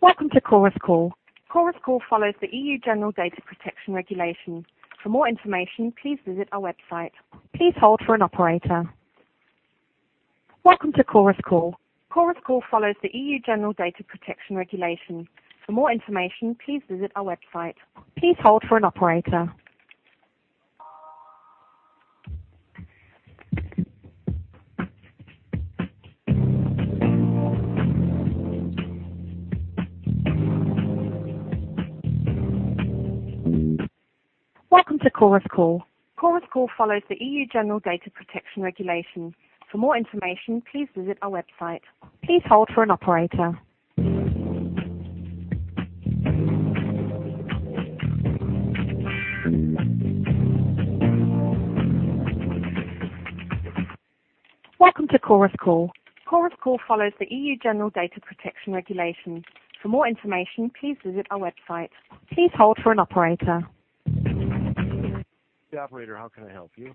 Welcome to Chorus Call. Chorus Call follows the EU General Data Protection Regulation. For more information, please visit our website. Please hold for an operator. Welcome to Chorus Call. Chorus Call follows the EU General Data Protection Regulation. For more information, please visit our website. Please hold for an operator. Welcome to Chorus Call. Chorus Call follows the EU General Data Protection Regulation. For more information, please visit our website. Please hold for an operator. Yeah, operator, how can I help you?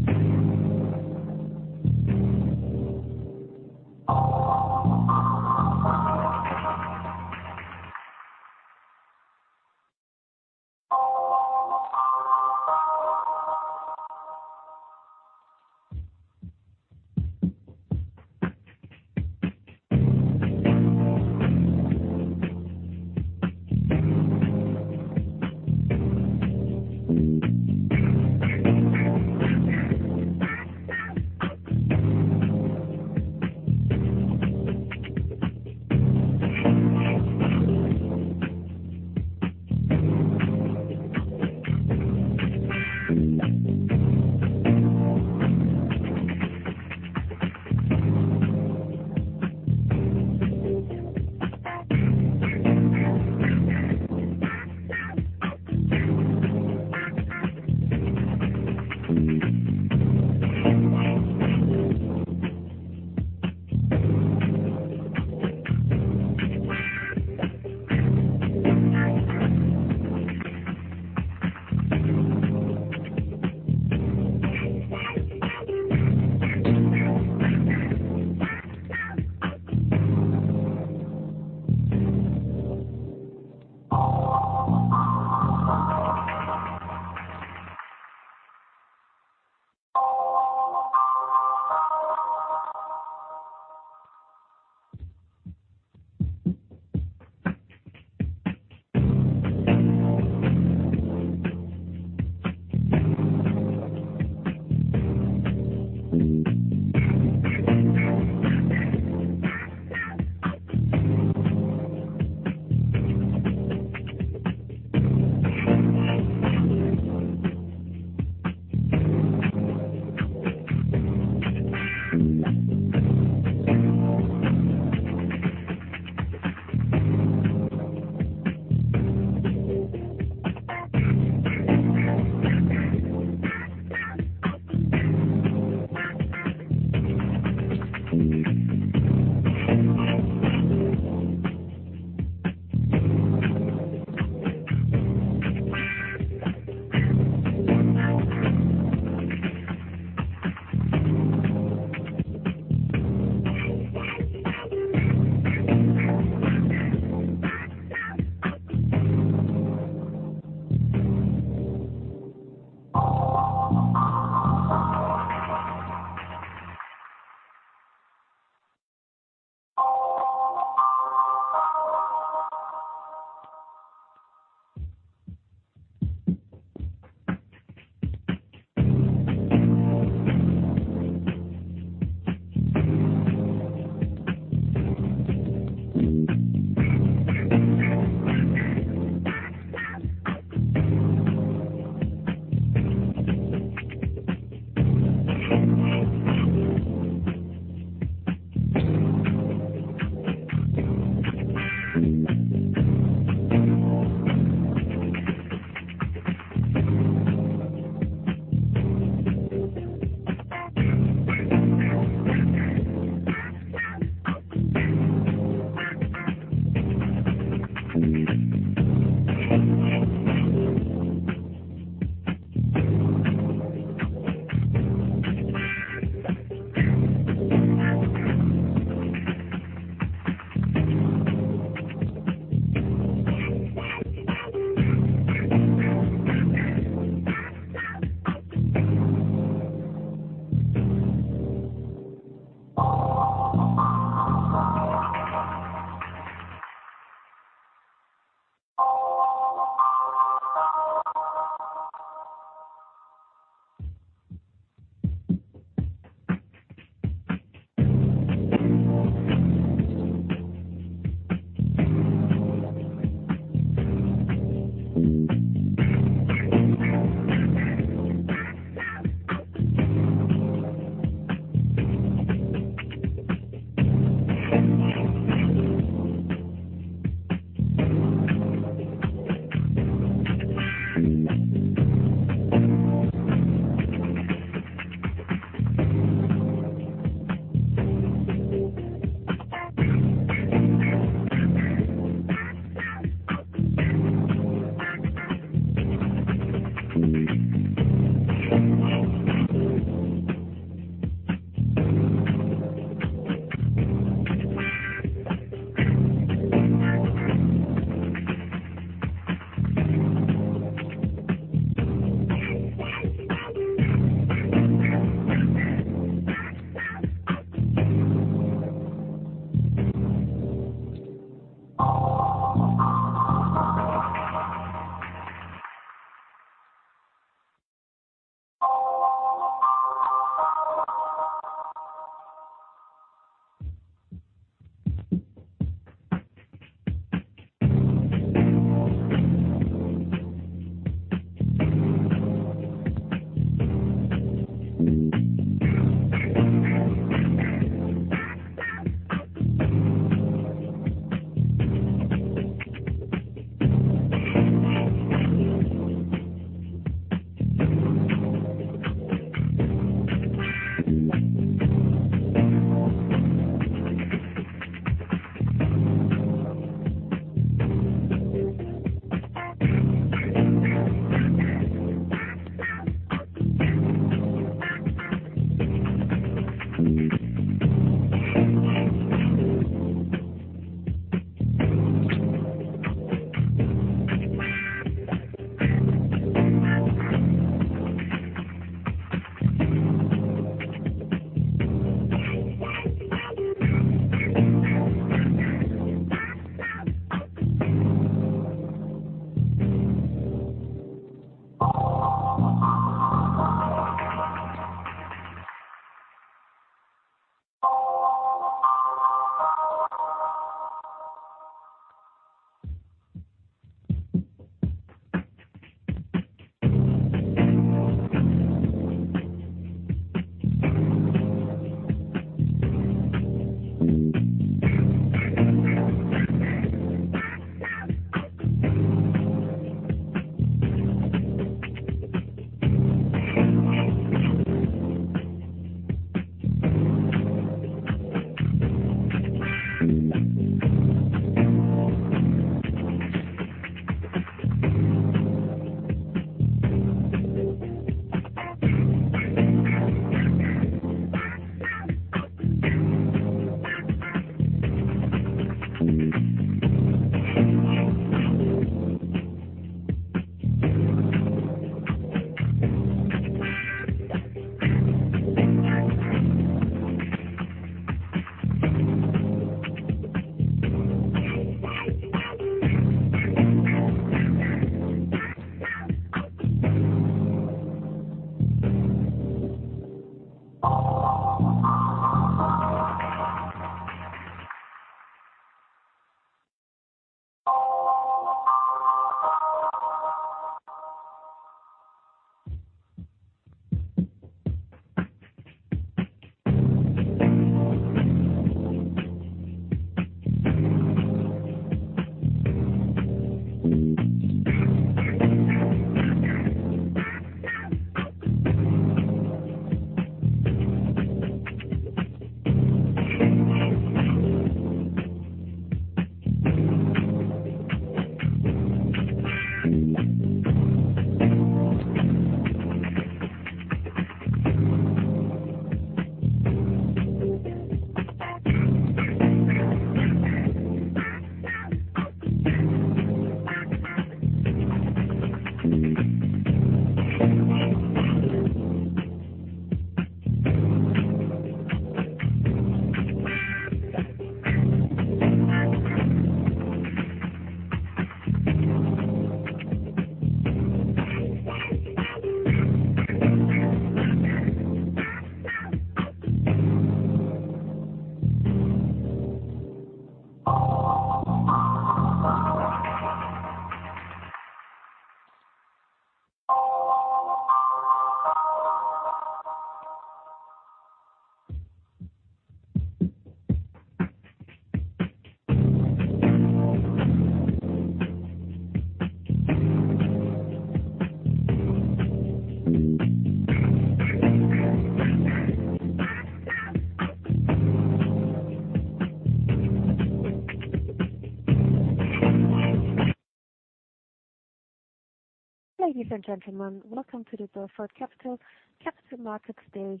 Ladies and gentlemen, welcome to the Burford Capital Capital Markets Day.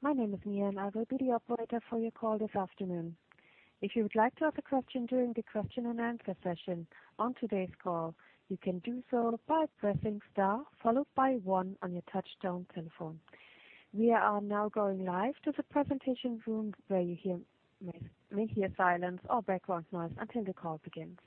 My name is Mia, and I will be the operator for your call this afternoon. If you would like to ask a question during the question and answer session on today's call, you can do so by pressing star followed by one on your touchtone telephone. We are now going live to the presentation room where you may hear silence or background noise until the call begins.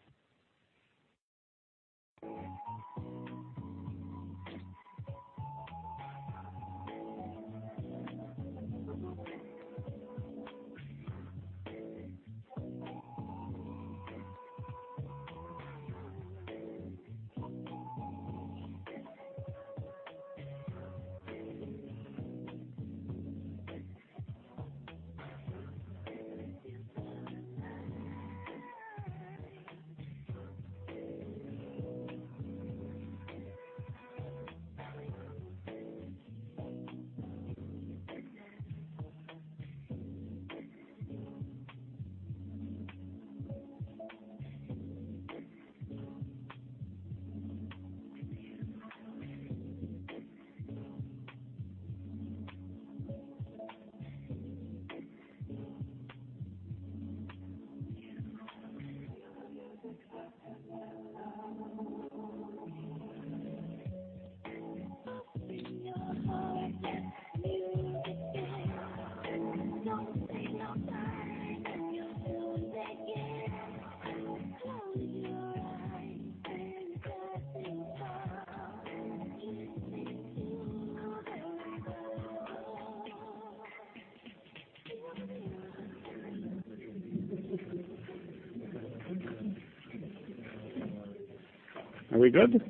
Are we good?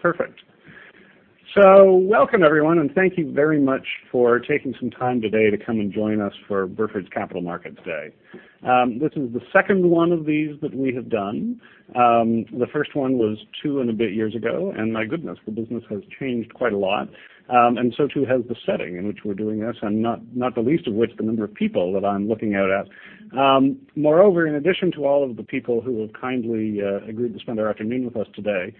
Perfect. Welcome everyone, and thank you very much for taking some time today to come and join us for Burford's Capital Markets Day. This is the second one of these that we have done. The first one was two and a bit years ago, and my goodness, the business has changed quite a lot. Too has the setting in which we're doing this and not the least of which, the number of people that I'm looking out at. Moreover, in addition to all of the people who have kindly agreed to spend their afternoon with us today,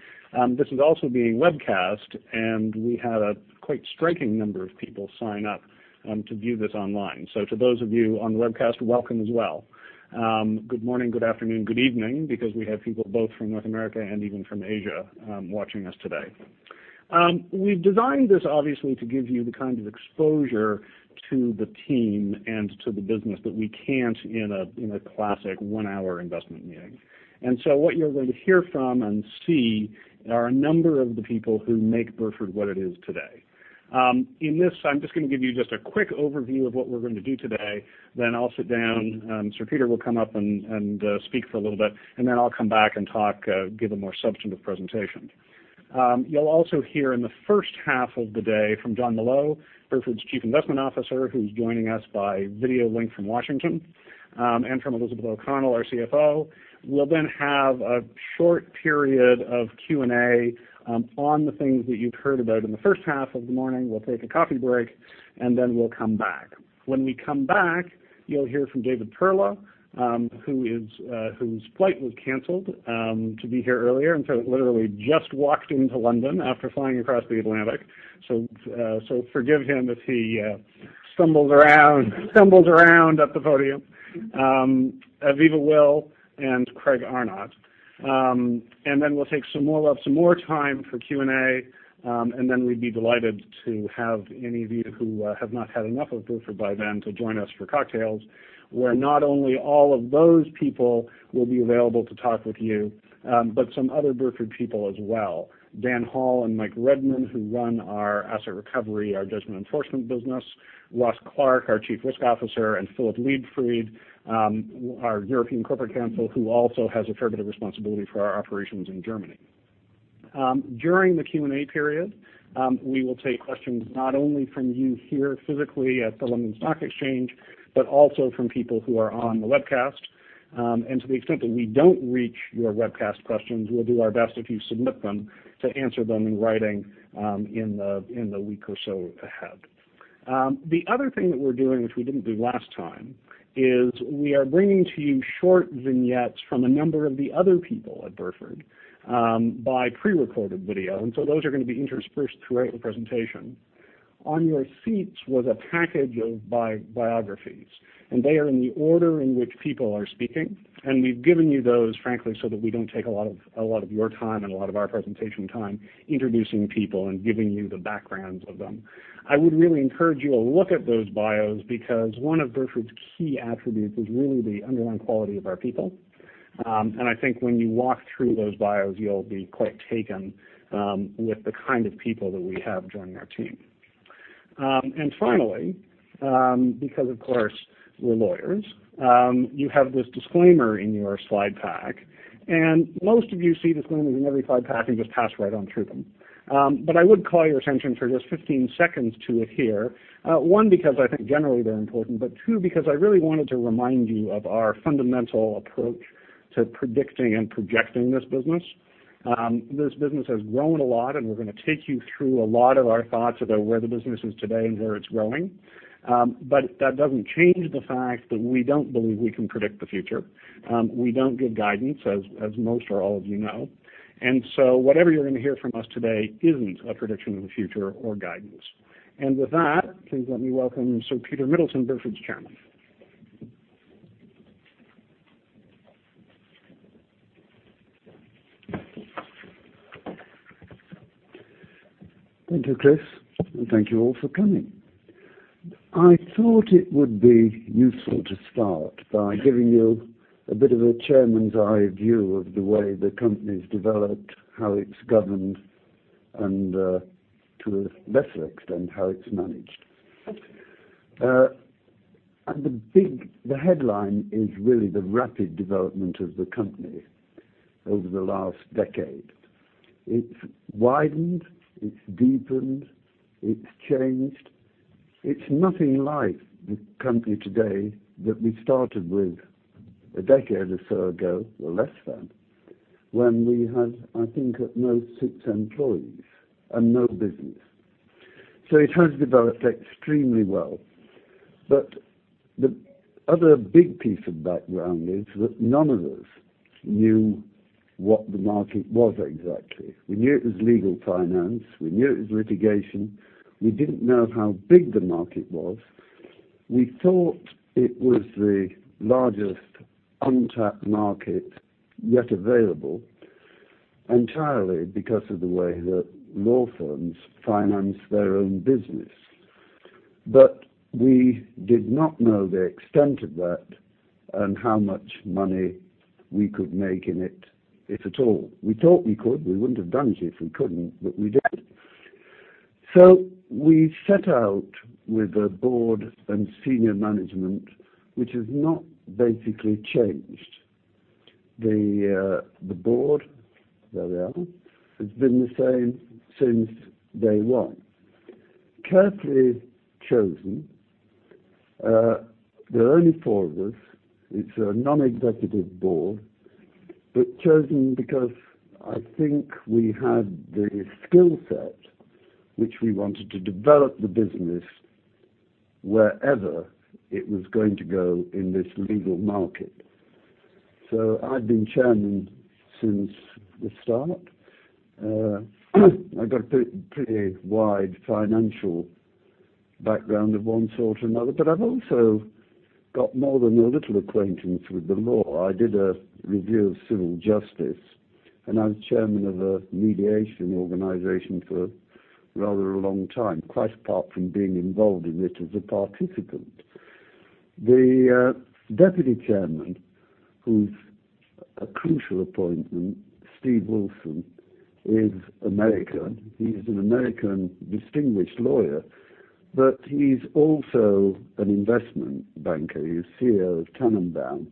this is also being webcast, and we had a quite striking number of people sign up to view this online. To those of you on the webcast, welcome as well. Good morning, good afternoon, good evening, because we have people both from North America and even from Asia watching us today. We've designed this obviously to give you the kind of exposure to the team and to the business that we can't in a classic one-hour investment meeting. So what you're going to hear from and see are a number of the people who make Burford Capital what it is today. In this, I'm just going to give you just a quick overview of what we're going to do today, then I'll sit down. Sir Peter will come up and speak for a little bit, then I'll come back and talk, give a more substantive presentation. You'll also hear in the first half of the day from Jonathan Molot, Burford Capital's Chief Investment Officer, who's joining us by video link from Washington, and from Elizabeth O'Connell, our CFO. We'll then have a short period of Q&A on the things that you've heard about in the first half of the morning. We'll take a coffee break, then we'll come back. When we come back, you'll hear from David Perla, whose flight was canceled to be here earlier, so literally just walked into London after flying across the Atlantic. Forgive him if he stumbles around at the podium. Aviva Will and Craig Arnott. Then we'll take some more time for Q&A. Then we'd be delighted to have any of you who have not had enough of Burford Capital by then to join us for cocktails, where not only all of those people will be available to talk with you, but some other Burford Capital people as well. Dan Hall and Michael Redman, who run our asset recovery, our judgment enforcement business. Ross Clark, our Chief Risk Officer, and Philipp Leibfried, our European corporate counsel, who also has a fair bit of responsibility for our operations in Germany. During the Q&A period, we will take questions not only from you here physically at the London Stock Exchange, but also from people who are on the webcast. To the extent that we don't reach your webcast questions, we'll do our best if you submit them to answer them in writing in the week or so ahead. The other thing that we're doing, which we didn't do last time, is we are bringing to you short vignettes from a number of the other people at Burford Capital, by pre-recorded video. So those are going to be interspersed throughout the presentation. On your seats was a package of biographies, they are in the order in which people are speaking. We've given you those, frankly, so that we don't take a lot of your time and a lot of our presentation time introducing people and giving you the backgrounds of them. I would really encourage you to look at those bios because one of Burford Capital's key attributes is really the underlying quality of our people. I think when you walk through those bios, you'll be quite taken with the kind of people that we have joining our team. Finally, because of course, we're lawyers, you have this disclaimer in your slide pack, most of you see disclaimers in every slide pack and just pass right on through them. I would call your attention for just 15 seconds to it here. One, because I think generally they're important, two, because I really wanted to remind you of our fundamental approach to predicting and projecting this business. This business has grown a lot, we're going to take you through a lot of our thoughts about where the business is today and where it's growing. That doesn't change the fact that we don't believe we can predict the future. We don't give guidance, as most or all of you know. Whatever you're going to hear from us today isn't a prediction of the future or guidance. With that, please let me welcome Sir Peter Middleton, Burford's Chairman. Thank you, Chris, and thank you all for coming. I thought it would be useful to start by giving you a bit of a chairman's-eye view of the way the company's developed, how it's governed, and, to a lesser extent, how it's managed. The headline is really the rapid development of the company over the last decade. It's widened, it's deepened, it's changed. It's nothing like the company today that we started with a decade or so ago, or less than, when we had, I think, at most six employees and no business. It has developed extremely well. The other big piece of background is that none of us knew what the market was exactly. We knew it was legal finance, we knew it was litigation. We didn't know how big the market was. We thought it was the largest untapped market yet available entirely because of the way that law firms finance their own business. We did not know the extent of that and how much money we could make in it, if at all. We thought we could. We wouldn't have done it if we couldn't, but we did. We set out with a board and senior management, which has not basically changed. The board, there they are, has been the same since day one. Carefully chosen. There are only four of us. It's a non-executive board, chosen because I think we had the skill set which we wanted to develop the business wherever it was going to go in this legal market. I've been Chairman since the start. I've got a pretty wide financial background of one sort or another, I've also got more than a little acquaintance with the law. I did a review of civil justice, I was chairman of a mediation organization for rather a long time, quite apart from being involved in it as a participant. The Deputy Chairman, who's a crucial appointment, Steve Wilson, is American. He's an American distinguished lawyer, but he's also an investment banker. He was CEO of Tannenbaum.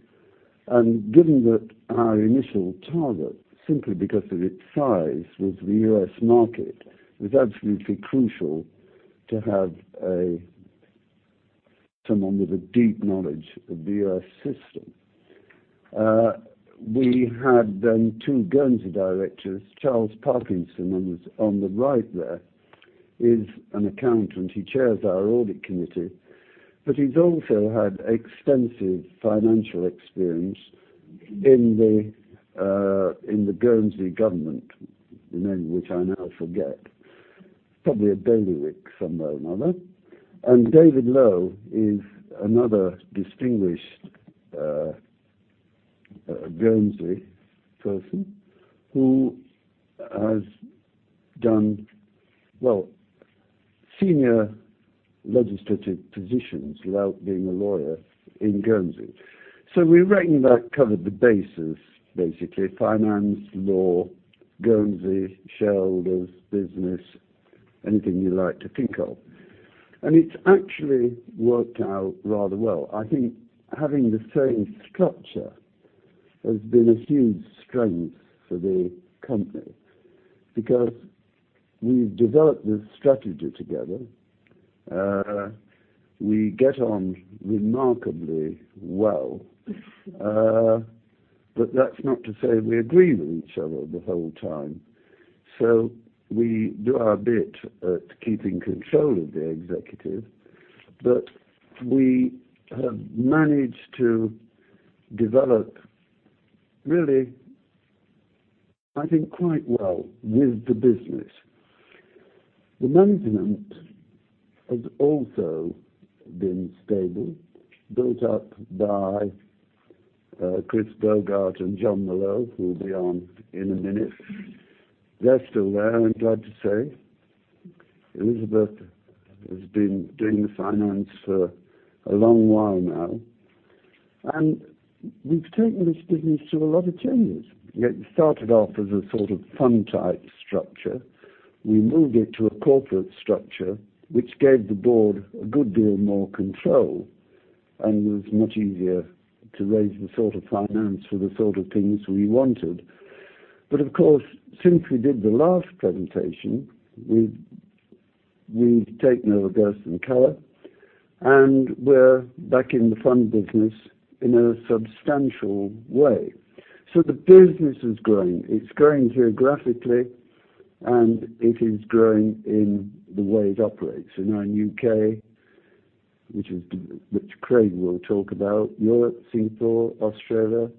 Given that our initial target, simply because of its size, was the U.S. market, it was absolutely crucial to have someone with a deep knowledge of the U.S. system. We had then two Guernsey directors, Charles Parkinson, who's on the right there. He's an accountant. He chairs our audit committee, he's also had extensive financial experience in the Guernsey government, the name of which I now forget, probably a bailiwick somehow or another. David Lowe is another distinguished Guernsey person who has done senior legislative positions without being a lawyer in Guernsey. We reckoned that covered the bases, basically, finance, law, Guernsey, shareholders, business, anything you'd like to think of. It's actually worked out rather well. I think having the same structure has been a huge strength for the company because we've developed this strategy together. We get on remarkably well. That's not to say we agree with each other the whole time. We do our bit at keeping control of the executive, but we have managed to develop really, I think, quite well with the business. The management has also been stable, built up by Chris Bogart and Jonathan Molot, who will be on in a minute. They're still there, I'm glad to say. Elizabeth has been doing the finance for a long while now, we've taken this business through a lot of changes. It started off as a sort of fund-type structure. We moved it to a corporate structure, which gave the board a good deal more control, was much easier to raise the sort of finance for the sort of things we wanted. Of course, since we did the last presentation, we've taken over Gerchen Keller Capital, we're back in the fund business in a substantial way. The business is growing. It's growing geographically, it is growing in the way it operates. We're now in U.K., which Craig will talk about, Europe, Singapore, Australia.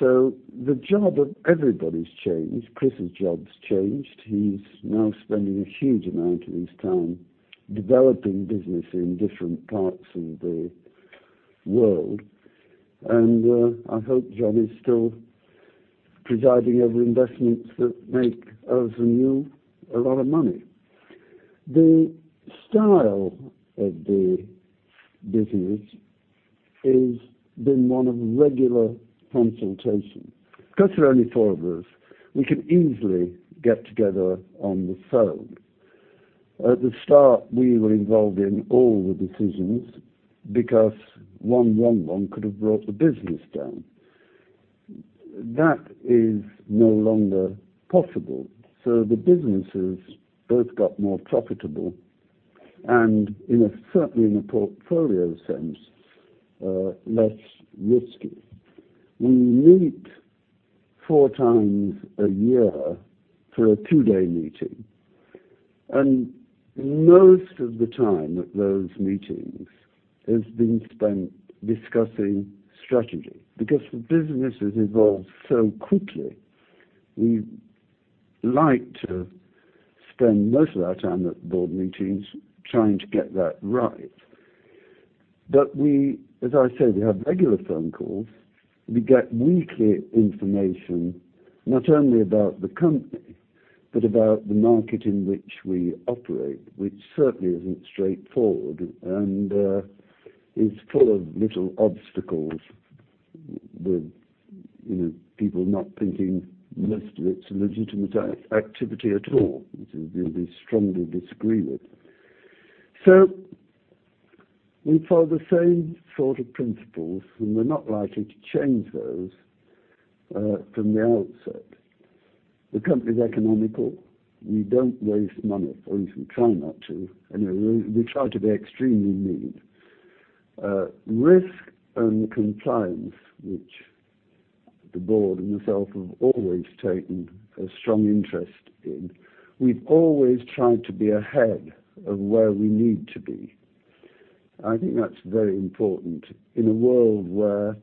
The job of everybody's changed. Chris's job's changed. He's now spending a huge amount of his time developing business in different parts of the world. I hope John is still presiding over investments that make us and you a lot of money. The style of the business has been one of regular consultation. Because there are only four of us, we can easily get together on the phone. At the start, we were involved in all the decisions because one wrong one could have brought the business down. That is no longer possible. The business has both got more profitable and certainly in a portfolio sense, less risky. We meet four times a year for a two-day meeting, most of the time at those meetings has been spent discussing strategy. Because the business has evolved so quickly, we like to spend most of our time at the board meetings trying to get that right. As I said, we have regular phone calls. We get weekly information, not only about the company, but about the market in which we operate, which certainly isn't straightforward, is full of little obstacles with people not thinking most of it's a legitimate activity at all, which we strongly disagree with. We follow the same sort of principles, we're not likely to change those from the outset. The company's economical. We don't waste money, or at least we try not to. Anyway, we try to be extremely neat. Risk and compliance, which the board and myself have always taken a strong interest in, we've always tried to be ahead of where we need to be. I think that's very important in a world where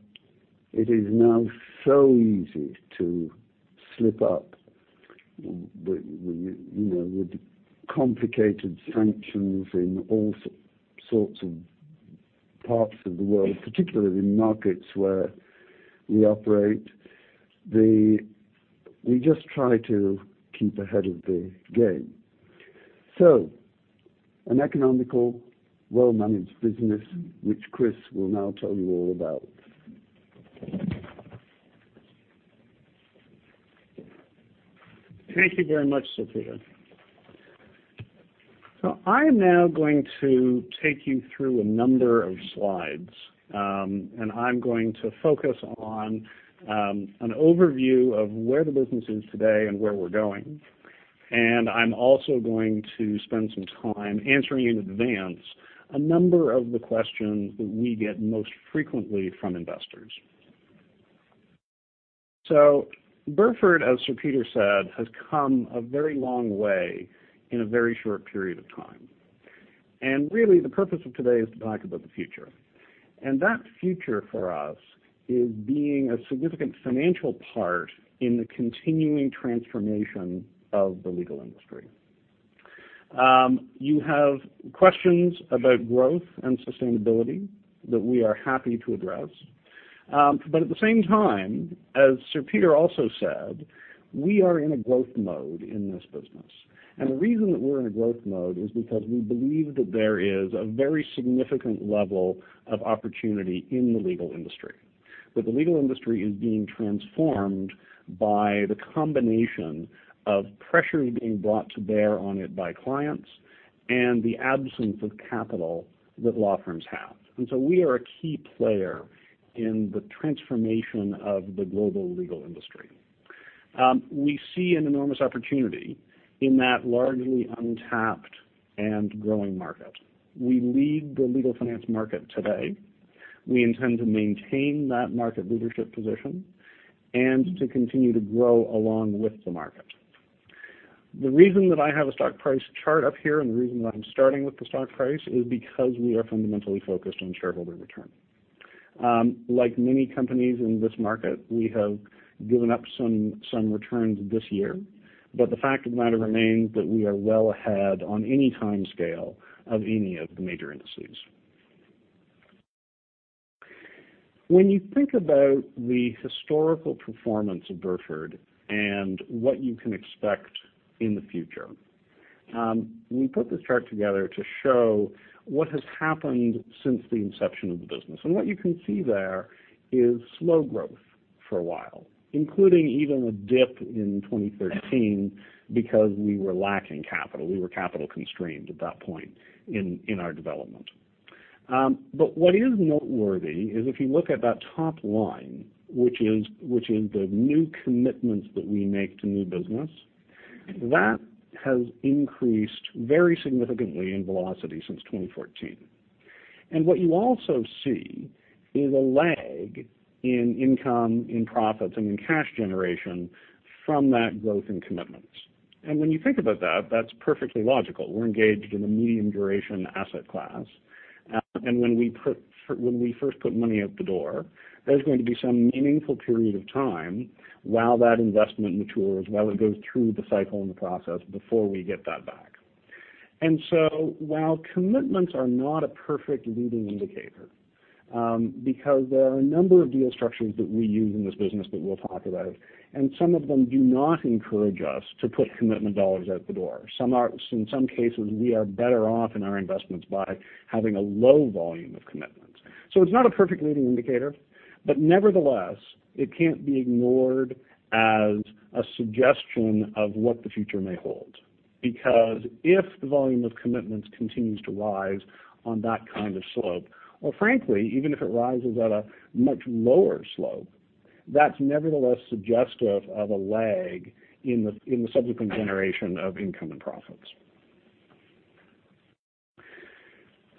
it is now so easy to slip up with complicated sanctions in all sorts of parts of the world, particularly in markets where we operate. We just try to keep ahead of the game. An economical, well-managed business, which Chris will now tell you all about. Thank you very much, Sir Peter. I'm now going to take you through a number of slides, and I'm going to focus on an overview of where the business is today and where we're going. I'm also going to spend some time answering in advance a number of the questions that we get most frequently from investors. Burford, as Sir Peter said, has come a very long way in a very short period of time. Really the purpose of today is to talk about the future. That future for us is being a significant financial part in the continuing transformation of the legal industry. You have questions about growth and sustainability that we are happy to address. At the same time, as Sir Peter also said, we are in a growth mode in this business. The reason that we're in a growth mode is because we believe that there is a very significant level of opportunity in the legal industry, that the legal industry is being transformed by the combination of pressure being brought to bear on it by clients and the absence of capital that law firms have. We are a key player in the transformation of the global legal industry. We see an enormous opportunity in that largely untapped and growing market. We lead the legal finance market today. We intend to maintain that market leadership position and to continue to grow along with the market. The reason that I have a stock price chart up here, and the reason why I'm starting with the stock price, is because we are fundamentally focused on shareholder return. Like many companies in this market, we have given up some returns this year, the fact of the matter remains that we are well ahead on any timescale of any of the major indices. When you think about the historical performance of Burford and what you can expect in the future. We put this chart together to show what has happened since the inception of the business. What you can see there is slow growth for a while, including even a dip in 2013 because we were lacking capital. We were capital constrained at that point in our development. What is noteworthy is if you look at that top line, which is the new commitments that we make to new business, that has increased very significantly in velocity since 2014. What you also see is a lag in income, in profits, and in cash generation from that growth in commitments. When you think about that's perfectly logical. We're engaged in a medium duration asset class. When we first put money out the door, there's going to be some meaningful period of time while that investment matures, while it goes through the cycle and the process before we get that back. While commitments are not a perfect leading indicator, because there are a number of deal structures that we use in this business that we'll talk about, and some of them do not encourage us to put commitment dollars out the door. In some cases, we are better off in our investments by having a low volume of commitments. It's not a perfect leading indicator, but nevertheless, it can't be ignored as a suggestion of what the future may hold. If the volume of commitments continues to rise on that kind of slope, or frankly, even if it rises at a much lower slope, that's nevertheless suggestive of a lag in the subsequent generation of income and profits.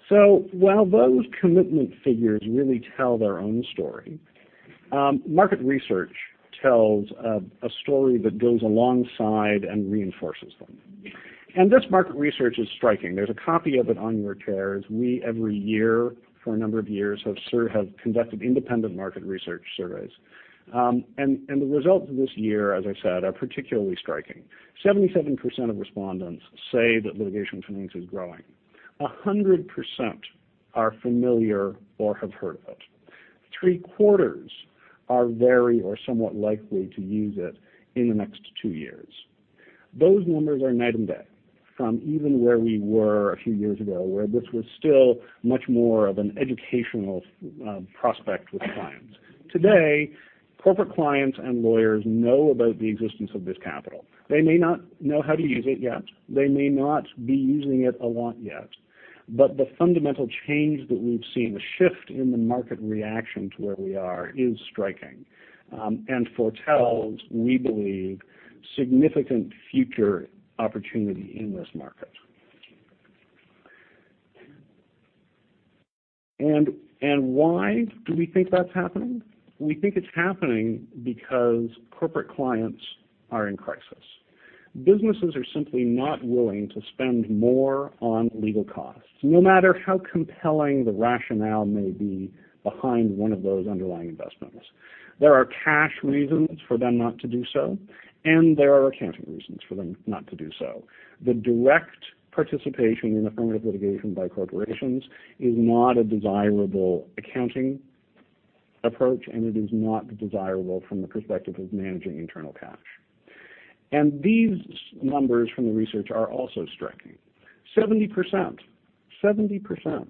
While those commitment figures really tell their own story, market research tells a story that goes alongside and reinforces them. This market research is striking. There's a copy of it on your chairs. We, every year for a number of years, have conducted independent market research surveys. The results of this year, as I said, are particularly striking. 77% of respondents say that litigation finance is growing. 100% are familiar or have heard of it. Three-quarters are very or somewhat likely to use it in the next two years. Those numbers are night and day from even where we were a few years ago, where this was still much more of an educational prospect with clients. Today, corporate clients and lawyers know about the existence of this capital. They may not know how to use it yet. They may not be using it a lot yet. The fundamental change that we've seen, the shift in the market reaction to where we are is striking. Foretells, we believe, significant future opportunity in this market. Why do we think that's happening? We think it's happening because corporate clients are in crisis. Businesses are simply not willing to spend more on legal costs, no matter how compelling the rationale may be behind one of those underlying investments. There are cash reasons for them not to do so, and there are accounting reasons for them not to do so. The direct participation in affirmative litigation by corporations is not a desirable accounting approach, and it is not desirable from the perspective of managing internal cash. These numbers from the research are also striking. 70%, 70%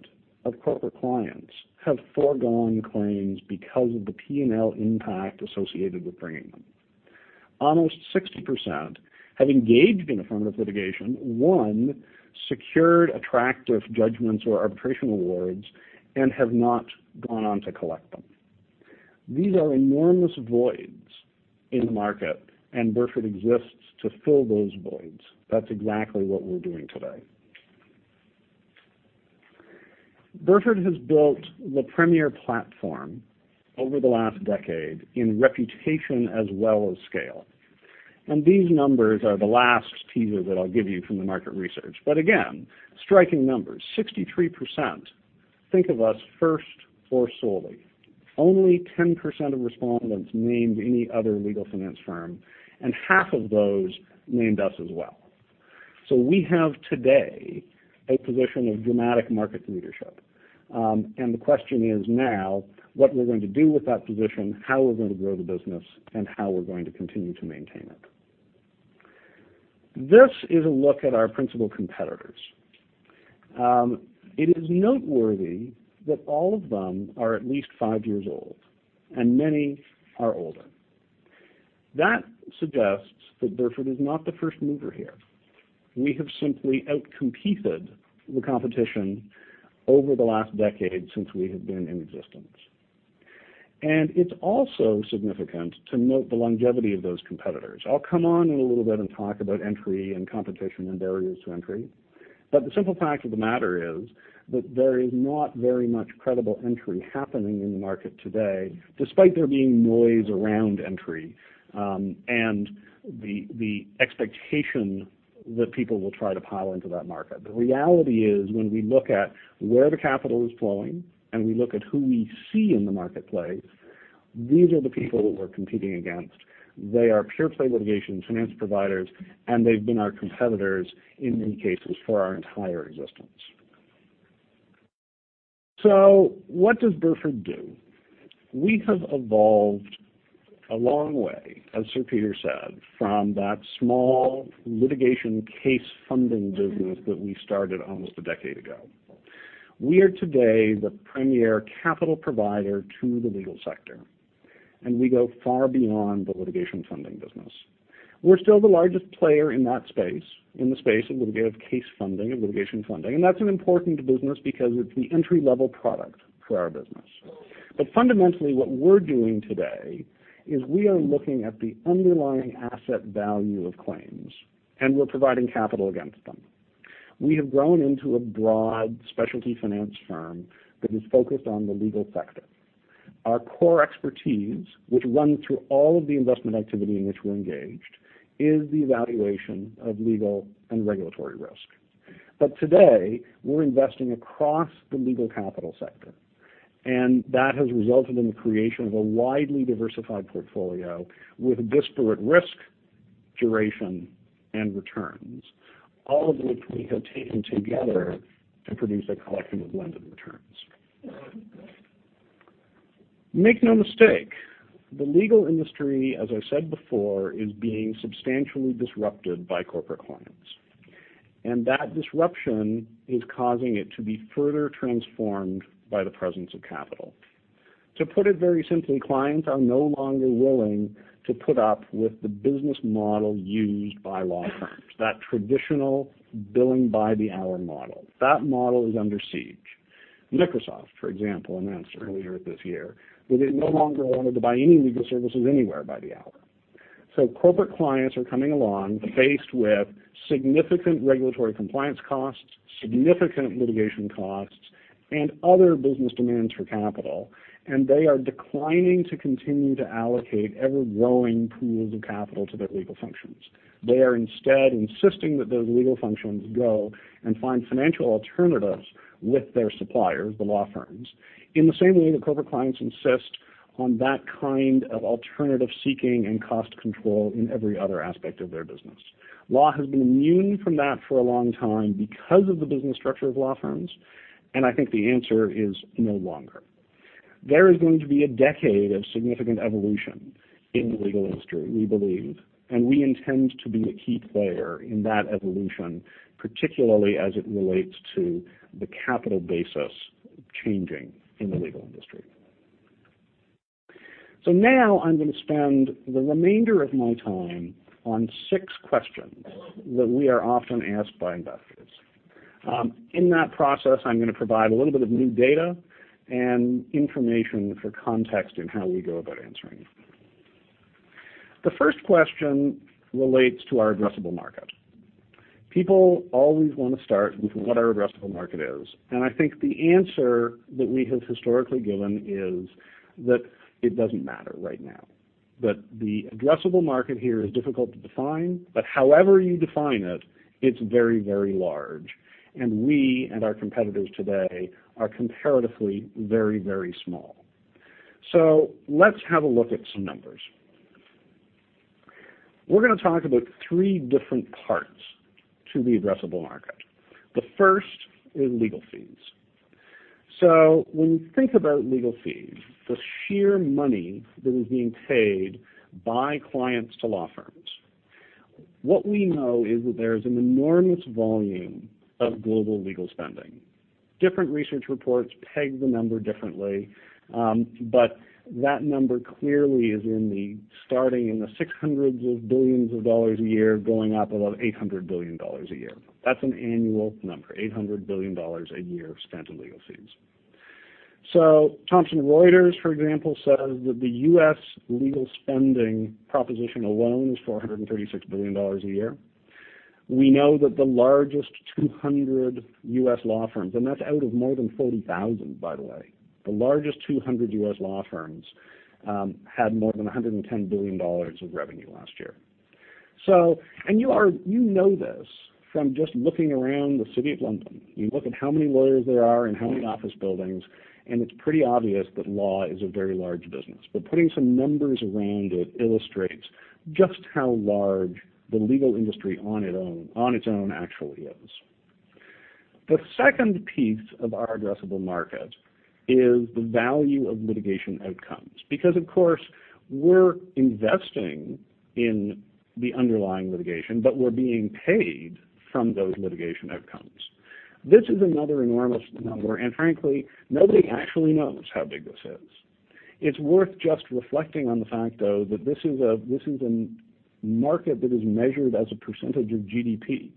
of corporate clients have foregone claims because of the P&L impact associated with bringing them. Almost 60% have engaged in affirmative litigation, won, secured attractive judgments or arbitration awards, and have not gone on to collect them. These are enormous voids in the market, and Burford exists to fill those voids. That's exactly what we're doing today. Burford has built the premier platform over the last decade in reputation as well as scale. These numbers are the last teaser that I'll give you from the market research. Again, striking numbers. 63% think of us first or solely. Only 10% of respondents named any other legal finance firm, and half of those named us as well. We have today a position of dramatic market leadership. The question is now what we're going to do with that position, how we're going to grow the business, and how we're going to continue to maintain it. This is a look at our principal competitors. It is noteworthy that all of them are at least five years old, and many are older. That suggests that Burford is not the first mover here. We have simply outcompeted the competition over the last decade since we have been in existence. It's also significant to note the longevity of those competitors. I'll come on in a little bit and talk about entry and competition and barriers to entry. The simple fact of the matter is that there is not very much credible entry happening in the market today, despite there being noise around entry, and the expectation that people will try to pile into that market. The reality is when we look at where the capital is flowing and we look at who we see in the marketplace. These are the people that we're competing against. They are pure-play litigation finance providers, and they've been our competitors in many cases for our entire existence. What does Burford do? We have evolved a long way, as Sir Peter said, from that small litigation case funding business that we started almost a decade ago. We are today the premier capital provider to the legal sector, and we go far beyond the litigation funding business. We're still the largest player in that space, in the space of case funding and litigation funding, and that's an important business because it's the entry-level product for our business. Fundamentally, what we're doing today is we are looking at the underlying asset value of claims, and we're providing capital against them. We have grown into a broad specialty finance firm that is focused on the legal sector. Our core expertise, which runs through all of the investment activity in which we're engaged, is the evaluation of legal and regulatory risk. Today, we're investing across the legal capital sector, and that has resulted in the creation of a widely diversified portfolio with disparate risk, duration, and returns, all of which we have taken together to produce a collection of blended returns. Make no mistake, the legal industry, as I said before, is being substantially disrupted by corporate clients, and that disruption is causing it to be further transformed by the presence of capital. To put it very simply, clients are no longer willing to put up with the business model used by law firms, that traditional billing by the hour model. That model is under siege. Microsoft, for example, announced earlier this year that it no longer wanted to buy any legal services anywhere by the hour. Corporate clients are coming along faced with significant regulatory compliance costs, significant litigation costs, and other business demands for capital, and they are declining to continue to allocate ever-growing pools of capital to their legal functions. They are instead insisting that those legal functions go and find financial alternatives with their suppliers, the law firms, in the same way that corporate clients insist on that kind of alternative seeking and cost control in every other aspect of their business. Law has been immune from that for a long time because of the business structure of law firms. I think the answer is no longer. There is going to be a decade of significant evolution in the legal industry, we believe, and we intend to be a key player in that evolution, particularly as it relates to the capital basis changing in the legal industry. Now I'm going to spend the remainder of my time on six questions that we are often asked by investors. In that process, I'm going to provide a little bit of new data and information for context in how we go about answering. The first question relates to our addressable market. People always want to start with what our addressable market is. I think the answer that we have historically given is that it doesn't matter right now. The addressable market here is difficult to define, but however you define it's very large, and we and our competitors today are comparatively very small. Let's have a look at some numbers. We're going to talk about three different parts to the addressable market. The first is legal fees. When you think about legal fees, the sheer money that is being paid by clients to law firms, what we know is that there's an enormous volume of global legal spending. Different research reports peg the number differently, but that number clearly is starting in the $600 billion a year, going up above $800 billion a year. That's an annual number, $800 billion a year spent on legal fees. Thomson Reuters, for example, says that the U.S. legal spending proposition alone is $436 billion a year. We know that the largest 200 U.S. law firms, and that's out of more than 40,000, by the way, the largest 200 U.S. law firms had more than $110 billion of revenue last year. You know this from just looking around the City of London. You look at how many lawyers there are and how many office buildings. It's pretty obvious that law is a very large business. Putting some numbers around it illustrates just how large the legal industry on its own actually is. The second piece of our addressable market is the value of litigation outcomes. Of course, we're investing in the underlying litigation, but we're being paid from those litigation outcomes. This is another enormous number. Frankly, nobody actually knows how big this is. It's worth just reflecting on the fact, though, that this is a market that is measured as a percentage of GDP.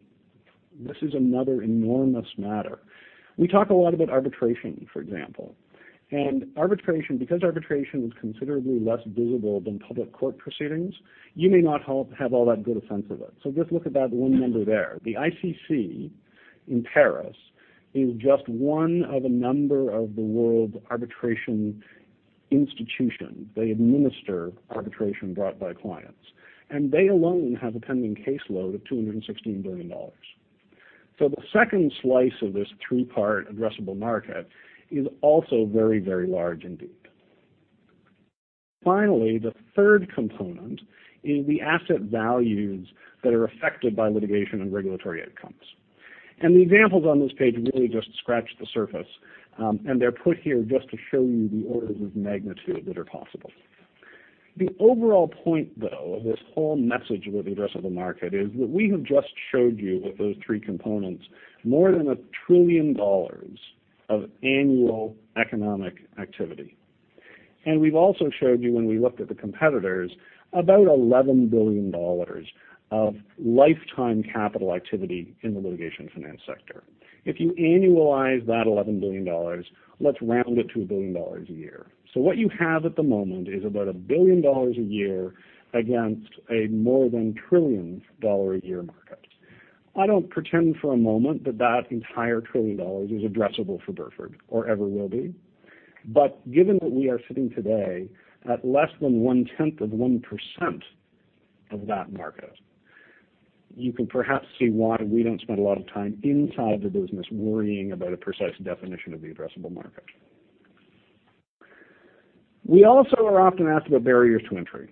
This is another enormous matter. We talk a lot about arbitration, for example. Arbitration, because arbitration is considerably less visible than public court proceedings, you may not have all that good a sense of it. Just look at that one number there. The ICC in Paris is just one of a number of the world arbitration institutions. They administer arbitration brought by clients, and they alone have a pending caseload of $216 billion. The second slice of this three-part addressable market is also very large indeed. Finally, the third component is the asset values that are affected by litigation and regulatory outcomes. The examples on this page really just scratch the surface, and they're put here just to show you the orders of magnitude that are possible. The overall point, though, of this whole message about the addressable market is that we have just showed you with those three components more than $1 trillion of annual economic activity. We've also showed you when we looked at the competitors about $11 billion of lifetime capital activity in the litigation finance sector. If you annualize that $11 billion, let's round it to $1 billion a year. What you have at the moment is about $1 billion a year against a more than $1 trillion a year market. I don't pretend for a moment that entire $1 trillion is addressable for Burford or ever will be. Given that we are sitting today at less than one-tenth of 1% of that market, you can perhaps see why we don't spend a lot of time inside the business worrying about a precise definition of the addressable market. We also are often asked about barriers to entry.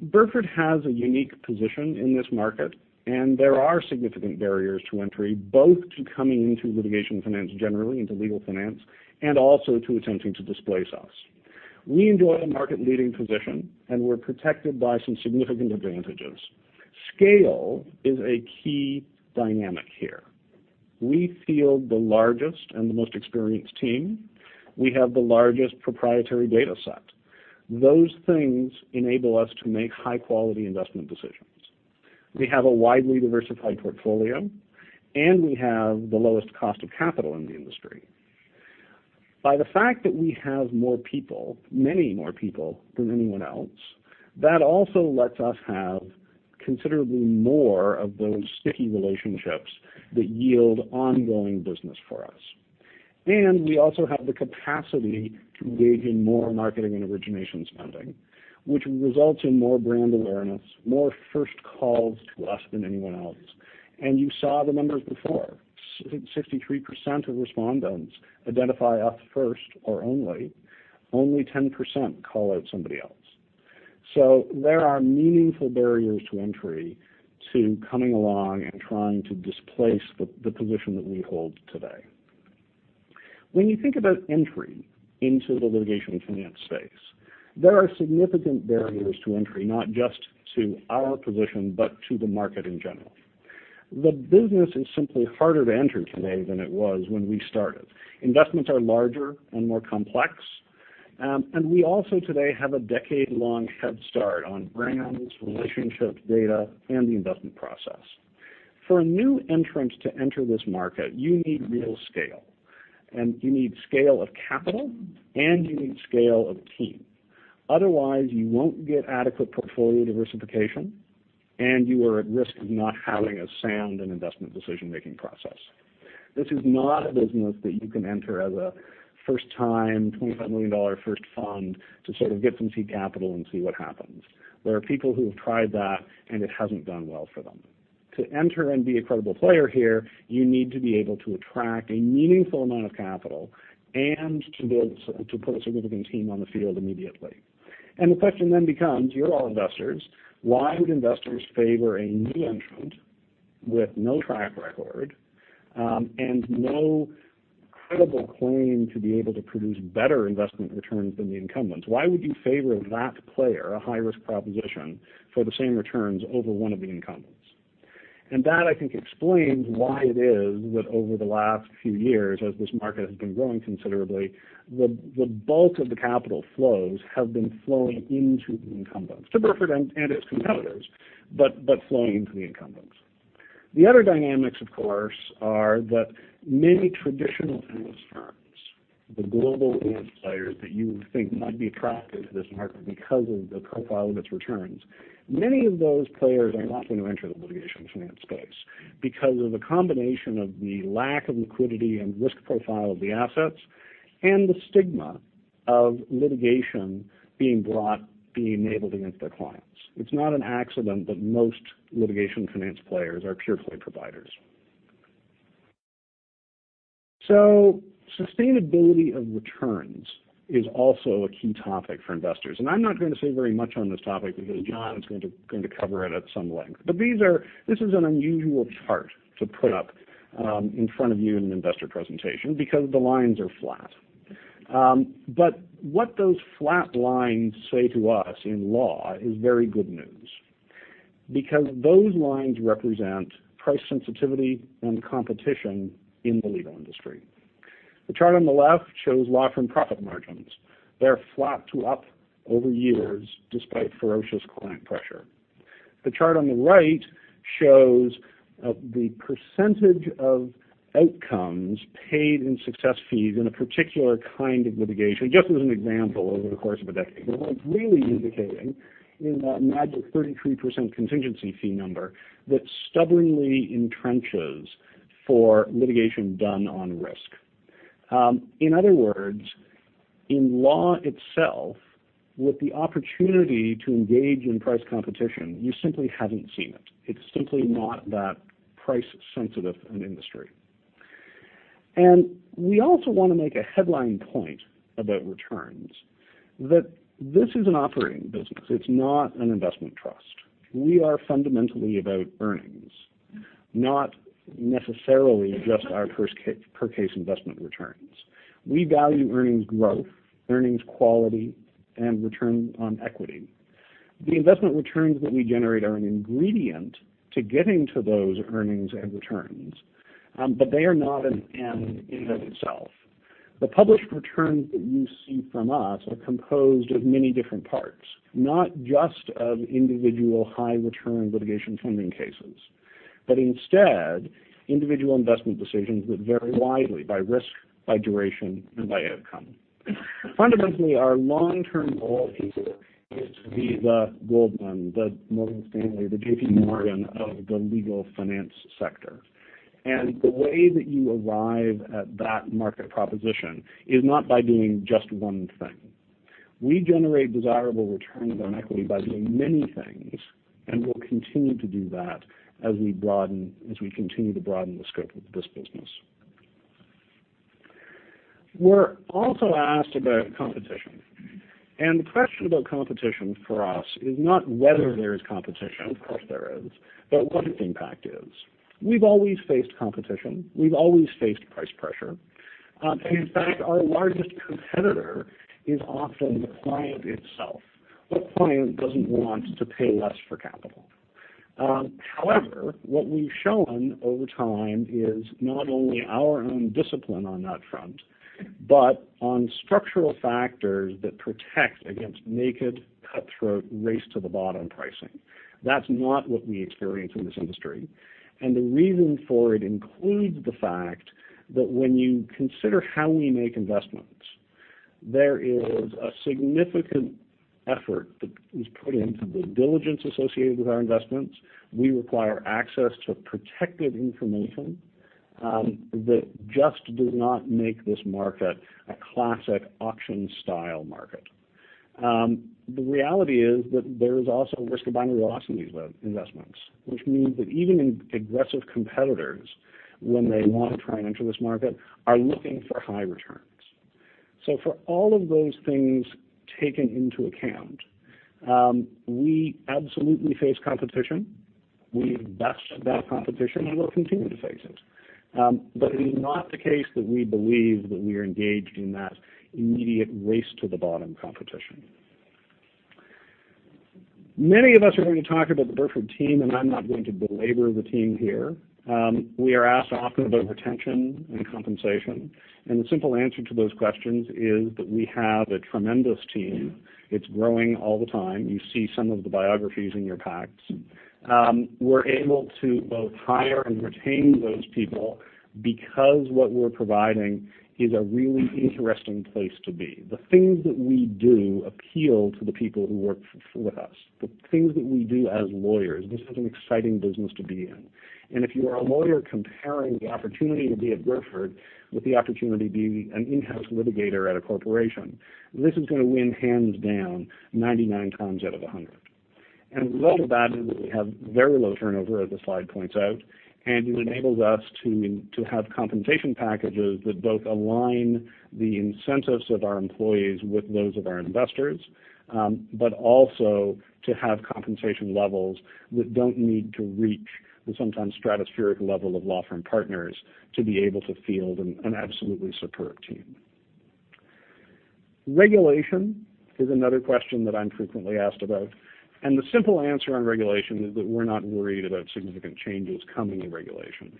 Burford has a unique position in this market, and there are significant barriers to entry, both to coming into litigation finance generally, into legal finance, and also to attempting to displace us. We enjoy a market-leading position, and we're protected by some significant advantages. Scale is a key dynamic here. We field the largest and the most experienced team. We have the largest proprietary data set. Those things enable us to make high-quality investment decisions. We have a widely diversified portfolio, and we have the lowest cost of capital in the industry. By the fact that we have more people, many more people than anyone else, that also lets us have considerably more of those sticky relationships that yield ongoing business for us. We also have the capacity to wage in more marketing and origination spending, which results in more brand awareness, more first calls to us than anyone else. You saw the numbers before. 63% of respondents identify us first or only. Only 10% call out somebody else. There are meaningful barriers to entry to coming along and trying to displace the position that we hold today. When you think about entry into the litigation finance space, there are significant barriers to entry, not just to our position, but to the market in general. The business is simply harder to enter today than it was when we started. Investments are larger and more complex. We also today have a decade-long headstart on brands, relationships, data, and the investment process. For a new entrant to enter this market, you need real scale, and you need scale of capital, and you need scale of team. Otherwise, you won't get adequate portfolio diversification, and you are at risk of not having a sound and investment decision-making process. This is not a business that you can enter as a first-time, $25 million first fund to sort of get some seed capital and see what happens. There are people who have tried that, and it hasn't done well for them. To enter and be a credible player here, you need to be able to attract a meaningful amount of capital and to be able to put a significant team on the field immediately. The question then becomes, you're all investors, why would investors favor a new entrant with no track record, and no credible claim to be able to produce better investment returns than the incumbents? Why would you favor that player, a high-risk proposition, for the same returns over one of the incumbents? That, I think, explains why it is that over the last few years, as this market has been growing considerably, the bulk of the capital flows have been flowing into the incumbents, to Burford and its competitors, but flowing into the incumbents. The other dynamics, of course, are that many traditional endless firms, the global end players that you would think might be attracted to this market because of the profile of its returns. Many of those players are not going to enter the litigation finance space because of the combination of the lack of liquidity and risk profile of the assets and the stigma of litigation being brought, being labeled against their clients. It's not an accident that most litigation finance players are pure play providers. Sustainability of returns is also a key topic for investors. I'm not going to say very much on this topic because John is going to cover it at some length. This is an unusual chart to put up in front of you in an investor presentation because the lines are flat. What those flat lines say to us in law is very good news because those lines represent price sensitivity and competition in the legal industry. The chart on the left shows law firm profit margins. They're flat to up over years despite ferocious client pressure. The chart on the right shows the percentage of outcomes paid in success fees in a particular kind of litigation, just as an example over the course of a decade. What it's really indicating in that magic 33% contingency fee number that stubbornly entrenches for litigation done on risk. In other words, in law itself, with the opportunity to engage in price competition, you simply haven't seen it. It's simply not that price sensitive an industry. We also want to make a headline point about returns, that this is an operating business. It's not an investment trust. We are fundamentally about earnings, not necessarily just our per case investment returns. We value earnings growth, earnings quality, and return on equity. The investment returns that we generate are an ingredient to getting to those earnings and returns, but they are not an end in and of itself. The published returns that you see from us are composed of many different parts, not just of individual high return litigation funding cases. Instead, individual investment decisions that vary widely by risk, by duration, and by outcome. Fundamentally, our long-term goal here is to be the Goldman, the Morgan Stanley, the JP Morgan of the legal finance sector. The way that you arrive at that market proposition is not by doing just one thing. We generate desirable returns on equity by doing many things, we'll continue to do that as we continue to broaden the scope of this business. We're also asked about competition. The question about competition for us is not whether there is competition, of course there is, but what its impact is. We've always faced competition. We've always faced price pressure. In fact, our largest competitor is often the client itself. What client doesn't want to pay less for capital? However, what we've shown over time is not only our own discipline on that front, but on structural factors that protect against naked, cutthroat, race-to-the-bottom pricing. That's not what we experience in this industry. The reason for it includes the fact that when you consider how we make investments, there is a significant effort that is put into the diligence associated with our investments. We require access to protected information that just does not make this market a classic auction-style market. The reality is that there is also risk of binary loss in these investments, which means that even aggressive competitors, when they want to try and enter this market, are looking for high returns. For all of those things taken into account, we absolutely face competition. We've bested that competition, we'll continue to face it. It is not the case that we believe that we are engaged in that immediate race-to-the-bottom competition. Many of us are going to talk about the Burford team, I'm not going to belabor the team here. We are asked often about retention and compensation. The simple answer to those questions is that we have a tremendous team. It's growing all the time. You see some of the biographies in your packs. We're able to both hire and retain those people because what we're providing is a really interesting place to be. The things that we do appeal to the people who work with us, the things that we do as lawyers. This is an exciting business to be in. If you are a lawyer comparing the opportunity to be at Burford with the opportunity to be an in-house litigator at a corporation, this is going to win hands down 99 times out of 100. The level of that is that we have very low turnover, as the slide points out, and it enables us to have compensation packages that both align the incentives of our employees with those of our investors. Also to have compensation levels that don't need to reach the sometimes stratospheric level of law firm partners to be able to field an absolutely superb team. Regulation is another question that I'm frequently asked about, the simple answer on regulation is that we're not worried about significant changes coming in regulation.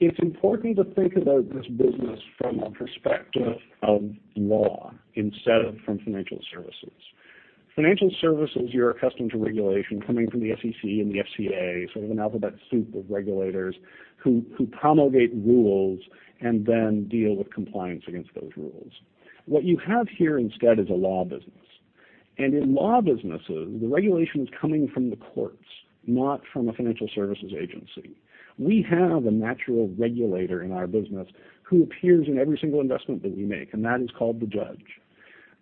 It's important to think about this business from a perspective of law instead of from financial services. Financial services, you're accustomed to regulation coming from the SEC and the FCA, sort of an alphabet soup of regulators who promulgate rules and then deal with compliance against those rules. What you have here instead is a law business. In law businesses, the regulation is coming from the courts, not from a financial services agency. We have a natural regulator in our business who appears in every single investment that we make, and that is called the judge.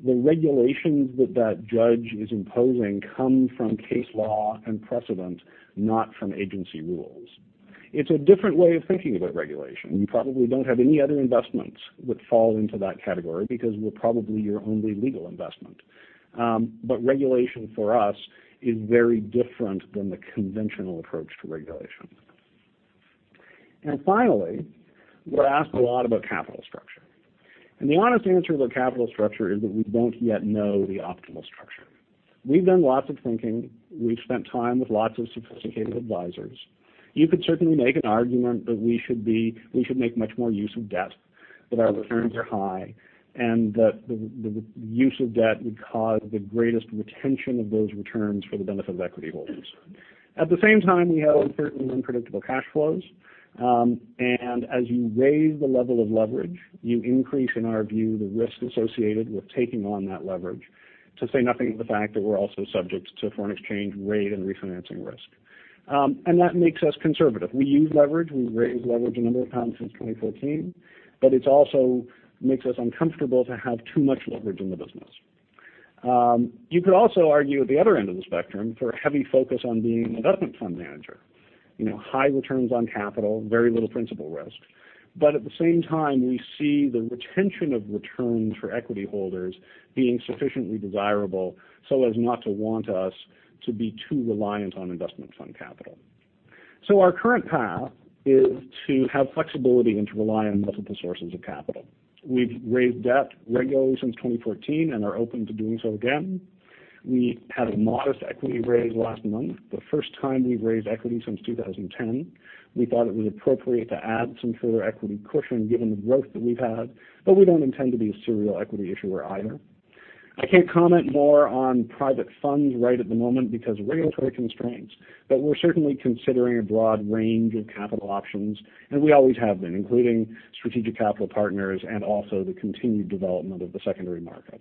The regulations that that judge is imposing come from case law and precedent, not from agency rules. It's a different way of thinking about regulation. You probably don't have any other investments that fall into that category because we're probably your only legal investment. Regulation for us is very different than the conventional approach to regulation. Finally, we're asked a lot about capital structure. The honest answer about capital structure is that we don't yet know the optimal structure. We've done lots of thinking. We've spent time with lots of sophisticated advisors. You could certainly make an argument that we should make much more use of debt, that our returns are high, and that the use of debt would cause the greatest retention of those returns for the benefit of equity holders. At the same time, we have uncertain and unpredictable cash flows, as you raise the level of leverage, you increase, in our view, the risk associated with taking on that leverage, to say nothing of the fact that we're also subject to foreign exchange rate and refinancing risk. That makes us conservative. We use leverage. We've raised leverage a number of times since 2014, but it also makes us uncomfortable to have too much leverage in the business. You could also argue at the other end of the spectrum for a heavy focus on being an investment fund manager. High returns on capital, very little principal risk. At the same time, we see the retention of returns for equity holders being sufficiently desirable so as not to want us to be too reliant on investment fund capital. Our current path is to have flexibility and to rely on multiple sources of capital. We've raised debt regularly since 2014 and are open to doing so again. We had a modest equity raise last month, the first time we've raised equity since 2010. We thought it was appropriate to add some further equity cushion given the growth that we've had, but we don't intend to be a serial equity issuer either. I can't comment more on private funds right at the moment because of regulatory constraints, but we're certainly considering a broad range of capital options, and we always have been, including strategic capital partners and also the continued development of the secondary market.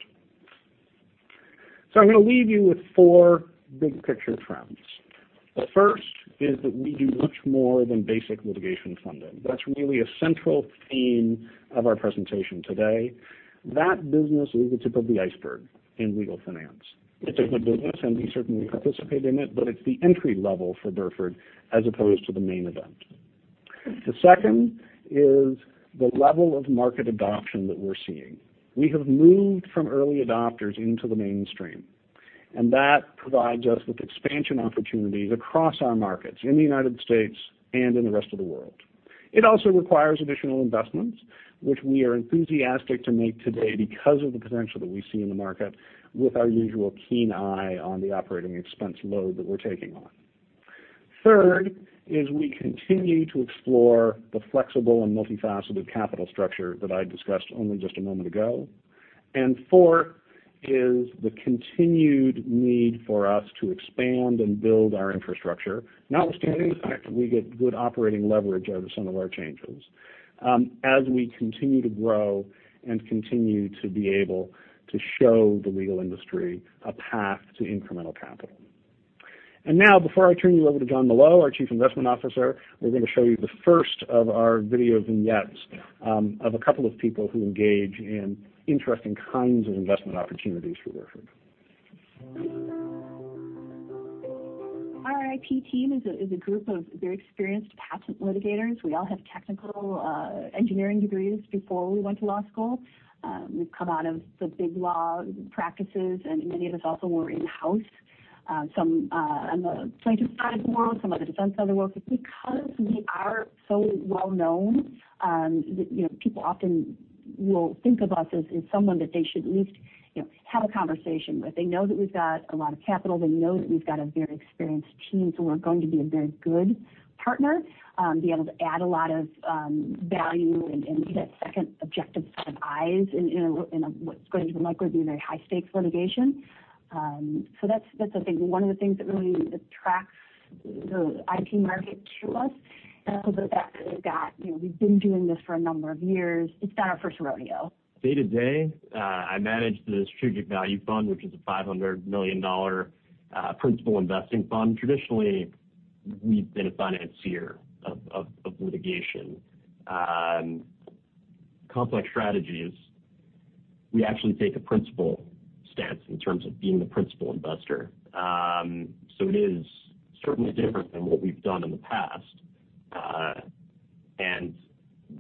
I'm going to leave you with four big-picture trends. The first is that we do much more than basic litigation funding. That's really a central theme of our presentation today. That business is the tip of the iceberg in legal finance. It's a good business, and we certainly participate in it, but it's the entry level for Burford as opposed to the main event. The second is the level of market adoption that we're seeing. We have moved from early adopters into the mainstream, and that provides us with expansion opportunities across our markets in the United States and in the rest of the world. It also requires additional investments, which we are enthusiastic to make today because of the potential that we see in the market with our usual keen eye on the operating expense load that we're taking on. Third is we continue to explore the flexible and multifaceted capital structure that I discussed only just a moment ago. Four is the continued need for us to expand and build our infrastructure, notwithstanding the fact that we get good operating leverage out of some of our changes as we continue to grow and continue to be able to show the legal industry a path to incremental capital. Now, before I turn you over to Jonathan Molot, our Chief Investment Officer, we're going to show you the first of our video vignettes of a couple of people who engage in interesting kinds of investment opportunities for Burford. Our IP team is a group of very experienced patent litigators. We all have technical engineering degrees before we went to law school. We've come out of the big law practices, and many of us also were in-house. Some on the plaintiff side of the world, some on the defense side of the world. Because we are so well-known, people often will think of us as someone that they should at least have a conversation with. They know that we've got a lot of capital. They know that we've got a very experienced team, so we're going to be a very good partner, be able to add a lot of value, and be that second objective set of eyes in what's going to likely be very high-stakes litigation. That's one of the things that really attracts the IP market to us, and also the fact that we've been doing this for a number of years. It's not our first rodeo. Day-to-day, I manage the Strategic Value Fund, which is a $500 million principal investing fund. Traditionally, we've been a financier of litigation and complex strategies. We actually take a principal stance in terms of being the principal investor. It is certainly different than what we've done in the past.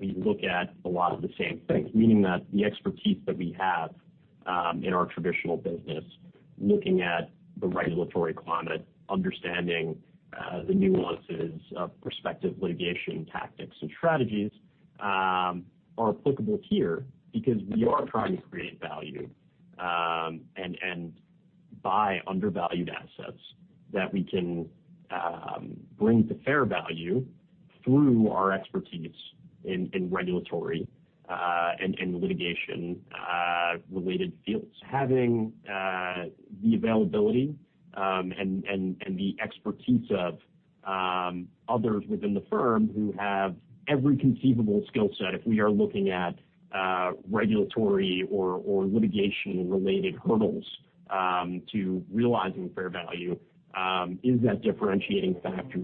We look at a lot of the same things, meaning that the expertise that we have in our traditional business, looking at the regulatory climate, understanding the nuances of prospective litigation tactics and strategies, are applicable here because we are trying to create value, and buy undervalued assets that we can bring to fair value through our expertise in regulatory and litigation-related fields. Having the availability and the expertise of others within the firm who have every conceivable skill set if we are looking at regulatory or litigation-related hurdles to realizing fair value is that differentiating factor.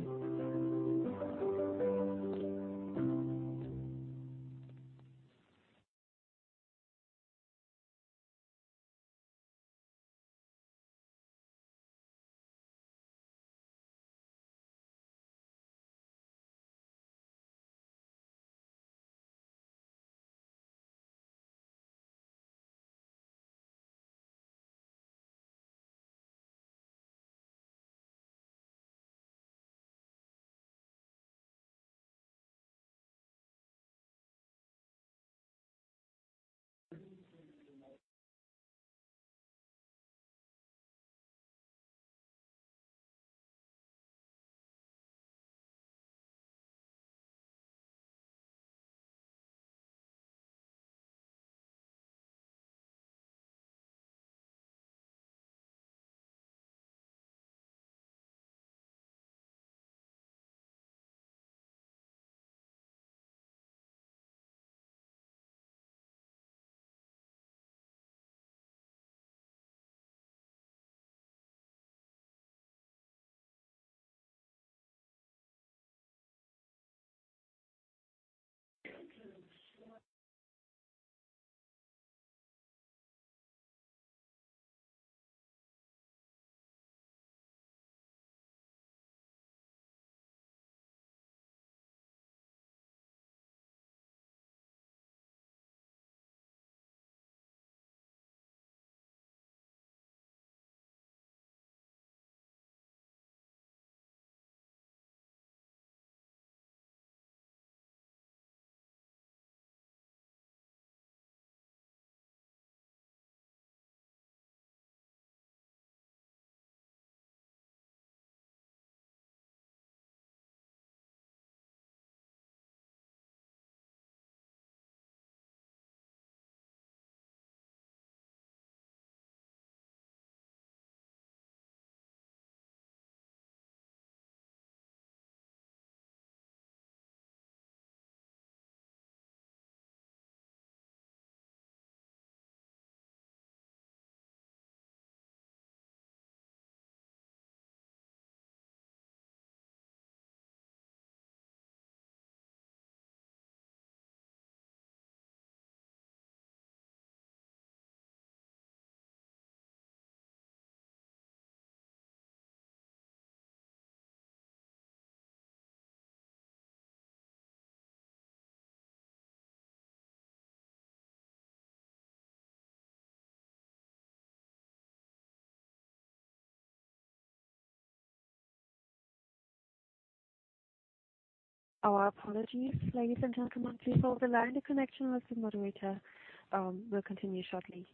Our apologies, ladies and gentlemen. Please hold the line. The connection with the moderator will continue shortly.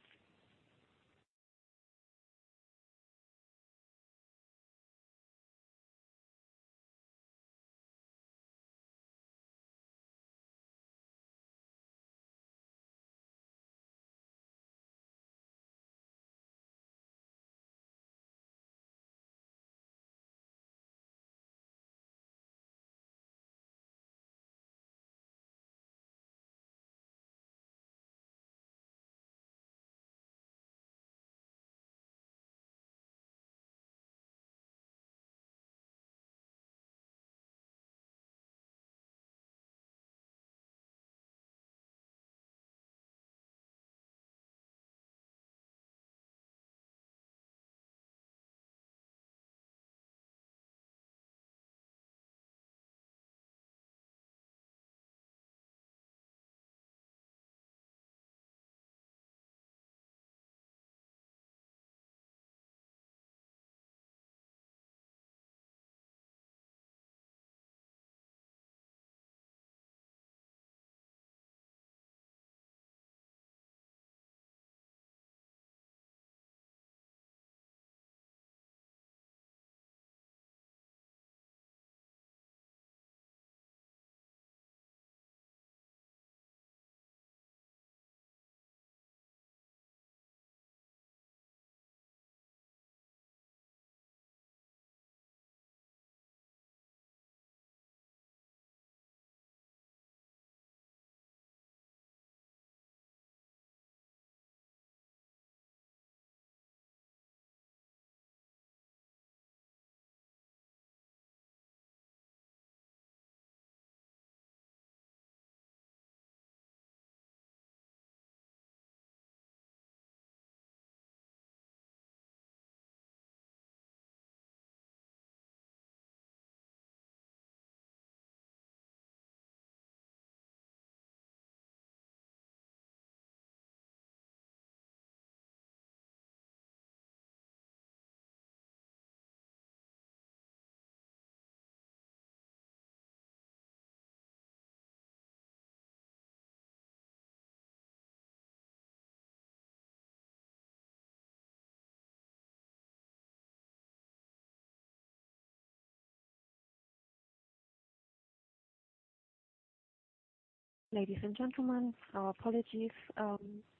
Ladies and gentlemen, our apologies.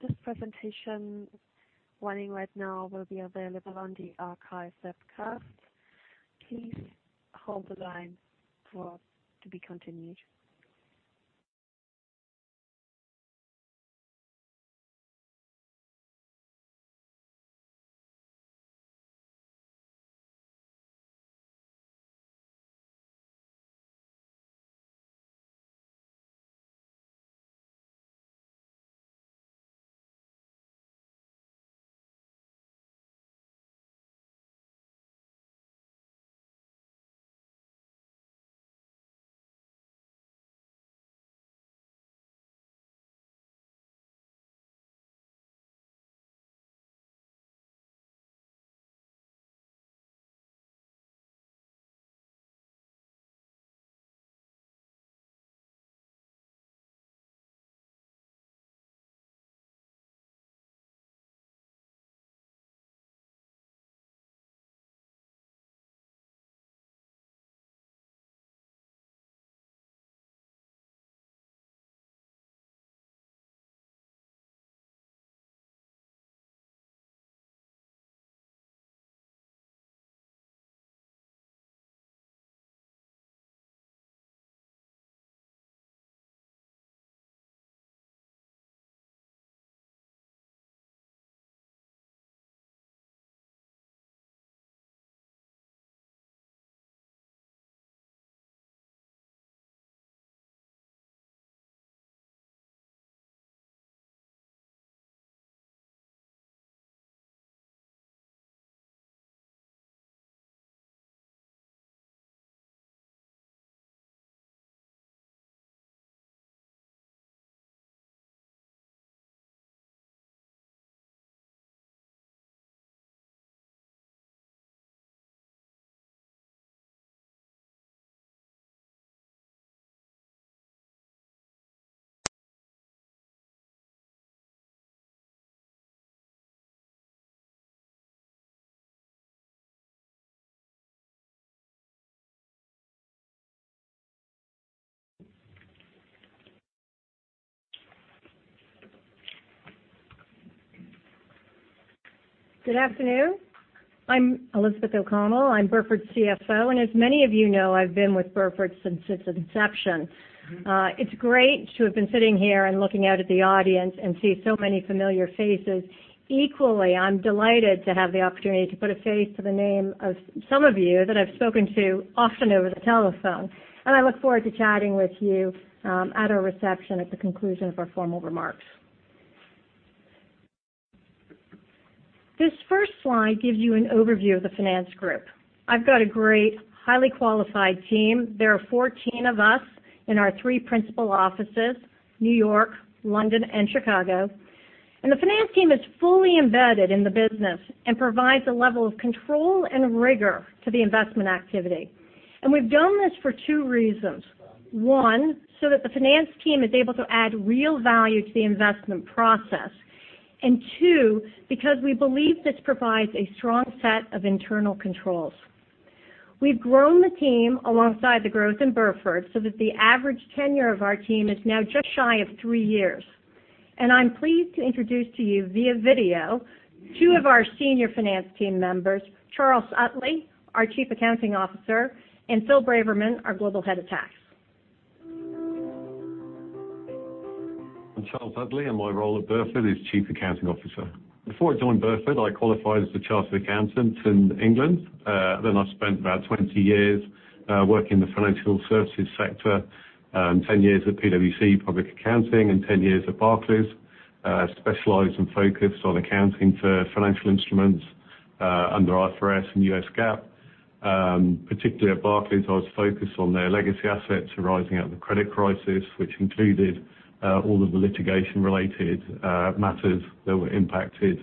This presentation running right now will be available on the archive webcast. Please hold the line for it to be continued. Good afternoon. I'm Elizabeth O'Connell, I'm Burford's CFO. As many of you know, I've been with Burford since its inception. It's great to have been sitting here and looking out at the audience and see so many familiar faces. Equally, I'm delighted to have the opportunity to put a face to the name of some of you that I've spoken to often over the telephone. I look forward to chatting with you at our reception at the conclusion of our formal remarks. This first slide gives you an overview of the finance group. I've got a great, highly qualified team. There are 14 of us in our three principal offices, New York, London, and Chicago. The finance team is fully embedded in the business and provides a level of control and rigor to the investment activity. We've done this for two reasons. One, so that the finance team is able to add real value to the investment process. Two, because we believe this provides a strong set of internal controls. We've grown the team alongside the growth in Burford so that the average tenure of our team is now just shy of three years. I'm pleased to introduce to you via video, two of our senior finance team members, Charles Utley, our Chief Accounting Officer, and Phil Braverman, our Global Head of Tax. I'm Charles Utley, and my role at Burford is Chief Accounting Officer. Before I joined Burford, I qualified as a chartered accountant in England. I spent about 20 years working in the financial services sector, 10 years at PwC Public Accounting, and 10 years at Barclays, specialized and focused on accounting for financial instruments under IFRS and US GAAP. Particularly at Barclays, I was focused on their legacy assets arising out of the credit crisis, which included all of the litigation-related matters that were impacted,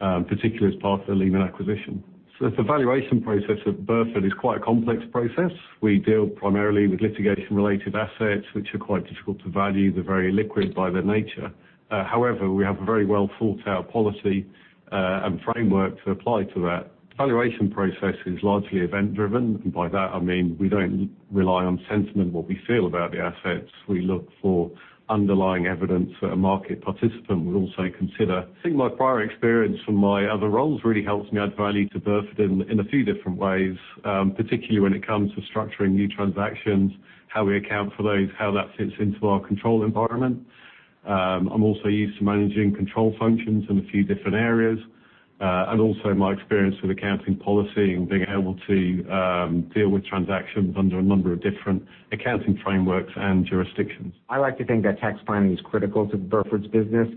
particularly as part of the Lehman acquisition. The valuation process at Burford is quite a complex process. We deal primarily with litigation-related assets, which are quite difficult to value. They're very illiquid by their nature. However, we have a very well-thought-out policy and framework to apply to that. Valuation process is largely event-driven, by that I mean we don't rely on sentiment, what we feel about the assets. We look for underlying evidence that a market participant would also consider. I think my prior experience from my other roles really helps me add value to Burford in a few different ways, particularly when it comes to structuring new transactions, how we account for those, how that fits into our control environment. I'm also used to managing control functions in a few different areas. Also my experience with accounting policy and being able to deal with transactions under a number of different accounting frameworks and jurisdictions. I like to think that tax planning is critical to Burford's business,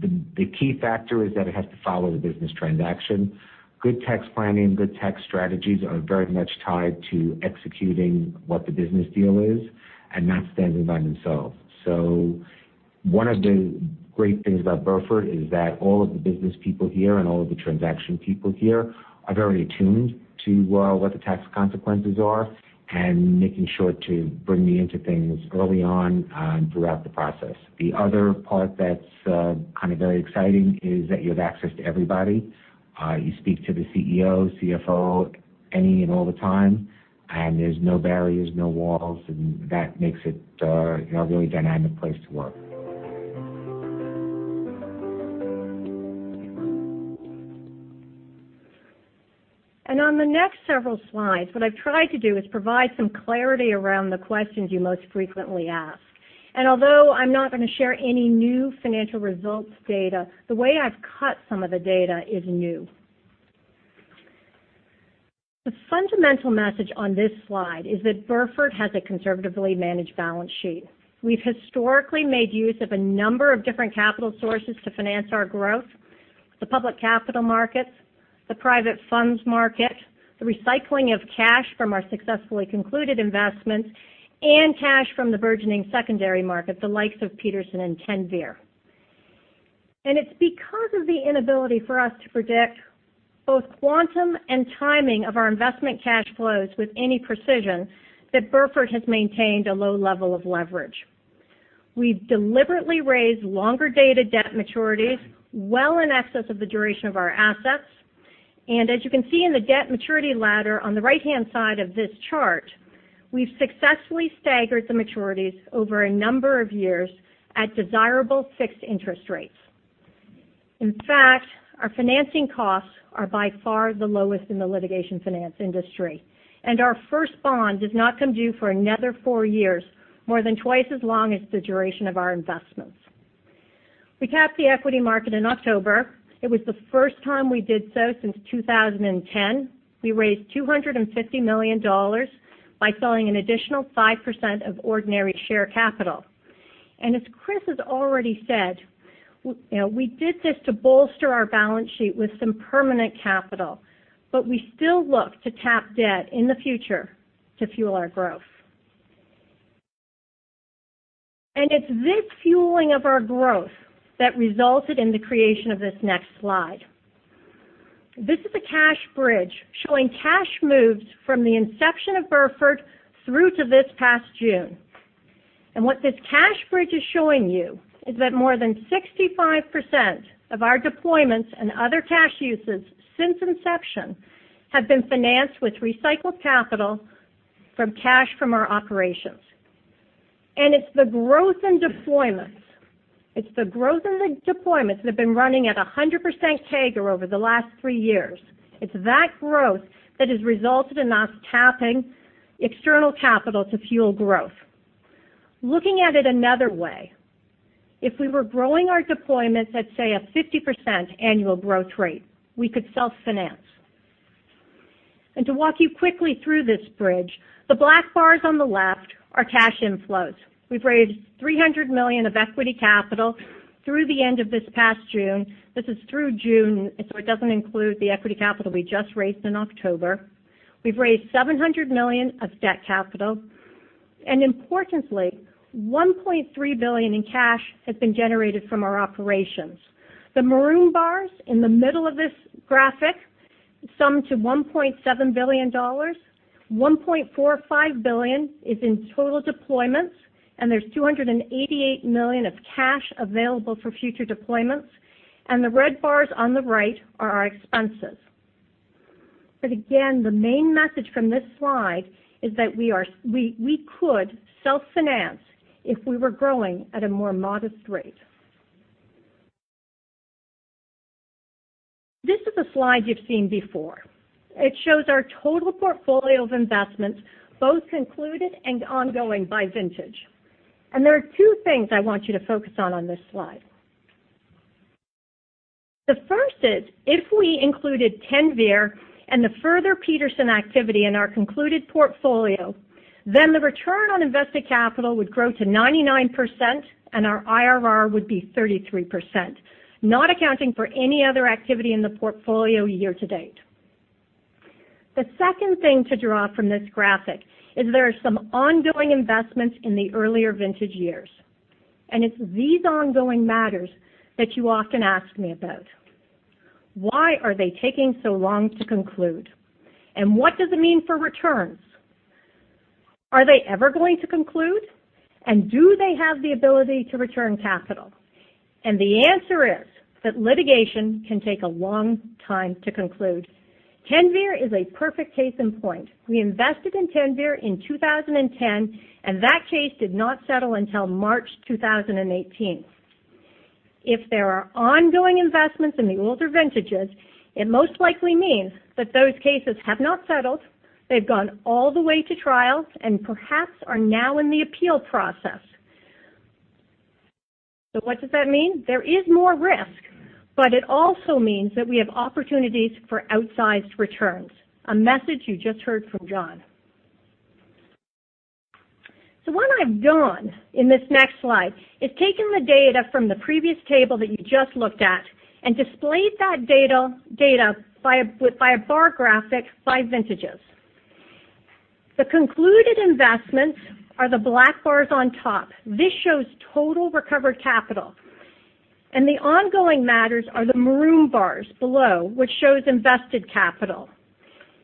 the key factor is that it has to follow the business transaction. Good tax planning, good tax strategies are very much tied to executing what the business deal is and not standing by themselves. One of the great things about Burford is that all of the business people here and all of the transaction people here are very attuned to what the tax consequences are and making sure to bring me into things early on throughout the process. The other part that's kind of very exciting is that you have access to everybody. You speak to the CEO, CFO any and all the time, there's no barriers, no walls, and that makes it a really dynamic place to work. On the next several slides, what I've tried to do is provide some clarity around the questions you most frequently ask. Although I'm not going to share any new financial results data, the way I've cut some of the data is new. The fundamental message on this slide is that Burford has a conservatively managed balance sheet. We've historically made use of a number of different capital sources to finance our growth, the public capital markets, the private funds market, the recycling of cash from our successfully concluded investments, and cash from the burgeoning secondary market, the likes of Petersen and Teinver. It's because of the inability for us to predict both quantum and timing of our investment cash flows with any precision that Burford has maintained a low level of leverage. We've deliberately raised longer-dated debt maturities well in excess of the duration of our assets. As you can see in the debt maturity ladder on the right-hand side of this chart, we've successfully staggered the maturities over a number of years at desirable fixed interest rates. In fact, our financing costs are by far the lowest in the litigation finance industry, and our first bond does not come due for another four years, more than twice as long as the duration of our investments. We tapped the equity market in October. It was the first time we did so since 2010. We raised $250 million by selling an additional 5% of ordinary share capital. As Chris has already said, we did this to bolster our balance sheet with some permanent capital, we still look to tap debt in the future to fuel our growth. It's this fueling of our growth that resulted in the creation of this next slide. This is a cash bridge showing cash moves from the inception of Burford through to this past June. What this cash bridge is showing you is that more than 65% of our deployments and other cash uses since inception have been financed with recycled capital from cash from our operations. It's the growth in deployments that have been running at 100% CAGR over the last three years. It's that growth that has resulted in us tapping external capital to fuel growth. Looking at it another way, if we were growing our deployments at, say, a 50% annual growth rate, we could self-finance. To walk you quickly through this bridge, the black bars on the left are cash inflows. We've raised $300 million of equity capital through the end of this past June. This is through June, so it doesn't include the equity capital we just raised in October. We've raised $700 million of debt capital, and importantly, $1.3 billion in cash has been generated from our operations. The maroon bars in the middle of this graphic sum to $1.7 billion. $1.45 billion is in total deployments, and there's $288 million of cash available for future deployments. The red bars on the right are our expenses. Again, the main message from this slide is that we could self-finance if we were growing at a more modest rate. This is a slide you've seen before. It shows our total portfolio of investments, both concluded and ongoing, by vintage. There are two things I want you to focus on on this slide. The first is, if we included Teinver and the further Petersen activity in our concluded portfolio, then the return on invested capital would grow to 99%, and our IRR would be 33%, not accounting for any other activity in the portfolio year to date. The second thing to draw from this graphic is there are some ongoing investments in the earlier vintage years, and it's these ongoing matters that you often ask me about. Why are they taking so long to conclude, and what does it mean for returns? Are they ever going to conclude, and do they have the ability to return capital? The answer is that litigation can take a long time to conclude. Teinver is a perfect case in point. We invested in Teinver in 2010, and that case did not settle until March 2018. If there are ongoing investments in the older vintages, it most likely means that those cases have not settled, they've gone all the way to trial, and perhaps are now in the appeal process. What does that mean? There is more risk, but it also means that we have opportunities for outsized returns, a message you just heard from John. What I've done in this next slide is taken the data from the previous table that you just looked at and displayed that data by a bar graphic by vintages. The concluded investments are the black bars on top. This shows total recovered capital. The ongoing matters are the maroon bars below, which shows invested capital.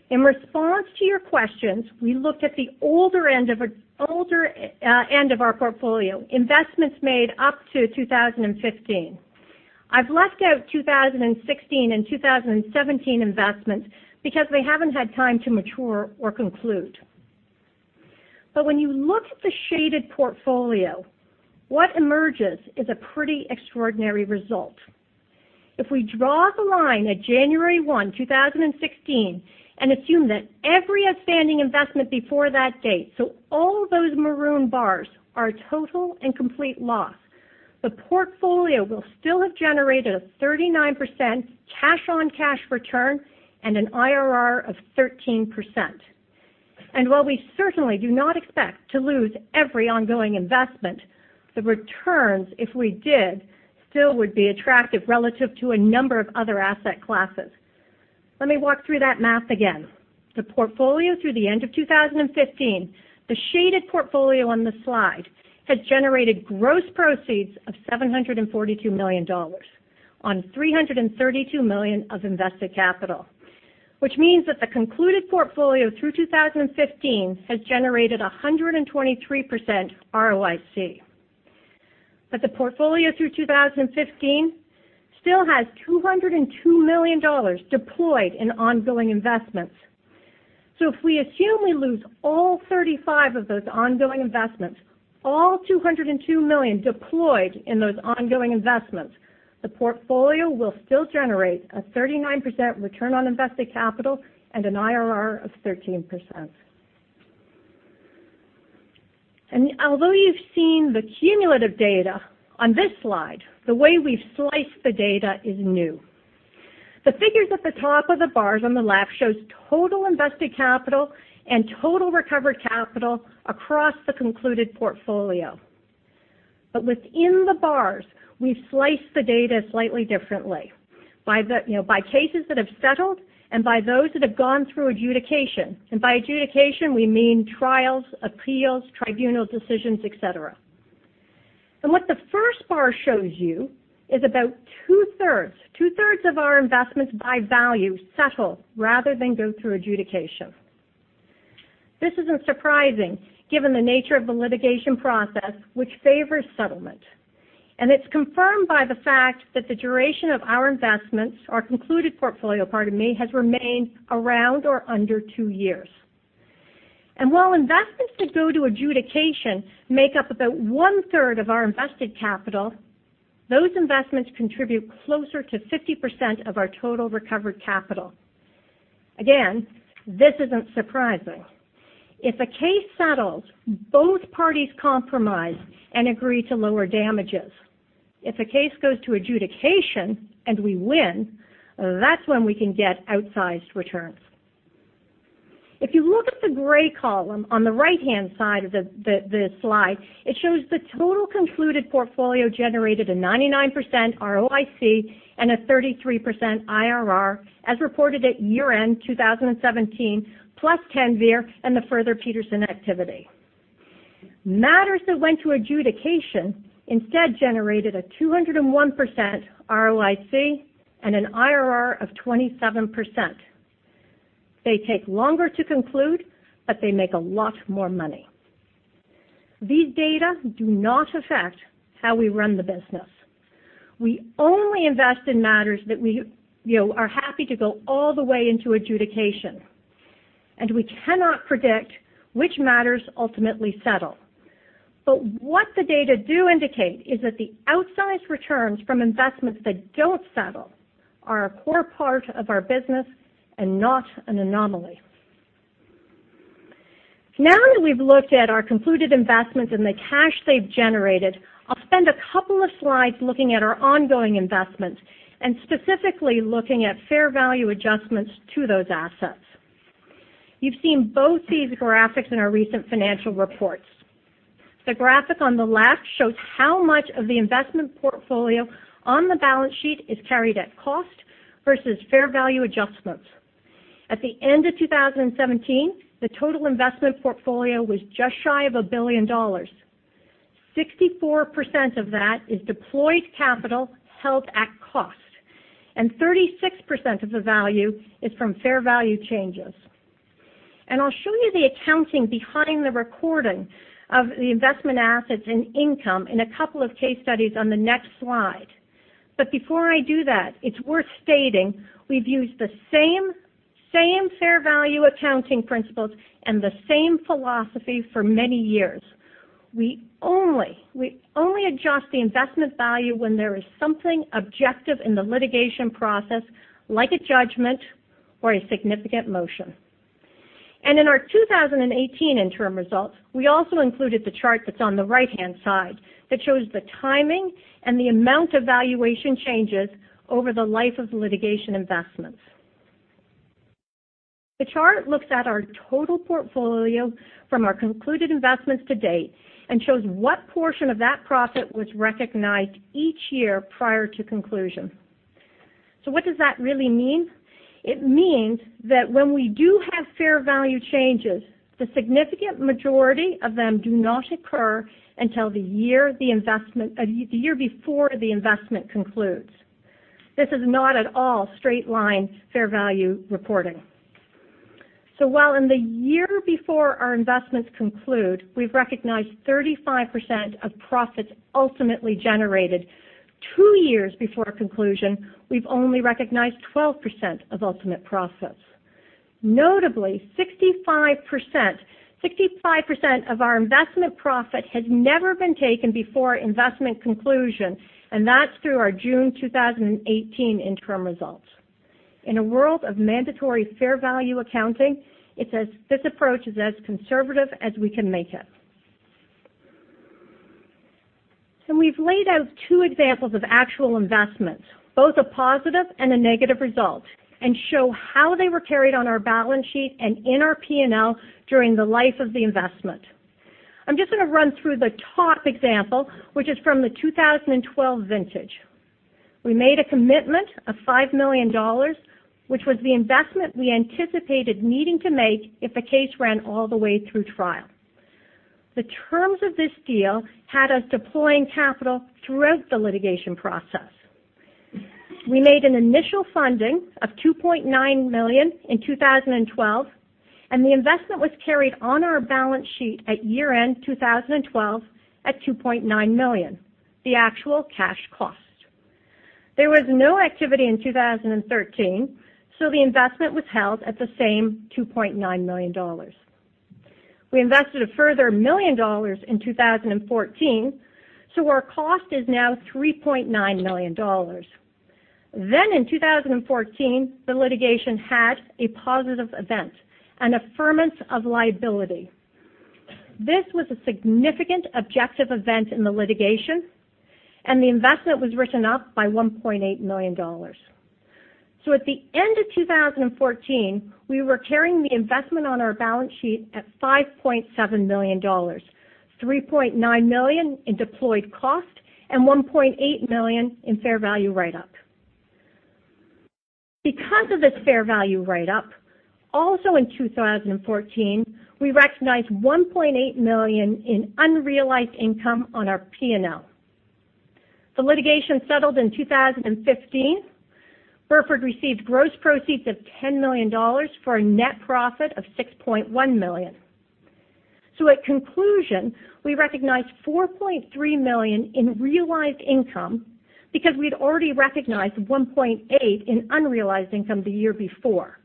In response to your questions, we looked at the older end of our portfolio, investments made up to 2015. I've left out 2016 and 2017 investments because they haven't had time to mature or conclude. When you look at the shaded portfolio, what emerges is a pretty extraordinary result. If we draw the line at January 1, 2016, and assume that every outstanding investment before that date, so all those maroon bars, are a total and complete loss, the portfolio will still have generated a 39% cash-on-cash return and an IRR of 13%. While we certainly do not expect to lose every ongoing investment, the returns, if we did, still would be attractive relative to a number of other asset classes. Let me walk through that math again. The portfolio through the end of 2015, the shaded portfolio on this slide, has generated gross proceeds of $742 million on $332 million of invested capital, which means that the concluded portfolio through 2015 has generated 123% ROIC. The portfolio through 2015 still has $202 million deployed in ongoing investments. If we assume we lose all 35 of those ongoing investments, all $202 million deployed in those ongoing investments, the portfolio will still generate a 39% return on invested capital and an IRR of 13%. Although you've seen the cumulative data on this slide, the way we've sliced the data is new. The figures at the top of the bars on the left shows total invested capital and total recovered capital across the concluded portfolio. Within the bars, we've sliced the data slightly differently by cases that have settled and by those that have gone through adjudication. By adjudication, we mean trials, appeals, tribunal decisions, et cetera. What the first bar shows you is about two-thirds of our investments by value settle rather than go through adjudication. This isn't surprising given the nature of the litigation process, which favors settlement, and it's confirmed by the fact that the duration of our investments, our concluded portfolio, pardon me, has remained around or under two years. While investments that go to adjudication make up about one-third of our invested capital, those investments contribute closer to 50% of our total recovered capital. Again, this isn't surprising. If a case settles, both parties compromise and agree to lower damages. If a case goes to adjudication and we win, that's when we can get outsized returns. If you look at the gray column on the right-hand side of the slide, it shows the total concluded portfolio generated a 99% ROIC and a 33% IRR as reported at year-end 2017, plus Kenvir and the further Petersen activity. Matters that went to adjudication instead generated a 201% ROIC and an IRR of 27%. They take longer to conclude, but they make a lot more money. These data do not affect how we run the business. We only invest in matters that we are happy to go all the way into adjudication, and we cannot predict which matters ultimately settle. What the data do indicate is that the outsized returns from investments that don't settle are a core part of our business and not an anomaly. Now that we've looked at our concluded investments and the cash they've generated, I'll spend a couple of slides looking at our ongoing investments and specifically looking at fair value adjustments to those assets. You've seen both these graphics in our recent financial reports. The graphic on the left shows how much of the investment portfolio on the balance sheet is carried at cost versus fair value adjustments. At the end of 2017, the total investment portfolio was just shy of $1 billion. 64% of that is deployed capital held at cost, and 36% of the value is from fair value changes. I'll show you the accounting behind the recording of the investment assets and income in a couple of case studies on the next slide. Before I do that, it's worth stating we've used the same fair value accounting principles and the same philosophy for many years. We only adjust the investment value when there is something objective in the litigation process, like a judgment or a significant motion. In our 2018 interim results, we also included the chart that's on the right-hand side that shows the timing and the amount of valuation changes over the life of litigation investments. The chart looks at our total portfolio from our concluded investments to date and shows what portion of that profit was recognized each year prior to conclusion. What does that really mean? It means that when we do have fair value changes, the significant majority of them do not occur until the year before the investment concludes. This is not at all straight-line fair value reporting. While in the year before our investments conclude, we've recognized 35% of profits ultimately generated. Two years before conclusion, we've only recognized 12% of ultimate profits. Notably, 65% of our investment profit has never been taken before investment conclusion, and that's through our June 2018 interim results. In a world of mandatory fair value accounting, this approach is as conservative as we can make it. We've laid out two examples of actual investments, both a positive and a negative result, and show how they were carried on our balance sheet and in our P&L during the life of the investment. I'm just going to run through the top example, which is from the 2012 vintage. We made a commitment of $5 million, which was the investment we anticipated needing to make if a case ran all the way through trial. The terms of this deal had us deploying capital throughout the litigation process. We made an initial funding of $2.9 million in 2012, and the investment was carried on our balance sheet at year-end 2012 at $2.9 million, the actual cash cost. There was no activity in 2013, the investment was held at the same $2.9 million. We invested a further $1 million in 2014, our cost is now $3.9 million. In 2014, the litigation had a positive event, an affirmance of liability. This was a significant objective event in the litigation, and the investment was written up by $1.8 million. At the end of 2014, we were carrying the investment on our balance sheet at $5.7 million, $3.9 million in deployed cost and $1.8 million in fair value write-up. Because of this fair value write-up, also in 2014, we recognized $1.8 million in unrealized income on our P&L. The litigation settled in 2015. Burford received gross proceeds of $10 million for a net profit of $6.1 million. In conclusion, we recognized $4.3 million in realized income because we'd already recognized $1.8 million in unrealized income the year before.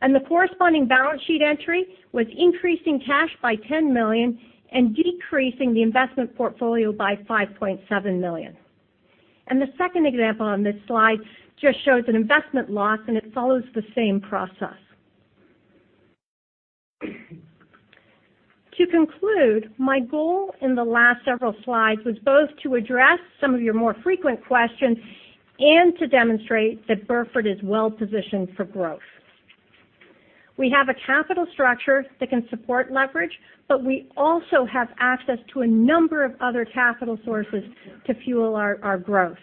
The corresponding balance sheet entry was increasing cash by $10 million and decreasing the investment portfolio by $5.7 million. The second example on this slide just shows an investment loss and it follows the same process. To conclude, my goal in the last several slides was both to address some of your more frequent questions and to demonstrate that Burford is well-positioned for growth. We have a capital structure that can support leverage, we also have access to a number of other capital sources to fuel our growth.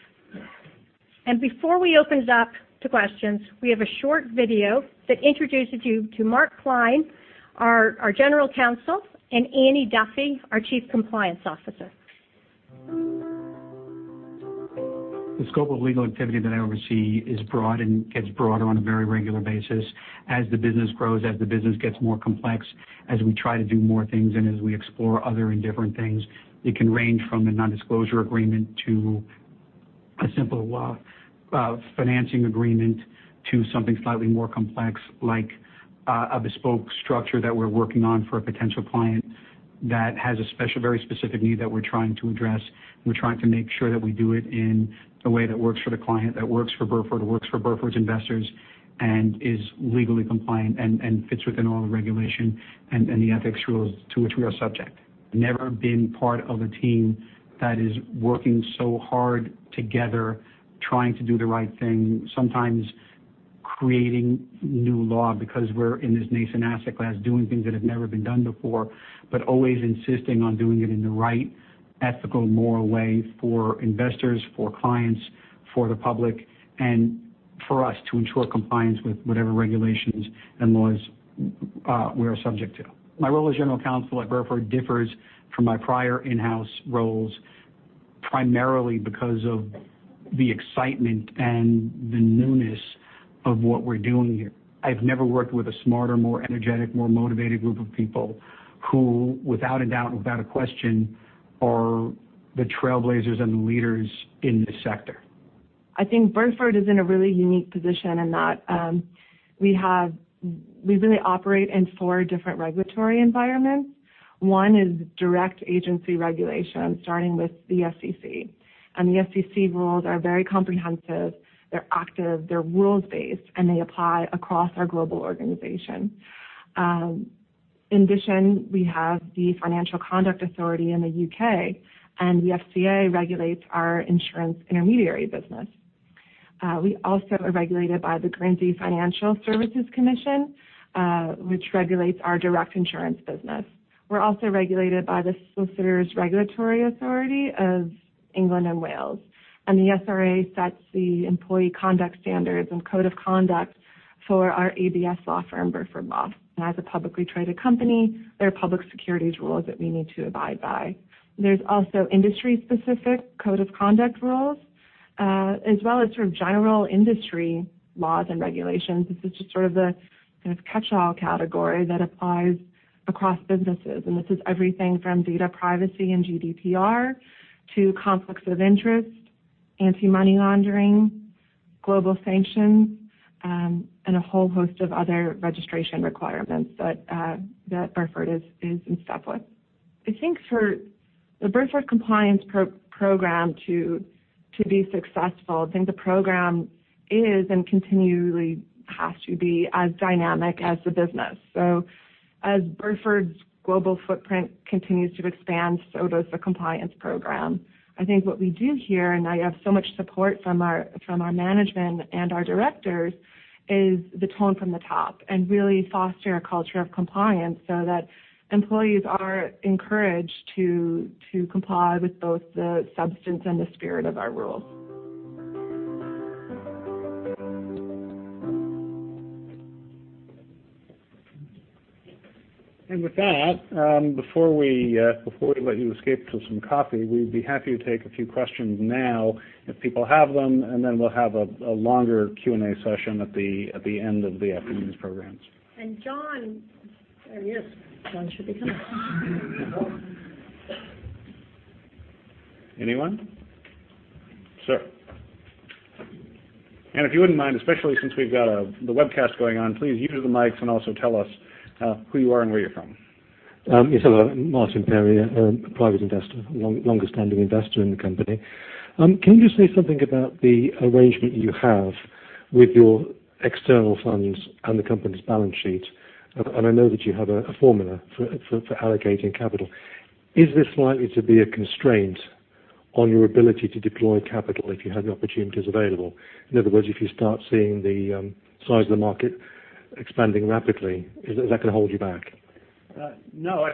Before we open it up to questions, we have a short video that introduces you to Mark Klein, our General Counsel, and Annie Duffy, our Chief Compliance Officer. The scope of legal activity that I oversee is broad and gets broader on a very regular basis as the business grows, as the business gets more complex, as we try to do more things, and as we explore other and different things. It can range from a non-disclosure agreement to a simple financing agreement to something slightly more complex like a bespoke structure that we're working on for a potential client that has a very specific need that we're trying to address, and we're trying to make sure that we do it in a way that works for the client, that works for Burford, works for Burford's investors, and is legally compliant and fits within all the regulation and the ethics rules to which we are subject. Never been part of a team that is working so hard together trying to do the right thing, sometimes creating new law because we're in this nascent asset class doing things that have never been done before, but always insisting on doing it in the right ethical, moral way for investors, for clients, for the public, and for us to ensure compliance with whatever regulations and laws we are subject to. My role as general counsel at Burford differs from my prior in-house roles, primarily because of the excitement and the newness of what we're doing here. I've never worked with a smarter, more energetic, more motivated group of people who, without a doubt and without a question, are the trailblazers and the leaders in this sector. I think Burford is in a really unique position in that we really operate in four different regulatory environments. One is direct agency regulation, starting with the SEC. The SEC rules are very comprehensive, they're active, they're rules-based, and they apply across our global organization. In addition, we have the Financial Conduct Authority in the U.K., the FCA regulates our insurance intermediary business. We also are regulated by the Guernsey Financial Services Commission, which regulates our direct insurance business. We're also regulated by the Solicitors Regulation Authority of England and Wales, the SRA sets the employee conduct standards and code of conduct for our ABS law firm, Burford Law. As a publicly traded company, there are public securities rules that we need to abide by. There's also industry-specific code of conduct rules, as well as general industry laws and regulations. This is just sort of the catchall category that applies across businesses. This is everything from data privacy and GDPR to conflicts of interest, anti-money laundering, global sanctions, and a whole host of other registration requirements that Burford is in step with. I think for the Burford compliance program to be successful, I think the program is and continually has to be as dynamic as the business. As Burford's global footprint continues to expand, so does the compliance program. I think what we do here, and I have so much support from our management and our directors, is the tone from the top and really foster a culture of compliance so that employees are encouraged to comply with both the substance and the spirit of our rules. With that, before we let you escape to some coffee, we'd be happy to take a few questions now if people have them, and then we'll have a longer Q&A session at the end of the afternoon's programs. John There he is. John should be coming. Anyone? Sir. If you wouldn't mind, especially since we've got the webcast going on, please use the mics and also tell us who you are and where you're from. Yes, hello. Martin Perry, a private investor, longest standing investor in the company. Can you say something about the arrangement you have with your external funds and the company's balance sheet? I know that you have a formula for allocating capital. Is this likely to be a constraint on your ability to deploy capital if you have the opportunities available? In other words, if you start seeing the size of the market expanding rapidly, is that going to hold you back? No.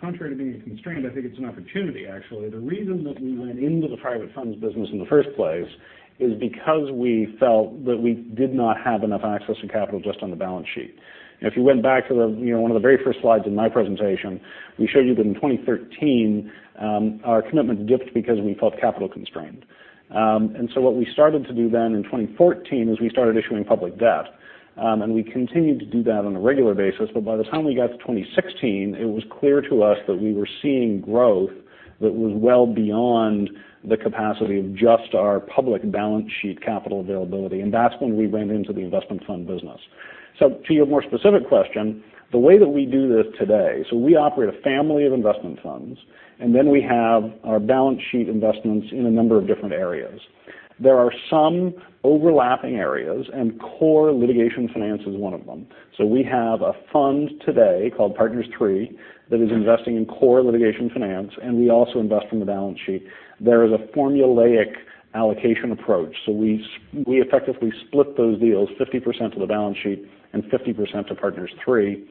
Contrary to being a constraint, I think it's an opportunity, actually. The reason that we went into the private funds business in the first place is because we felt that we did not have enough access to capital just on the balance sheet. If you went back to one of the very first slides in my presentation, we showed you that in 2013, our commitment dipped because we felt capital constrained. So what we started to do then in 2014 is we started issuing public debt. We continued to do that on a regular basis, but by the time we got to 2016, it was clear to us that we were seeing growth that was well beyond the capacity of just our public balance sheet capital availability, that's when we went into the investment fund business. To your more specific question, the way that we do this today, we operate a family of investment funds, then we have our balance sheet investments in a number of different areas. There are some overlapping areas, core litigation finance is one of them. We have a fund today called Partners III that is investing in core litigation finance, we also invest from the balance sheet. There is a formulaic allocation approach. We effectively split those deals, 50% to the balance sheet and 50% to Partners III,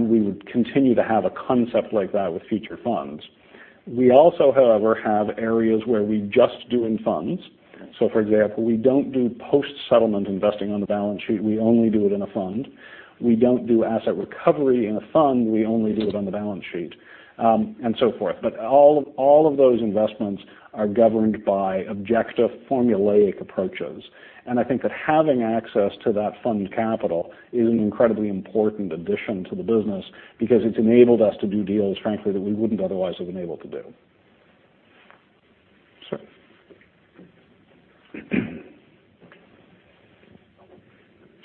we would continue to have a concept like that with future funds. We also, however, have areas where we just do in funds. For example, we don't do post-settlement investing on the balance sheet. We only do it in a fund. We don't do asset recovery in a fund. We only do it on the balance sheet, and so forth. All of those investments are governed by objective formulaic approaches. I think that having access to that fund capital is an incredibly important addition to the business because it's enabled us to do deals, frankly, that we wouldn't otherwise have been able to do.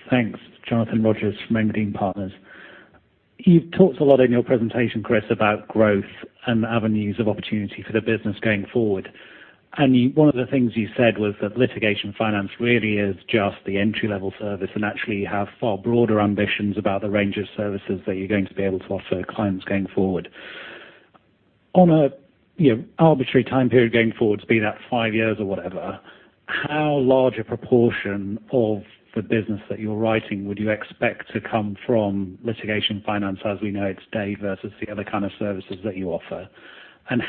Sir. Thanks. Jonathan Rogers from Endean Partners. You've talked a lot in your presentation, Chris, about growth and avenues of opportunity for the business going forward. One of the things you said was that litigation finance really is just the entry-level service and actually have far broader ambitions about the range of services that you're going to be able to offer clients going forward. On a arbitrary time period going forward, be that five years or whatever, how large a proportion of the business that you're writing would you expect to come from litigation finance as we know it today versus the other kind of services that you offer?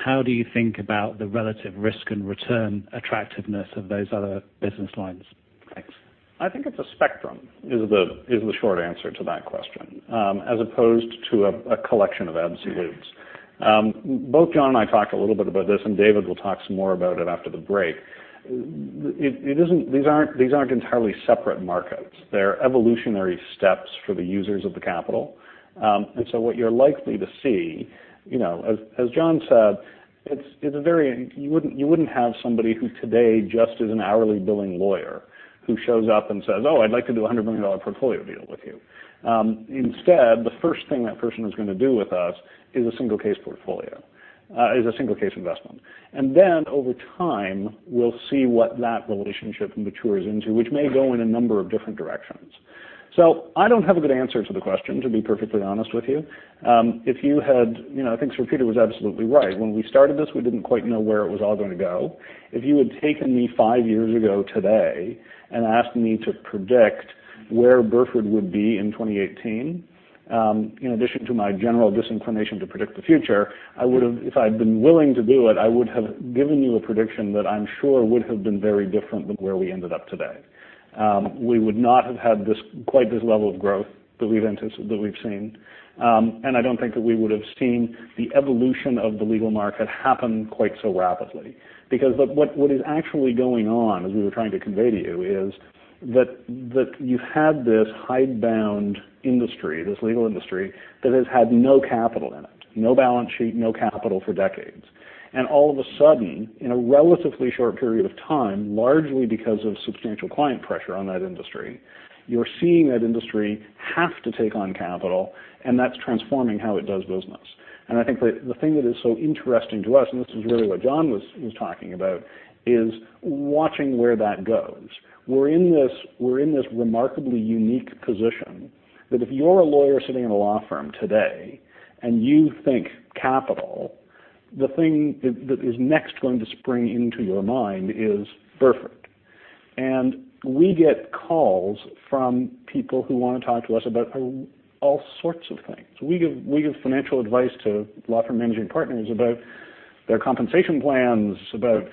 How do you think about the relative risk and return attractiveness of those other business lines? Thanks. I think it's a spectrum, is the short answer to that question. As opposed to a collection of ebbs and wanes. Both John and I talked a little bit about this, David will talk some more about it after the break. These aren't entirely separate markets. They're evolutionary steps for the users of the capital. What you're likely to see, as John said, you wouldn't have somebody who today just is an hourly billing lawyer who shows up and says, "Oh, I'd like to do a GBP 100 million portfolio deal with you." Instead, the first thing that person is going to do with us is a single-case investment. Over time, we'll see what that relationship matures into, which may go in a number of different directions. I don't have a good answer to the question, to be perfectly honest with you. I think Sir Peter was absolutely right. When we started this, we didn't quite know where it was all going to go. If you had taken me five years ago today and asked me to predict where Burford would be in 2018, in addition to my general disinclination to predict the future, if I'd been willing to do it, I would have given you a prediction that I'm sure would have been very different than where we ended up today. We would not have had quite this level of growth that we've seen. I don't think that we would've seen the evolution of the legal market happen quite so rapidly. What is actually going on, as we were trying to convey to you is, that you've had this hide-bound industry, this legal industry, that has had no capital in it. No balance sheet, no capital for decades. All of a sudden, in a relatively short period of time, largely because of substantial client pressure on that industry, you're seeing that industry have to take on capital. That's transforming how it does business. I think the thing that is so interesting to us, and this is really what John was talking about, is watching where that goes. We're in this remarkably unique position that if you're a lawyer sitting in a law firm today and you think capital, the thing that is next going to spring into your mind is Burford. We get calls from people who want to talk to us about all sorts of things. We give financial advice to law firm managing partners about their compensation plans, about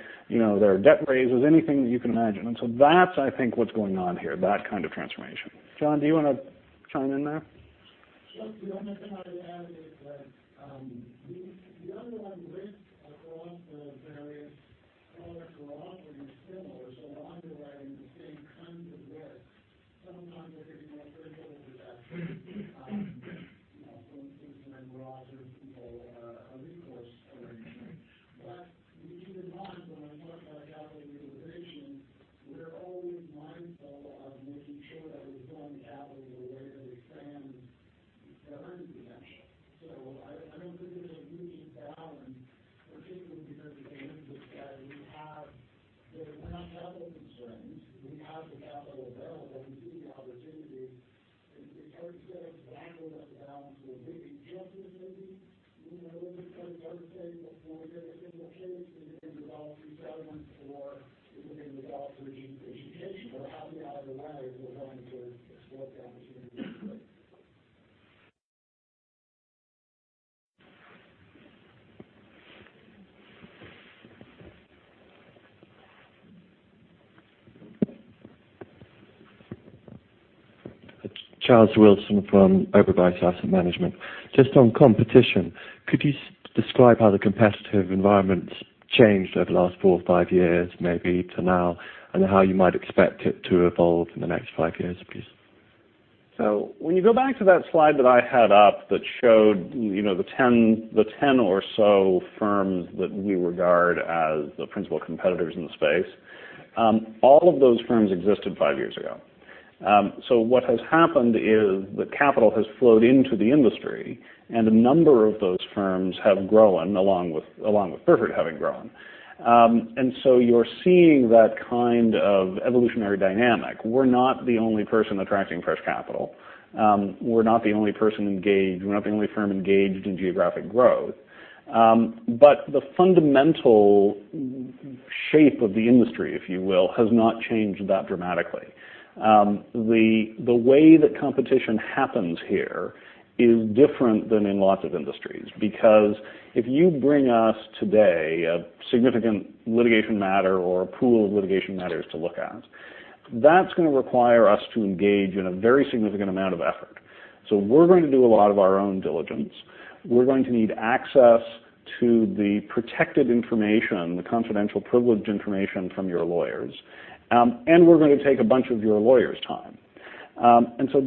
Charles Wilson from Oberweis Asset Management. Just on competition, could you describe how the competitive environment's changed over the last four or five years, maybe to now, and how you might expect it to evolve in the next five years, please? When you go back to that slide that I had up that showed the 10 or so firms that we regard as the principal competitors in the space, all of those firms existed five years ago. What has happened is the capital has flowed into the industry, and a number of those firms have grown, along with Burford having grown. You're seeing that kind of evolutionary dynamic. We're not the only person attracting fresh capital. We're not the only person engaged. We're not the only firm engaged in geographic growth. The fundamental shape of the industry, if you will, has not changed that dramatically. The way that competition happens here is different than in lots of industries. If you bring us today a significant litigation matter or a pool of litigation matters to look at, that's going to require us to engage in a very significant amount of effort. We're going to do a lot of our own diligence. We're going to need access to the protected information, the confidential privileged information from your lawyers, and we're going to take a bunch of your lawyers' time.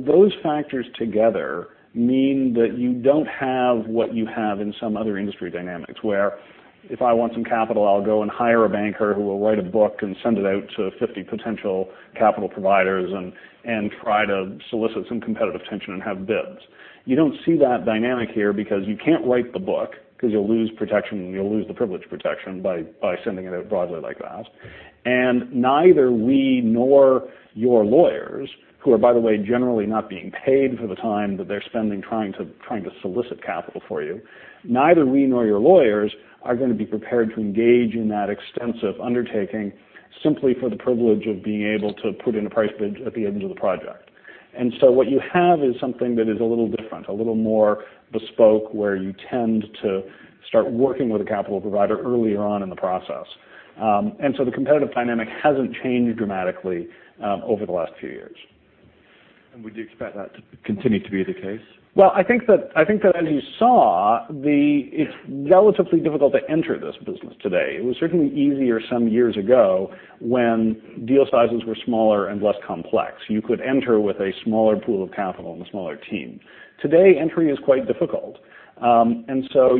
Those factors together mean that you don't have what you have in some other industry dynamics, where if I want some capital, I'll go and hire a banker who will write a book and send it out to 50 potential capital providers and try to solicit some competitive tension and have bids. You don't see that dynamic here because you can't write the book because you'll lose protection, and you'll lose the privilege protection by sending it out broadly like that. Neither we nor your lawyers, who are, by the way, generally not being paid for the time that they're spending trying to solicit capital for you. Neither we nor your lawyers are going to be prepared to engage in that extensive undertaking simply for the privilege of being able to put in a price bid at the end of the project. What you have is something that is a little different, a little more bespoke, where you tend to start working with a capital provider earlier on in the process. The competitive dynamic hasn't changed dramatically over the last few years. Would you expect that to continue to be the case? Well, I think that as you saw, it is relatively difficult to enter this business today. It was certainly easier some years ago when deal sizes were smaller and less complex. You could enter with a smaller pool of capital and a smaller team. Today, entry is quite difficult.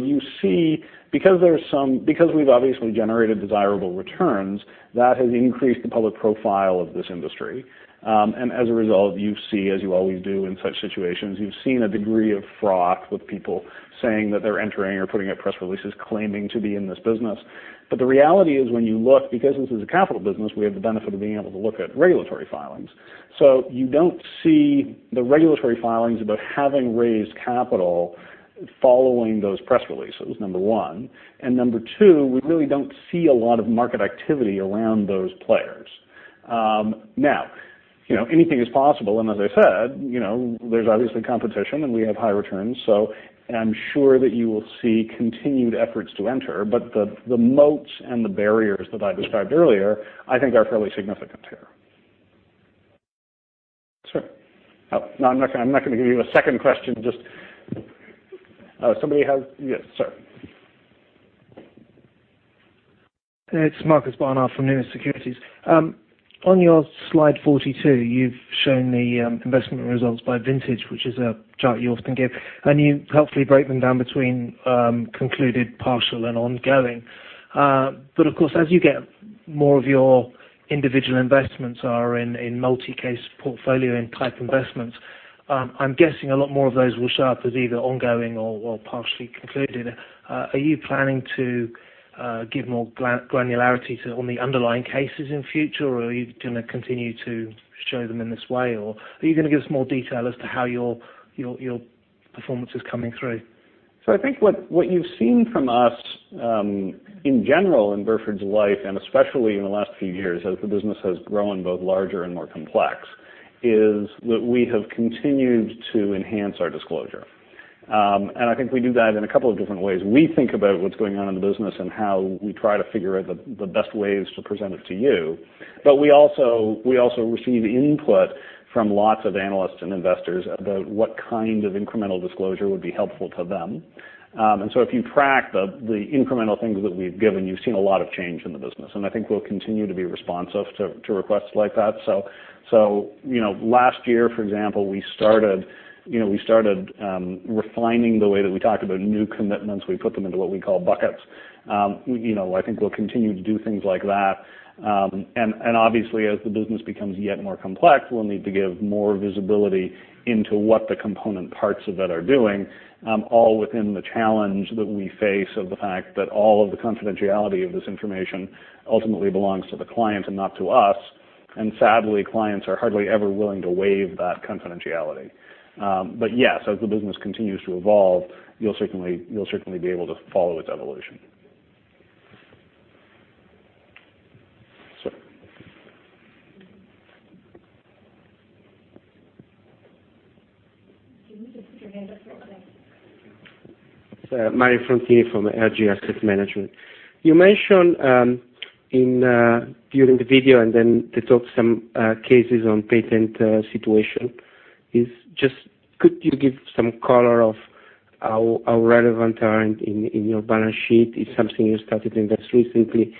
You see, because we have obviously generated desirable returns, that has increased the public profile of this industry. As a result, you see, as you always do in such situations, you have seen a degree of froth with people saying that they are entering or putting out press releases claiming to be in this business. The reality is when you look, because this is a capital business, we have the benefit of being able to look at regulatory filings. You do not see the regulatory filings about having raised capital following those press releases, number one. Number two, we really do not see a lot of market activity around those players. Now, anything is possible, and as I said, there is obviously competition and we have high returns. I am sure that you will see continued efforts to enter, but the moats and the barriers that I described earlier, I think are fairly significant here. Sure. Oh, no, I am not going to give you a second question. Yes, sir. It is Marcus Barnard from Numis Securities. On your slide 42, you have shown the investment results by vintage, which is a chart you often give, and you helpfully break them down between concluded, partial, and ongoing. Of course, as you get more of your individual investments are in multi-case portfolio and type investments, I am guessing a lot more of those will show up as either ongoing or partially concluded. Are you planning to give more granularity on the underlying cases in future, or are you going to continue to show them in this way, or are you going to give us more detail as to how your performance is coming through? I think what you've seen from us, in general, in Burford's life, and especially in the last few years as the business has grown both larger and more complex, is that we have continued to enhance our disclosure. I think we do that in a couple of different ways. We think about what's going on in the business and how we try to figure out the best ways to present it to you. We also receive input from lots of analysts and investors about what kind of incremental disclosure would be helpful to them. If you track the incremental things that we've given, you've seen a lot of change in the business, and I think we'll continue to be responsive to requests like that. Last year, for example, we started refining the way that we talked about new commitments. We put them into what we call buckets. I think we'll continue to do things like that. Obviously, as the business becomes yet more complex, we'll need to give more visibility into what the component parts of it are doing, all within the challenge that we face of the fact that all of the confidentiality of this information ultimately belongs to the client and not to us. Sadly, clients are hardly ever willing to waive that confidentiality. Yes, as the business continues to evolve, you'll certainly be able to follow its evolution. Sir. You need to put your hand up for okay. Mario Frontini from L&G Asset Management. You mentioned during the video they talk some cases on patent situation. Could you give some color of how relevant are in your balance sheet? Is something you started in just recently?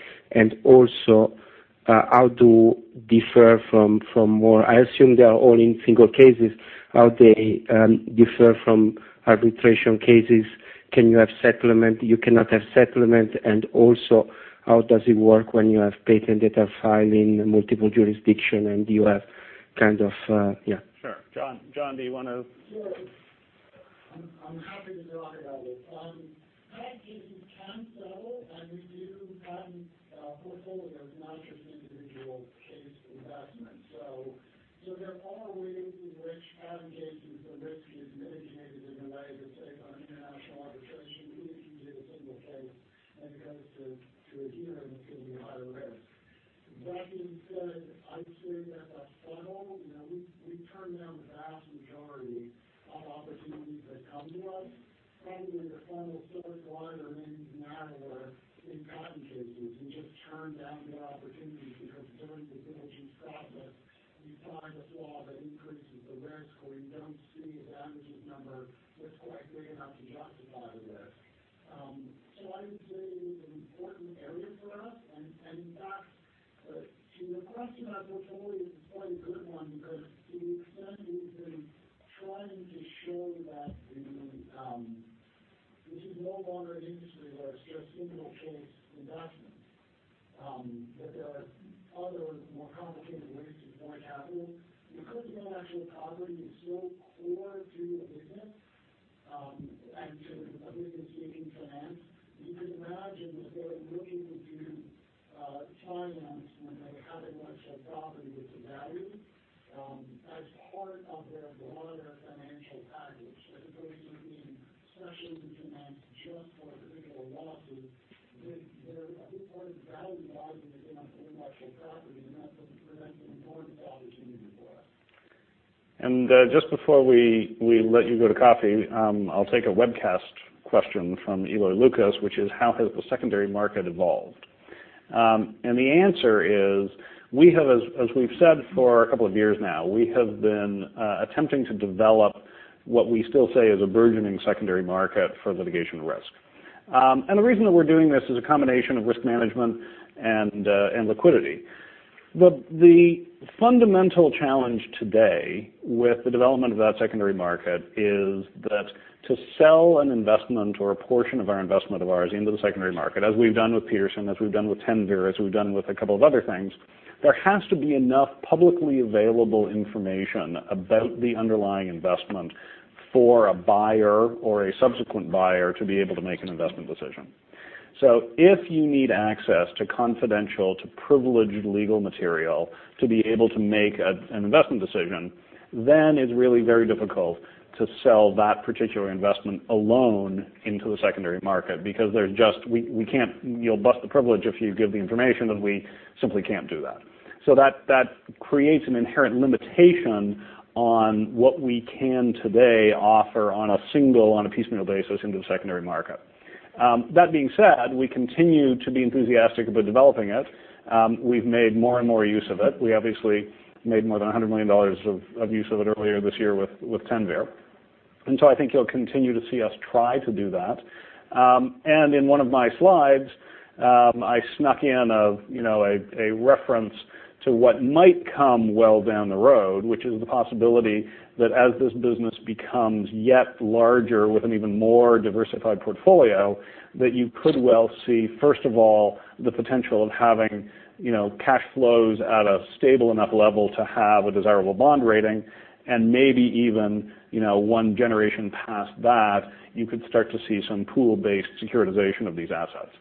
How to differ from more, I assume they are all in single cases. How they differ from arbitration cases? Can you have settlement? You cannot have settlement. How does it work when you have patent data filing in multiple jurisdiction and you have? Sure. John, do you want Sure. I'm happy to talk about this. We do patent portfolios, not just individual case investments. There are ways in which patent cases, the risk is mitigated in a way that's safe on international arbitration. If you did a single case and it goes to a hearing, it's going to be higher risk. That being said, I'd say that the funnel, we turn down the vast majority of opportunities that come to us. Probably the funnel is still as wide or maybe narrower in patent cases. We just turn down good opportunities because during the due diligence process, you find a flaw that increases the risk, or you don't see a damages number that's quite big enough to justify the risk. I would say it is an important area for us. In fact, to your question about portfolio is quite a good one because to the extent we've been trying to show that this is no longer an industry where it's just single case investments, that there are other more complicated ways to deploy capital. Intellectual property is so core to a business and to the public's stake in finance, you can imagine that they're looking to do finance when they have intellectual property that's of value as part of their broader financial package as opposed to being specialists in that just for a particular lawsuit. There is important value added in intellectual property, and that's what presents an important opportunity for us. Just before we let you go to coffee, I'll take a webcast question from Eloy Lucas, which is how has the secondary market evolved? The answer is, as we've said for a couple of years now, we have been attempting to develop what we still say is a burgeoning secondary market for litigation risk. The reason that we're doing this is a combination of risk management and liquidity. The fundamental challenge today with the development of that secondary market is that to sell an investment or a portion of our investment of ours into the secondary market, as we've done with Petersen, as we've done with Teinver, as we've done with a couple of other things, there has to be enough publicly available information about the underlying investment for a buyer or a subsequent buyer to be able to make an investment decision. If you need access to confidential, to privileged legal material to be able to make an investment decision, it's really very difficult to sell that particular investment alone into the secondary market because you'll bust the privilege if you give the information, and we simply can't do that. That creates an inherent limitation on what we can today offer on a single, on a piecemeal basis into the secondary market. That being said, we continue to be enthusiastic about developing it. We've made more and more use of it. We obviously made more than GBP 100 million of use of it earlier this year with Teinver. I think you'll continue to see us try to do that. In one of my slides, I snuck in a reference to what might come well down the road, which is the possibility that as this business becomes yet larger with an even more diversified portfolio, that you could well see, first of all, the potential of having cash flows at a stable enough level to have a desirable bond rating. Maybe even one generation past that, you could start to see some pool-based securitization of these assets.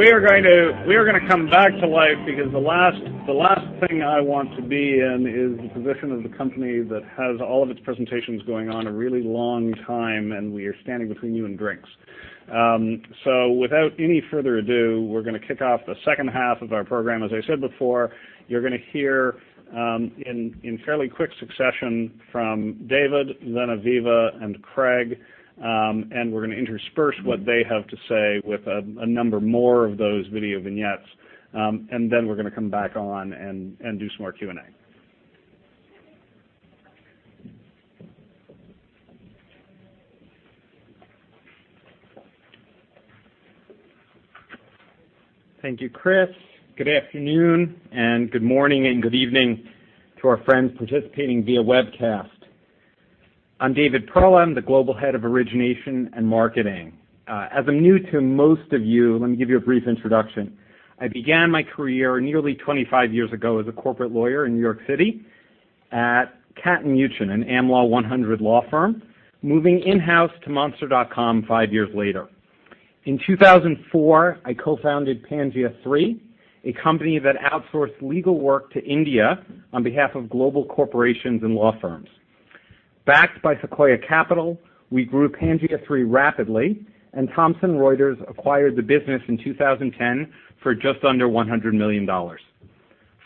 With you. All I need. All I need. All I need. We are going to come back to life because the last thing I want to be in is the position of the company that has all of its presentations going on a really long time, and we are standing between you and drinks. Without any further ado, we're going to kick off the second half of our program. As I said before, you're going to hear, in fairly quick succession, from David, then Aviva, and Craig, and we're going to intersperse what they have to say with a number more of those video vignettes. We're going to come back on and do some more Q&A. Thank you, Chris. Good afternoon and good morning and good evening to our friends participating via webcast. I'm David Perlmutter, the Global Head of Origination and Marketing. As I'm new to most of you, let me give you a brief introduction. I began my career nearly 25 years ago as a corporate lawyer in New York City at Katten Muchin, an Am Law 100 law firm, moving in-house to Monster.com five years later. In 2004, I co-founded Pangea3, a company that outsourced legal work to India on behalf of global corporations and law firms. Backed by Sequoia Capital, we grew Pangea3 rapidly, and Thomson Reuters acquired the business in 2010 for just under $100 million.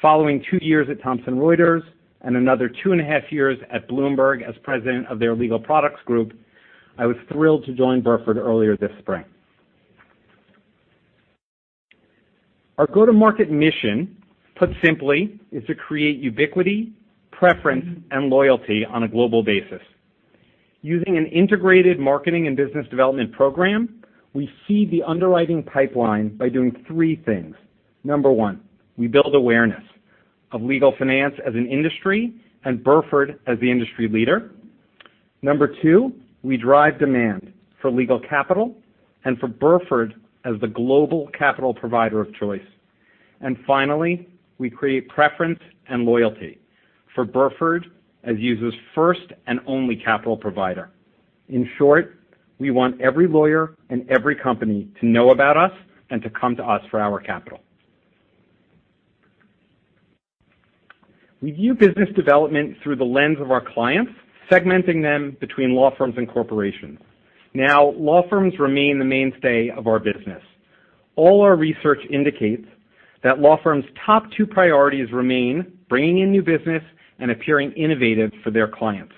Following two years at Thomson Reuters and another two and a half years at Bloomberg as president of their legal products group, I was thrilled to join Burford earlier this spring. Our go-to-market mission, put simply, is to create ubiquity, preference, and loyalty on a global basis. Using an integrated marketing and business development program, we feed the underwriting pipeline by doing three things. Number one, we build awareness of legal finance as an industry and Burford as the industry leader. Number two, we drive demand for legal capital and for Burford as the global capital provider of choice. Finally, we create preference and loyalty for Burford as users' first and only capital provider. In short, we want every lawyer and every company to know about us and to come to us for our capital. We view business development through the lens of our clients, segmenting them between law firms and corporations. Law firms remain the mainstay of our business. All our research indicates that law firms' top two priorities remain bringing in new business and appearing innovative for their clients.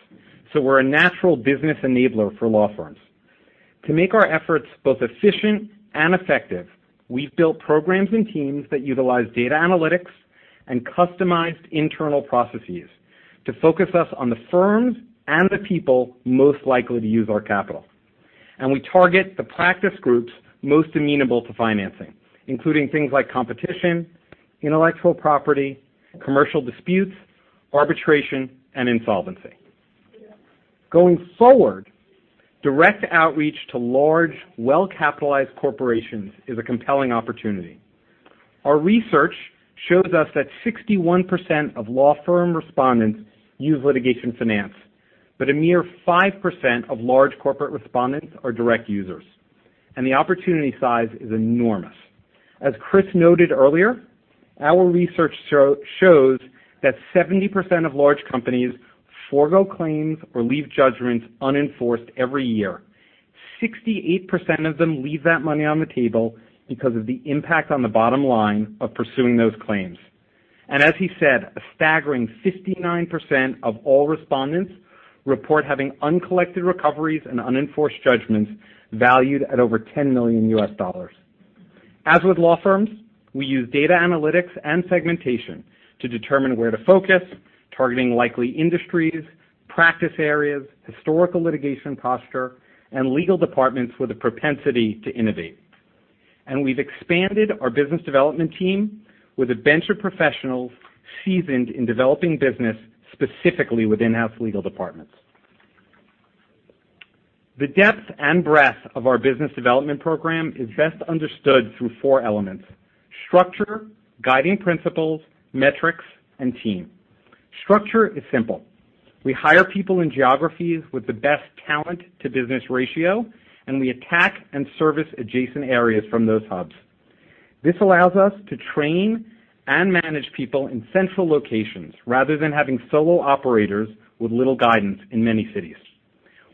We're a natural business enabler for law firms. To make our efforts both efficient and effective, we've built programs and teams that utilize data analytics and customized internal processes to focus us on the firms and the people most likely to use our capital. We target the practice groups most amenable to financing, including things like competition, intellectual property, commercial disputes, arbitration, and insolvency. Going forward, direct outreach to large, well-capitalized corporations is a compelling opportunity. Our research shows us that 61% of law firm respondents use litigation finance, but a mere 5% of large corporate respondents are direct users, and the opportunity size is enormous. As Chris noted earlier, our research shows that 70% of large companies forgo claims or leave judgments unenforced every year. 68% of them leave that money on the table because of the impact on the bottom line of pursuing those claims. As he said, a staggering 59% of all respondents report having uncollected recoveries and unenforced judgments valued at over $10 million. As with law firms, we use data analytics and segmentation to determine where to focus, targeting likely industries, practice areas, historical litigation posture, and legal departments with a propensity to innovate. We've expanded our business development team with venture professionals seasoned in developing business, specifically with in-house legal departments. The depth and breadth of our business development program is best understood through four elements: structure, guiding principles, metrics, and team. Structure is simple. We hire people in geographies with the best talent-to-business ratio, we attack and service adjacent areas from those hubs. This allows us to train and manage people in central locations rather than having solo operators with little guidance in many cities.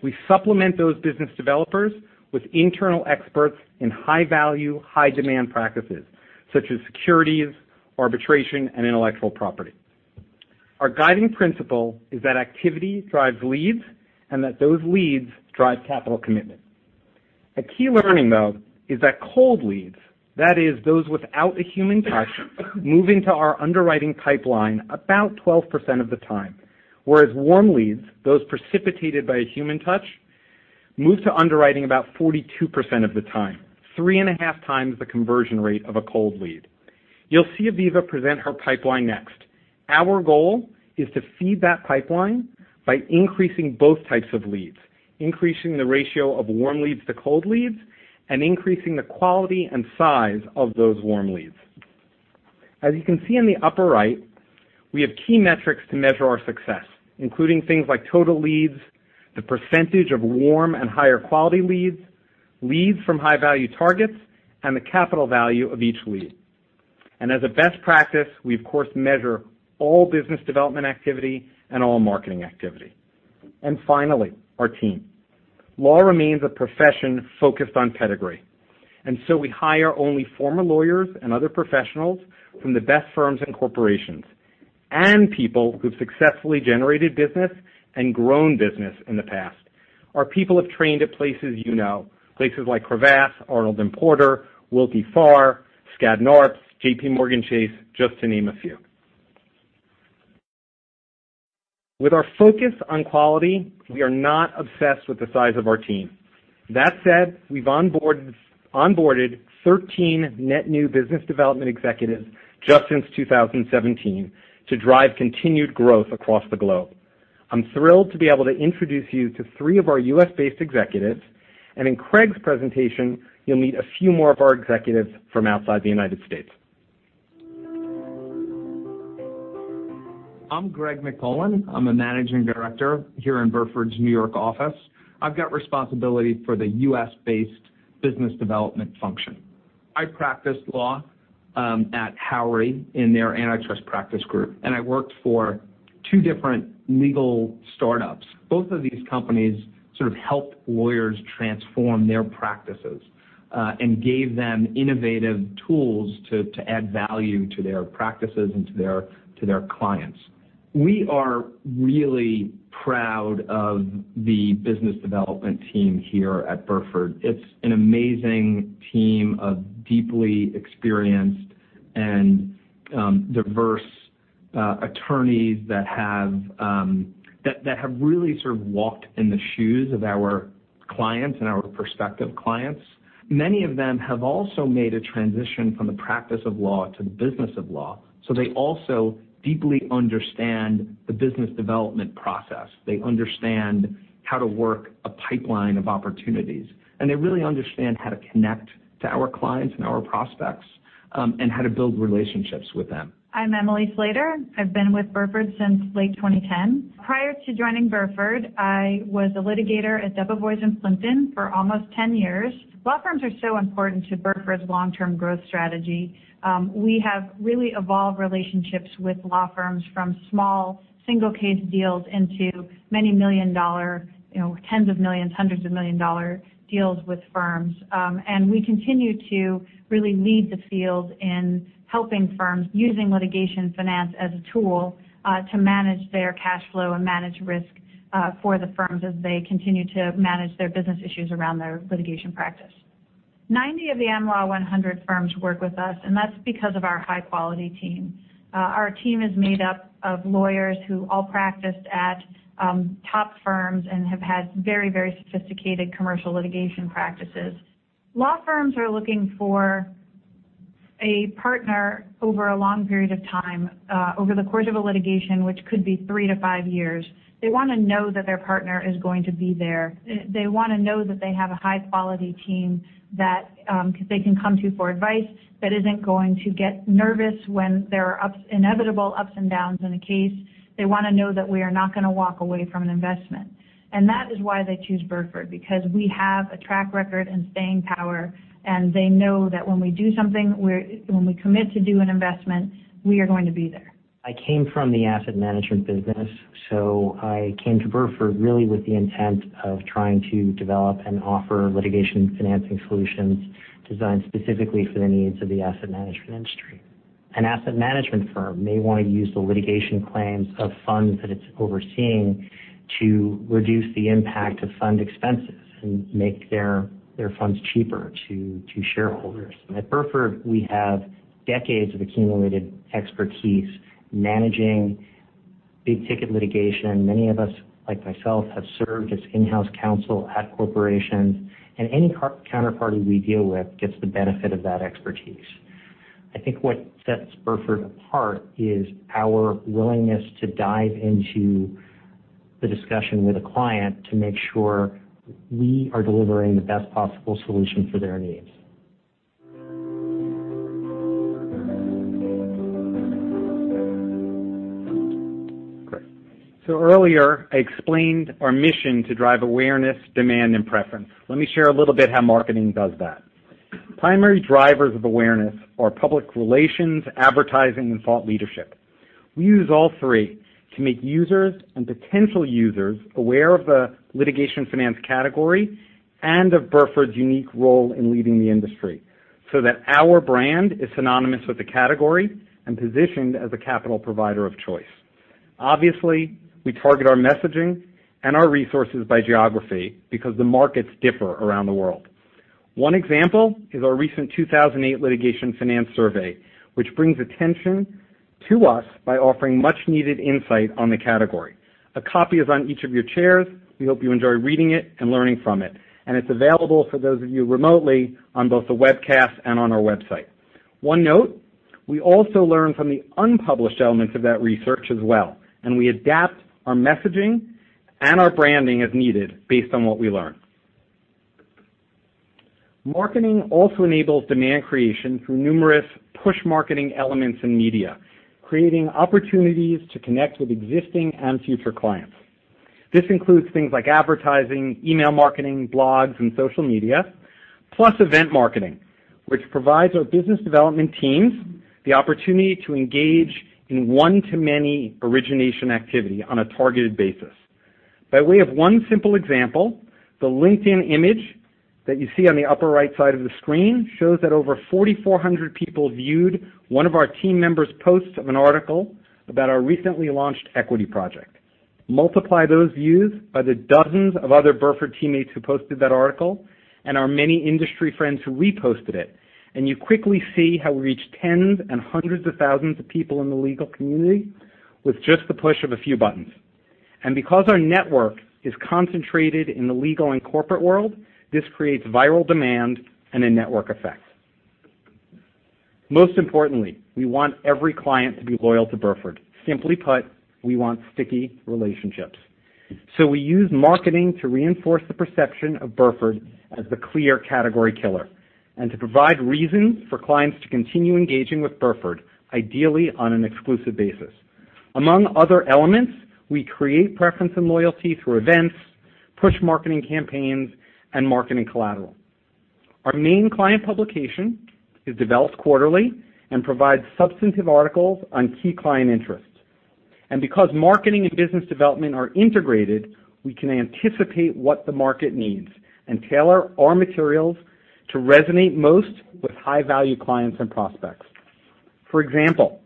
We supplement those business developers with internal experts in high-value, high-demand practices such as securities, arbitration, and intellectual property. Our guiding principle is that activity drives leads, that those leads drive capital commitment. A key learning, though, is that cold leads, that is, those without a human touch, move into our underwriting pipeline about 12% of the time, whereas warm leads, those precipitated by a human touch, move to underwriting about 42% of the time, three and a half times the conversion rate of a cold lead. You'll see Aviva present her pipeline next. Our goal is to feed that pipeline by increasing both types of leads, increasing the ratio of warm leads to cold leads, increasing the quality and size of those warm leads. As you can see in the upper right, we have key metrics to measure our success, including things like total leads, the percentage of warm and higher-quality leads from high-value targets, and the capital value of each lead. As a best practice, we of course measure all business development activity and all marketing activity. Finally, our team. Law remains a profession focused on pedigree, so we hire only former lawyers and other professionals from the best firms and corporations, and people who've successfully generated business and grown business in the past. Our people have trained at places you know, places like Cravath, Arnold & Porter, Willkie Farr, Skadden Arps, JPMorgan Chase, just to name a few. With our focus on quality, we are not obsessed with the size of our team. That said, we've onboarded 13 net new business development executives just since 2017 to drive continued growth across the globe. I'm thrilled to be able to introduce you to three of our U.S.-based executives, and in Craig's presentation, you'll meet a few more of our executives from outside the U.S. I'm Greg McQuillan. I'm a managing director here in Burford's New York office. I've got responsibility for the U.S.-based business development function. I practiced law at Howrey in their antitrust practice group, and I worked for two different legal startups. Both of these companies sort of helped lawyers transform their practices, and gave them innovative tools to add value to their practices and to their clients. We are really proud of the business development team here at Burford. It's an amazing team of deeply experienced and diverse attorneys that have really sort of walked in the shoes of our clients and our prospective clients. Many of them have also made a transition from the practice of law to the business of law, they also deeply understand the business development process. They understand how to work a pipeline of opportunities, they really understand how to connect to our clients and our prospects, and how to build relationships with them. I'm Emily Slater. I've been with Burford since late 2010. Prior to joining Burford, I was a litigator at Debevoise & Plimpton for almost 10 years. Law firms are so important to Burford's long-term growth strategy. We have really evolved relationships with law firms from small, single-case deals into many million-dollar, tens of millions, hundreds of million-dollar deals with firms. We continue to really lead the field in helping firms, using litigation finance as a tool, to manage their cash flow and manage risk for the firms as they continue to manage their business issues around their litigation practice. 90 of the Am Law 100 firms work with us, that's because of our high-quality team. Our team is made up of lawyers who all practiced at top firms and have had very sophisticated commercial litigation practices. Law firms are looking for a partner over a long period of time, over the course of a litigation, which could be three to five years. They want to know that their partner is going to be there. They want to know that they have a high-quality team that they can come to for advice, that isn't going to get nervous when there are inevitable ups and downs in a case. They want to know that we are not going to walk away from an investment. That is why they choose Burford, because we have a track record and staying power, and they know that when we do something, when we commit to do an investment, we are going to be there. I came from the asset management business, I came to Burford really with the intent of trying to develop and offer litigation financing solutions designed specifically for the needs of the asset management industry. An asset management firm may want to use the litigation claims of funds that it's overseeing to reduce the impact of fund expenses and make their funds cheaper to shareholders. At Burford, we have decades of accumulated expertise managing big-ticket litigation. Many of us, like myself, have served as in-house counsel at corporations, and any counterparty we deal with gets the benefit of that expertise. I think what sets Burford apart is our willingness to dive into the discussion with a client to make sure we are delivering the best possible solution for their needs. Great. Earlier, I explained our mission to drive awareness, demand, and preference. Let me share a little bit how marketing does that. Primary drivers of awareness are public relations, advertising, and thought leadership. We use all three to make users and potential users aware of the litigation finance category and of Burford's unique role in leading the industry so that our brand is synonymous with the category and positioned as a capital provider of choice. Obviously, we target our messaging and our resources by geography because the markets differ around the world. One example is our recent 2008 litigation finance survey, which brings attention to us by offering much needed insight on the category. A copy is on each of your chairs. We hope you enjoy reading it and learning from it, and it's available for those of you remotely on both the webcast and on our website. One note, we also learn from the unpublished elements of that research as well, and we adapt our messaging and our branding as needed based on what we learn. Marketing also enables demand creation through numerous push marketing elements in media, creating opportunities to connect with existing and future clients. This includes things like advertising, email marketing, blogs, and social media, plus event marketing, which provides our business development teams the opportunity to engage in one-to-many origination activity on a targeted basis. By way of one simple example, the LinkedIn image that you see on the upper right side of the screen shows that over 4,400 people viewed one of our team members' posts of an article about our recently launched Equity Project. Multiply those views by the dozens of other Burford teammates who posted that article and our many industry friends who reposted it, you quickly see how we reach tens and hundreds of thousands of people in the legal community with just the push of a few buttons. Because our network is concentrated in the legal and corporate world, this creates viral demand and a network effect. Most importantly, we want every client to be loyal to Burford. Simply put, we want sticky relationships. We use marketing to reinforce the perception of Burford as the clear category killer and to provide reasons for clients to continue engaging with Burford, ideally on an exclusive basis. Among other elements, we create preference and loyalty through events, push marketing campaigns, and marketing collateral. Our main client publication is developed quarterly and provides substantive articles on key client interests. Because marketing and business development are integrated, we can anticipate what the market needs and tailor our materials to resonate most with high-value clients and prospects. For example,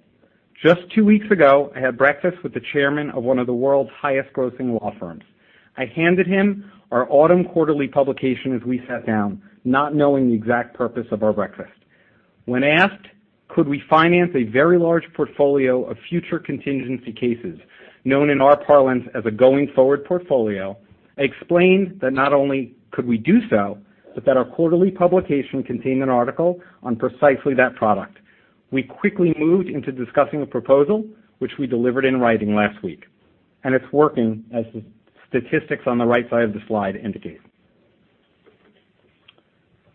just two weeks ago, I had breakfast with the chairman of one of the world's highest grossing law firms. I handed him our autumn quarterly publication as we sat down, not knowing the exact purpose of our breakfast. When asked could we finance a very large portfolio of future contingency cases, known in our parlance as a going-forward portfolio, I explained that not only could we do so, but that our quarterly publication contained an article on precisely that product. We quickly moved into discussing a proposal, which we delivered in writing last week. It's working, as the statistics on the right side of the slide indicate.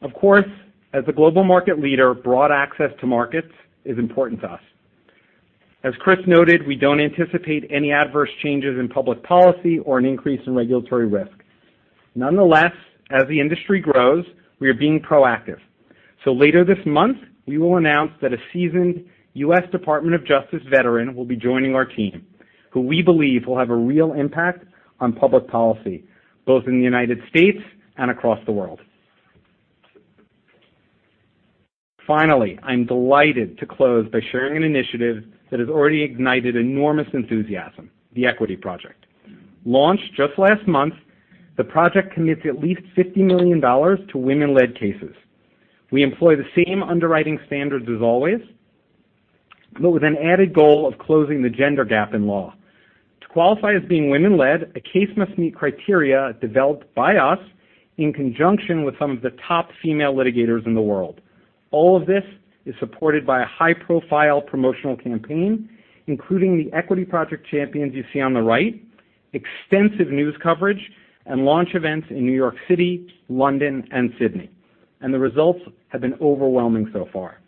Of course, as a global market leader, broad access to markets is important to us. As Chris noted, we don't anticipate any adverse changes in public policy or an increase in regulatory risk. Nonetheless, as the industry grows, we are being proactive. Later this month, we will announce that a seasoned U.S. Department of Justice veteran will be joining our team, who we believe will have a real impact on public policy, both in the United States and across the world. Finally, I'm delighted to close by sharing an initiative that has already ignited enormous enthusiasm, The Equity Project. Launched just last month, the project commits at least $50 million to women-led cases. We employ the same underwriting standards as always, but with an added goal of closing the gender gap in law. To qualify as being women-led, a case must meet criteria developed by us in conjunction with some of the top female litigators in the world. All of this is supported by a high-profile promotional campaign, including The Equity Project champions you see on the right, extensive news coverage, and launch events in New York City, London, and Sydney, the results have been overwhelming so far.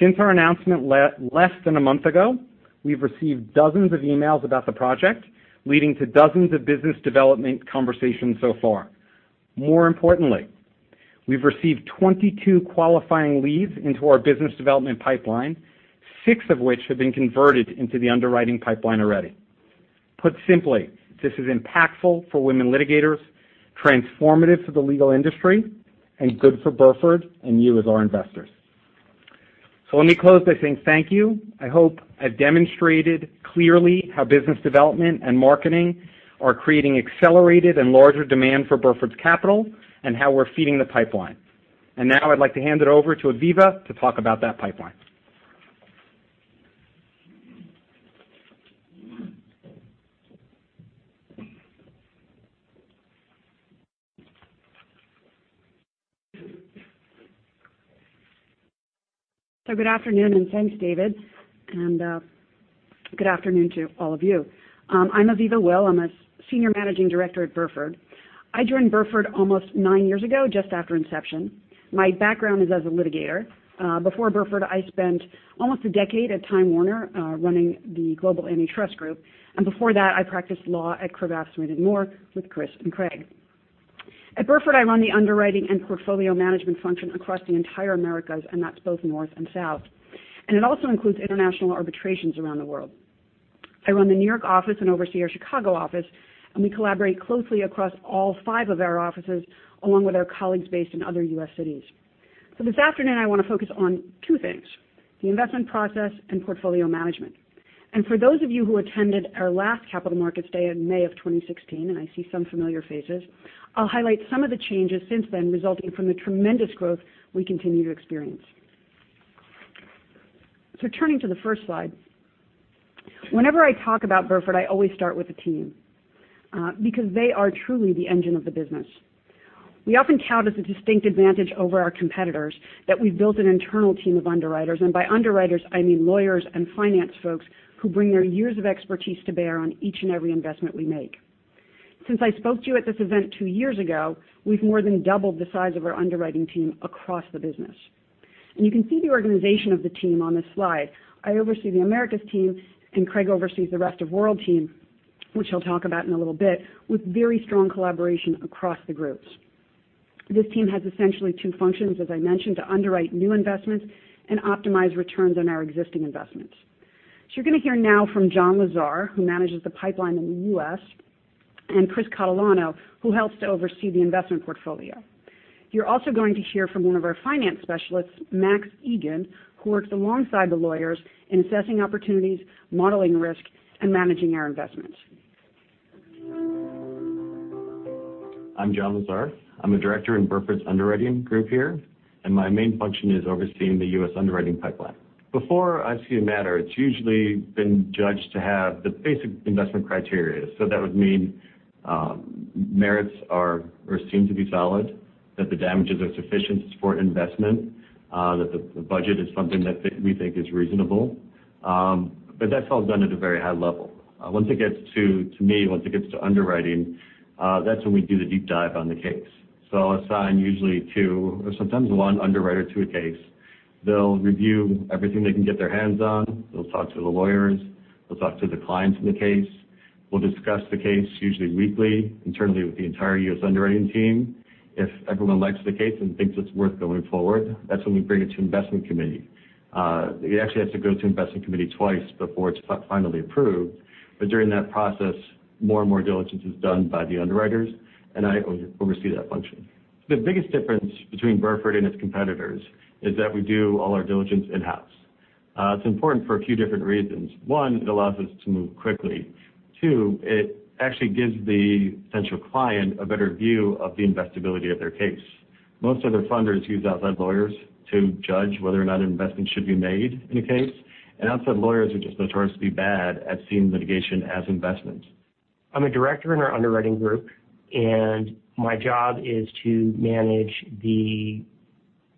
Since our announcement less than a month ago, we've received dozens of emails about the project, leading to dozens of business development conversations so far. More importantly, we've received 22 qualifying leads into our business development pipeline, six of which have been converted into the underwriting pipeline already. Put simply, this is impactful for women litigators, transformative for the legal industry, and good for Burford and you as our investors. Let me close by saying thank you. I hope I've demonstrated clearly how business development and marketing are creating accelerated and larger demand for Burford's capital and how we're feeding the pipeline. Now I'd like to hand it over to Aviva to talk about that pipeline. Good afternoon, and thanks, David. Good afternoon to all of you. I'm Aviva Will. I'm a senior managing director at Burford. I joined Burford almost nine years ago, just after inception. My background is as a litigator. Before Burford, I spent almost a decade at Time Warner, running the global antitrust group, and before that, I practiced law at Cravath, Swaine & Moore with Chris and Craig. At Burford, I run the underwriting and portfolio management function across the entire Americas, and that's both North and South. It also includes international arbitrations around the world. I run the New York office and oversee our Chicago office, and we collaborate closely across all five of our offices, along with our colleagues based in other U.S. cities. This afternoon, I want to focus on two things, the investment process and portfolio management. For those of you who attended our last Capital Markets Day in May of 2016, and I see some familiar faces, I'll highlight some of the changes since then resulting from the tremendous growth we continue to experience. Turning to the first slide. Whenever I talk about Burford, I always start with the team because they are truly the engine of the business. We often count as a distinct advantage over our competitors that we've built an internal team of underwriters. By underwriters, I mean lawyers and finance folks who bring their years of expertise to bear on each and every investment we make. Since I spoke to you at this event two years ago, we've more than doubled the size of our underwriting team across the business. You can see the organization of the team on this slide. I oversee the Americas team, and Craig oversees the rest of world team, which he'll talk about in a little bit, with very strong collaboration across the groups. This team has essentially two functions, as I mentioned, to underwrite new investments and optimize returns on our existing investments. You're going to hear now from John Lazar, who manages the pipeline in the U.S., and Chris Catalano, who helps to oversee the investment portfolio. You're also going to hear from one of our finance specialists, Max Egan, who works alongside the lawyers in assessing opportunities, modeling risk, and managing our investments. I'm John Lazar. I'm a director in Burford's underwriting group here, and my main function is overseeing the U.S. underwriting pipeline. Before I see a matter, it's usually been judged to have the basic investment criteria. That would mean merits are or seem to be solid, that the damages are sufficient to support investment, that the budget is something that we think is reasonable. That's all done at a very high level. Once it gets to me, once it gets to underwriting, that's when we do the deep dive on the case. I'll assign usually two or sometimes one underwriter to a case. They'll review everything they can get their hands on. They'll talk to the lawyers. They'll talk to the clients in the case. We'll discuss the case usually weekly, internally with the entire U.S. underwriting team. If everyone likes the case and thinks it's worth going forward, that's when we bring it to investment committee. It actually has to go to investment committee twice before it's finally approved. During that process, more and more diligence is done by the underwriters, and I oversee that function. The biggest difference between Burford and its competitors is that we do all our diligence in-house. It's important for a few different reasons. One, it allows us to move quickly. Two, it actually gives the potential client a better view of the investibility of their case. Most other funders use outside lawyers to judge whether or not an investment should be made in a case. Outside lawyers are just notoriously bad at seeing litigation as investment. I'm a director in our underwriting group, and my job is to manage the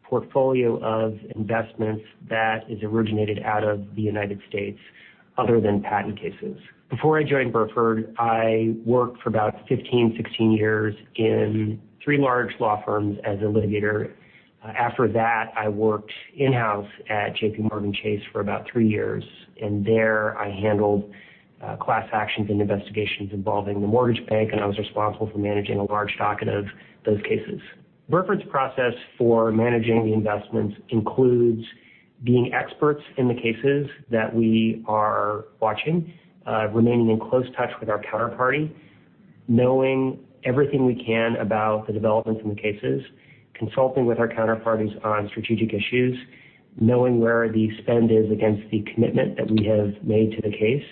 portfolio of investments that is originated out of the United States other than patent cases. Before I joined Burford, I worked for about 15, 16 years in three large law firms as a litigator. After that, I worked in-house at JPMorgan Chase for about three years. There, I handled class actions and investigations involving the mortgage bank, and I was responsible for managing a large docket of those cases. Burford's process for managing the investments includes being experts in the cases that we are watching, remaining in close touch with our counterparty, knowing everything we can about the developments in the cases, consulting with our counterparties on strategic issues, knowing where the spend is against the commitment that we have made to the case,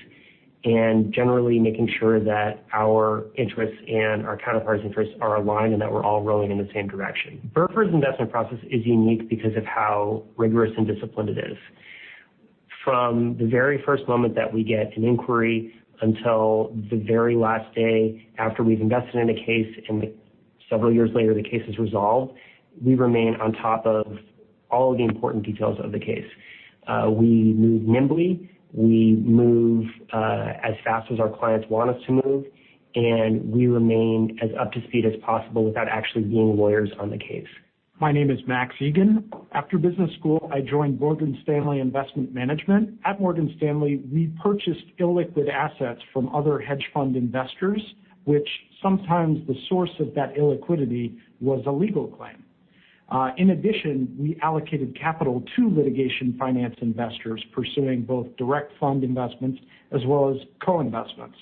and generally making sure that our interests and our counterparties' interests are aligned and that we're all rowing in the same direction. Burford's investment process is unique because of how rigorous and disciplined it is. From the very first moment that we get an inquiry until the very last day after we've invested in a case and several years later, the case is resolved, we remain on top of all the important details of the case. We move nimbly. We move as fast as our clients want us to move, we remain as up to speed as possible without actually being lawyers on the case. My name is Max Egan. After business school, I joined Morgan Stanley Investment Management. At Morgan Stanley, we purchased illiquid assets from other hedge fund investors, which sometimes the source of that illiquidity was a legal claim. In addition, we allocated capital to litigation finance investors pursuing both direct fund investments as well as co-investments.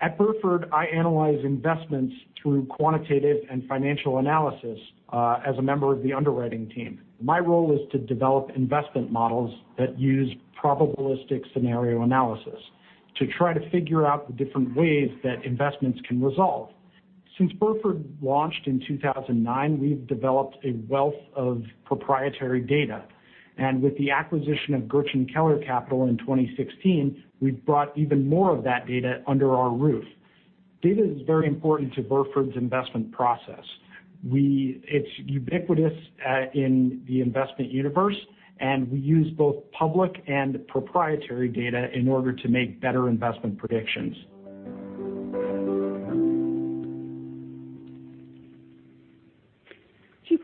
At Burford, I analyze investments through quantitative and financial analysis as a member of the underwriting team. My role is to develop investment models that use probabilistic scenario analysis to try to figure out the different ways that investments can resolve. Since Burford launched in 2009, we've developed a wealth of proprietary data, with the acquisition of Gerchen Keller Capital in 2016, we've brought even more of that data under our roof. Data is very important to Burford's investment process. It's ubiquitous in the investment universe, we use both public and proprietary data in order to make better investment predictions.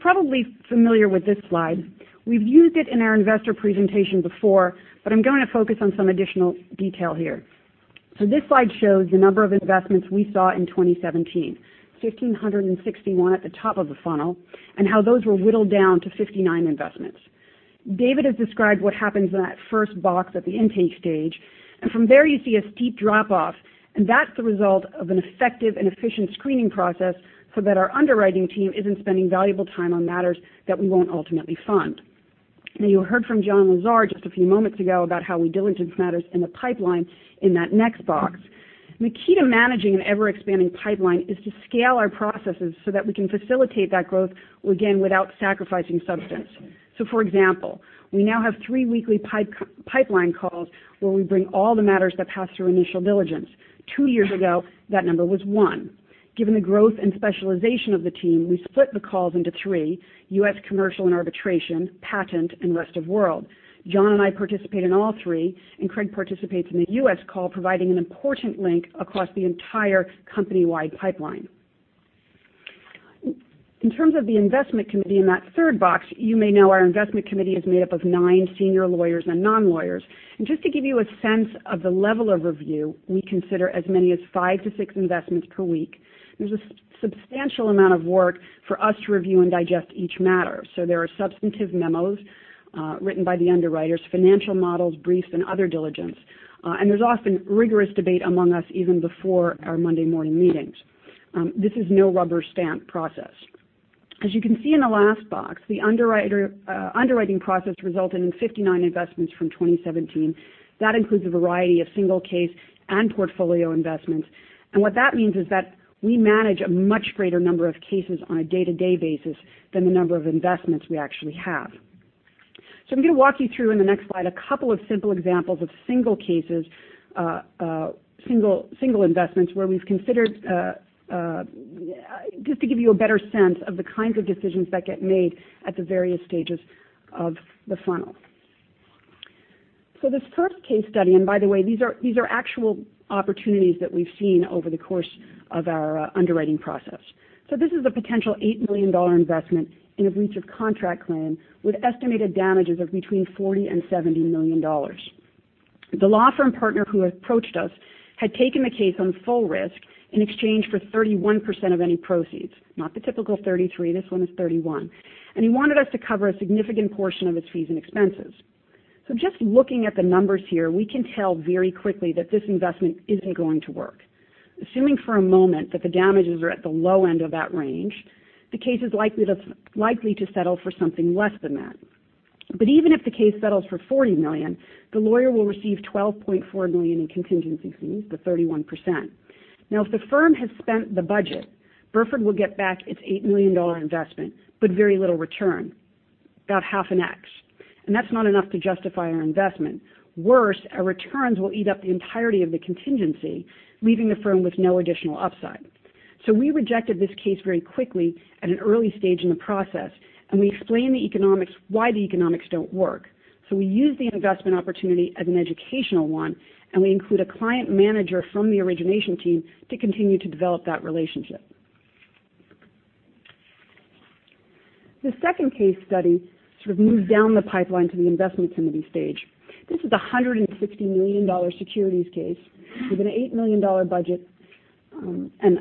You're probably familiar with this slide. We've used it in our investor presentation before, I'm going to focus on some additional detail here. This slide shows the number of investments we saw in 2017, 1,561 at the top of the funnel, how those were whittled down to 59 investments. David has described what happens in that first box at the intake stage, from there you see a steep drop-off, that's the result of an effective and efficient screening process so that our underwriting team isn't spending valuable time on matters that we won't ultimately fund. You heard from John Lazar just a few moments ago about how we diligence matters in the pipeline in that next box. The key to managing an ever-expanding pipeline is to scale our processes so that we can facilitate that growth, again, without sacrificing substance. For example, we now have three weekly pipeline calls where we bring all the matters that pass through initial diligence. Two years ago, that number was one. Given the growth and specialization of the team, we split the calls into three: U.S. commercial and arbitration, patent, and rest of world. John and I participate in all three, and Craig participates in the U.S. call, providing an important link across the entire company-wide pipeline. In terms of the investment committee in that third box, you may know our investment committee is made up of nine senior lawyers and non-lawyers. Just to give you a sense of the level of review, we consider as many as five to six investments per week. There's a substantial amount of work for us to review and digest each matter. There are substantive memos written by the underwriters, financial models, briefs, and other diligence. There's often rigorous debate among us even before our Monday morning meetings. This is no rubber-stamp process. As you can see in the last box, the underwriting process resulted in 59 investments from 2017. That includes a variety of single case and portfolio investments. What that means is that we manage a much greater number of cases on a day-to-day basis than the number of investments we actually have. I'm going to walk you through in the next slide a couple of simple examples of single cases, single investments where we've considered. Just to give you a better sense of the kinds of decisions that get made at the various stages of the funnel. This first case study, and by the way, these are actual opportunities that we've seen over the course of our underwriting process. This is a potential $8 million investment in a breach of contract claim with estimated damages of between $40 million and $70 million. The law firm partner who approached us had taken the case on full risk in exchange for 31% of any proceeds. Not the typical 33%, this one is 31%. He wanted us to cover a significant portion of his fees and expenses. Just looking at the numbers here, we can tell very quickly that this investment isn't going to work. Assuming for a moment that the damages are at the low end of that range, the case is likely to settle for something less than that. Even if the case settles for $40 million, the lawyer will receive $12.4 million in contingency fees, the 31%. If the firm has spent the budget, Burford will get back its $8 million investment, but very little return, about half an X. That's not enough to justify our investment. Worse, our returns will eat up the entirety of the contingency, leaving the firm with no additional upside. We rejected this case very quickly at an early stage in the process. We explained the economics, why the economics don't work. We use the investment opportunity as an educational one. We include a client manager from the origination team to continue to develop that relationship. The second case study sort of moves down the pipeline to the investment committee stage. This is a $160 million securities case with an $8 million budget.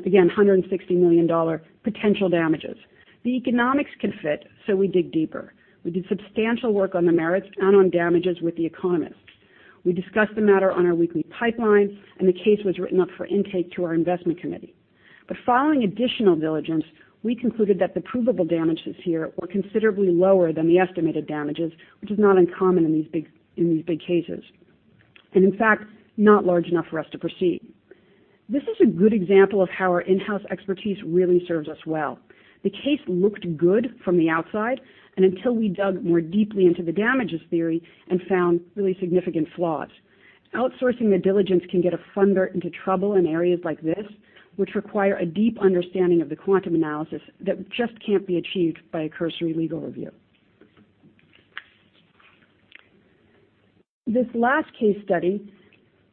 Again, $160 million potential damages. The economics could fit. We dig deeper. We did substantial work on the merits and on damages with the economists. We discussed the matter on our weekly pipeline, and the case was written up for intake to our investment committee. Following additional diligence, we concluded that the provable damages here were considerably lower than the estimated damages, which is not uncommon in these big cases. In fact, not large enough for us to proceed. This is a good example of how our in-house expertise really serves us well. The case looked good from the outside until we dug more deeply into the damages theory and found really significant flaws. Outsourcing the diligence can get a funder into trouble in areas like this, which require a deep understanding of the quantum analysis that just can't be achieved by a cursory legal review. This last case study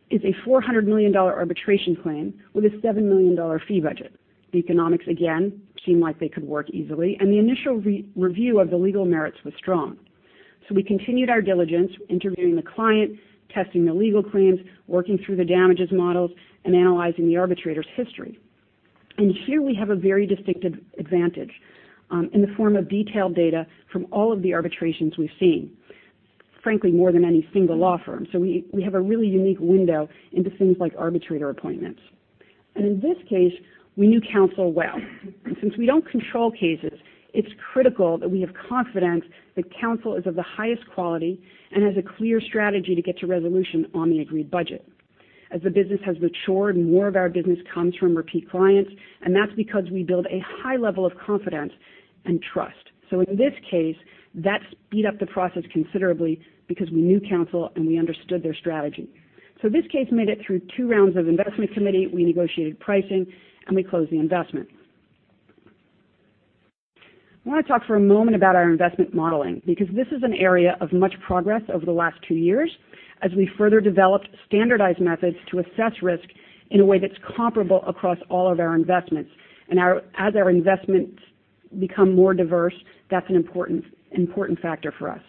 is a $400 million arbitration claim with a $7 million fee budget. The economics, again, seemed like they could work easily. The initial review of the legal merits was strong. We continued our diligence, interviewing the client, testing the legal claims, working through the damages models, and analyzing the arbitrator's history. Here we have a very distinctive advantage in the form of detailed data from all of the arbitrations we've seen. Frankly, more than any single law firm. We have a really unique window into things like arbitrator appointments. In this case, we knew counsel well. Since we don't control cases, it's critical that we have confidence that counsel is of the highest quality and has a clear strategy to get to resolution on the agreed budget. As the business has matured, more of our business comes from repeat clients. That's because we build a high level of confidence and trust. In this case, that sped up the process considerably because we knew counsel and we understood their strategy. This case made it through two rounds of investment committee, we negotiated pricing, and we closed the investment. I want to talk for a moment about our investment modeling, because this is an area of much progress over the last two years as we further developed standardized methods to assess risk in a way that's comparable across all of our investments. As our investments become more diverse, that's an important factor for us.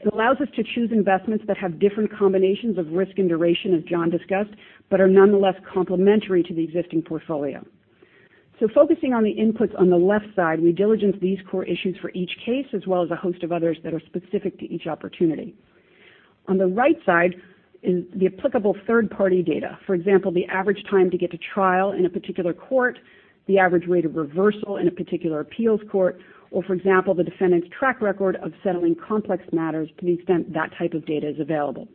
It allows us to choose investments that have different combinations of risk and duration, as John discussed, but are nonetheless complementary to the existing portfolio. Focusing on the inputs on the left side, we diligence these core issues for each case, as well as a host of others that are specific to each opportunity. On the right side is the applicable third-party data. For example, the average time to get to trial in a particular court, the average rate of reversal in a particular appeals court, or for example, the defendant's track record of settling complex matters to the extent that type of data is available.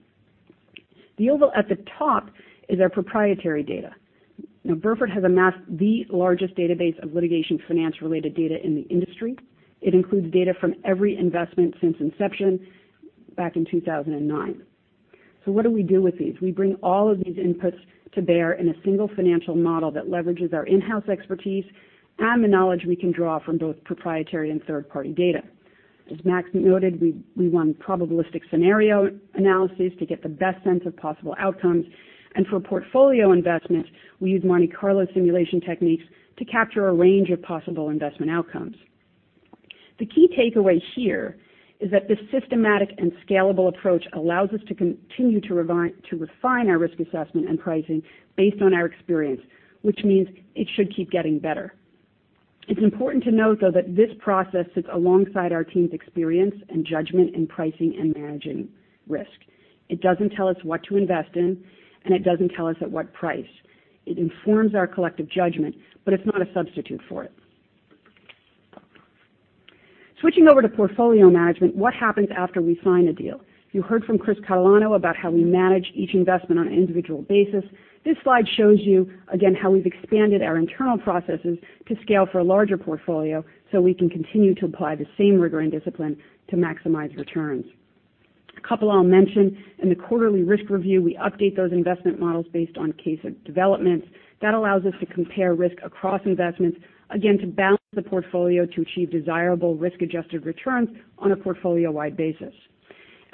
The oval at the top is our proprietary data. Burford has amassed the largest database of litigation finance-related data in the industry. It includes data from every investment since inception back in 2009. What do we do with these? We bring all of these inputs to bear in a single financial model that leverages our in-house expertise and the knowledge we can draw from both proprietary and third-party data. As Max Egan noted, we run probabilistic scenario analyses to get the best sense of possible outcomes. For portfolio investments, we use Monte Carlo simulation techniques to capture a range of possible investment outcomes. The key takeaway here is that this systematic and scalable approach allows us to continue to refine our risk assessment and pricing based on our experience, which means it should keep getting better. It's important to note, though, that this process sits alongside our team's experience in judgment and pricing and managing risk. It doesn't tell us what to invest in, it doesn't tell us at what price. It informs our collective judgment, it's not a substitute for it. Switching over to portfolio management, what happens after we sign a deal? You heard from Chris Catalano about how we manage each investment on an individual basis. This slide shows you, again, how we've expanded our internal processes to scale for a larger portfolio, we can continue to apply the same rigor and discipline to maximize returns. A couple I'll mention. In the quarterly risk review, we update those investment models based on case developments. That allows us to compare risk across investments, again, to balance the portfolio to achieve desirable risk-adjusted returns on a portfolio-wide basis.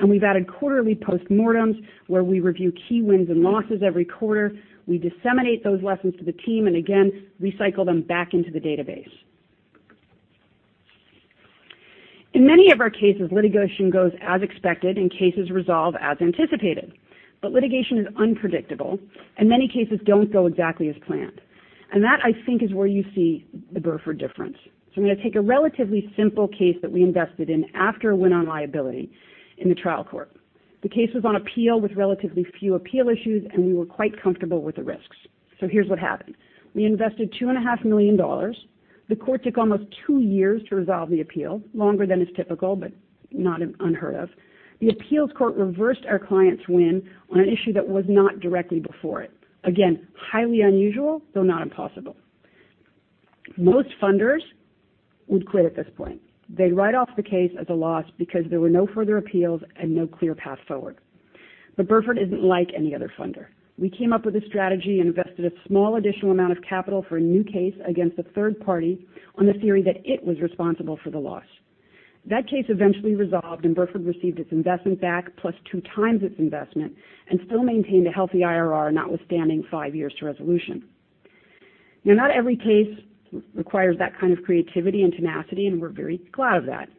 We've added quarterly post-mortems where we review key wins and losses every quarter. We disseminate those lessons to the team, again, recycle them back into the database. In many of our cases, litigation goes as expected and cases resolve as anticipated. Litigation is unpredictable, many cases don't go exactly as planned. That, I think, is where you see the Burford Capital difference. I'm going to take a relatively simple case that we invested in after a win on liability in the trial court. The case was on appeal with relatively few appeal issues, we were quite comfortable with the risks. Here's what happened. We invested GBP 2.5 million. The court took almost two years to resolve the appeal, longer than is typical, not unheard of. The appeals court reversed our client's win on an issue that was not directly before it. Again, highly unusual, though not impossible. Most funders would quit at this point. They'd write off the case as a loss because there were no further appeals and no clear path forward. Burford Capital isn't like any other funder. We came up with a strategy, invested a small additional amount of capital for a new case against a third party on the theory that it was responsible for the loss. That case eventually resolved, Burford Capital received its investment back, plus two times its investment, and still maintained a healthy IRR, notwithstanding five years to resolution. Not every case requires that kind of creativity and tenacity, and we're very glad of that.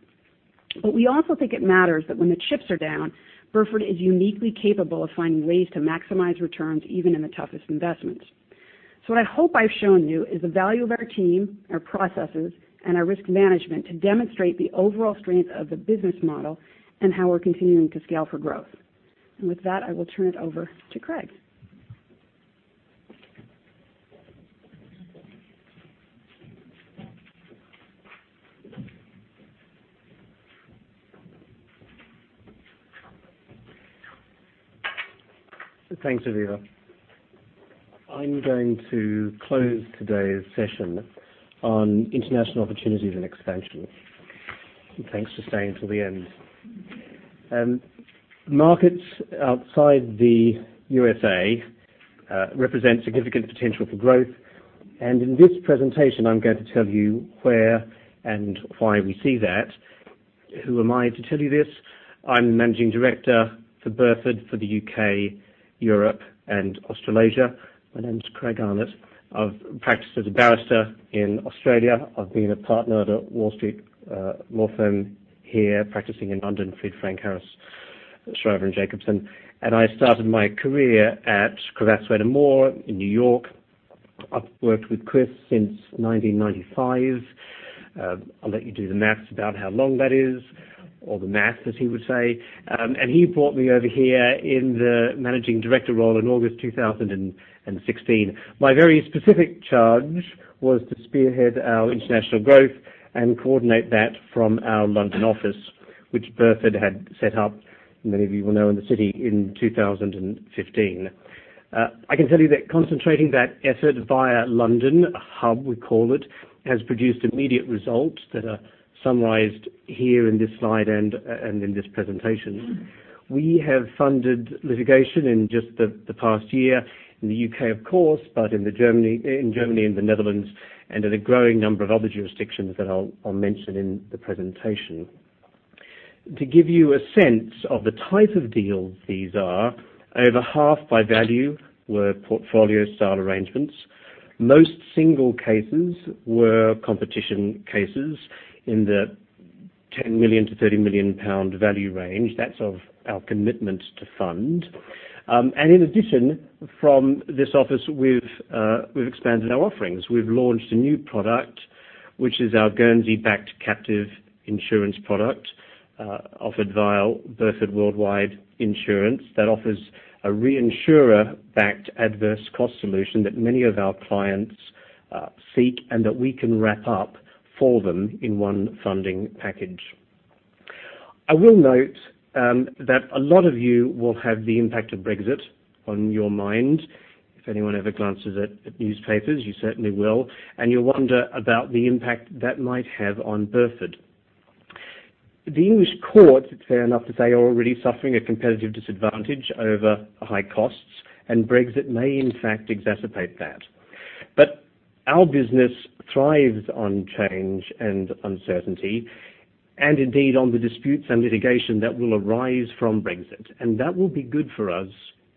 We also think it matters that when the chips are down, Burford Capital is uniquely capable of finding ways to maximize returns, even in the toughest investments. What I hope I've shown you is the value of our team, our processes, and our risk management to demonstrate the overall strength of the business model and how we're continuing to scale for growth. With that, I will turn it over to Craig. Thanks, Aviva. I'm going to close today's session on international opportunities and expansion. Thanks for staying till the end. Markets outside the USA represent significant potential for growth. In this presentation, I'm going to tell you where and why we see that. Who am I to tell you this? I'm the managing director for Burford for the U.K., Europe, and Australasia. My name is Craig Arnott. I've practiced as a barrister in Australia. I've been a partner at a Wall Street law firm here, practicing in London, Fried, Frank, Harris, Shriver & Jacobson. I started my career at Cravath, Swaine & Moore in New York. I've worked with Chris since 1995. I'll let you do the maths about how long that is, or the math, as he would say. He brought me over here in the managing director role in August 2016. My very specific charge was to spearhead our international growth and coordinate that from our London office, which Burford had set up, many of you will know, in the City in 2015. I can tell you that concentrating that effort via London hub, we call it, has produced immediate results that are summarized here in this slide and in this presentation. We have funded litigation in just the past year in the U.K., of course, but in Germany, in the Netherlands, and in a growing number of other jurisdictions that I'll mention in the presentation. To give you a sense of the type of deals these are, over half by value were portfolio-style arrangements. Most single cases were competition cases in the 10 million-30 million pound value range. That's of our commitment to fund. In addition, from this office, we've expanded our offerings. We've launched a new product, which is our Guernsey-backed captive insurance product, offered via Burford Worldwide Insurance, that offers a reinsurer-backed adverse cost solution that many of our clients seek and that we can wrap up for them in one funding package. I will note that a lot of you will have the impact of Brexit on your mind. If anyone ever glances at newspapers, you certainly will, and you'll wonder about the impact that might have on Burford. The English courts, it's fair enough to say, are already suffering a competitive disadvantage over high costs, and Brexit may, in fact, exacerbate that. Our business thrives on change and uncertainty, and indeed on the disputes and litigation that will arise from Brexit. That will be good for us,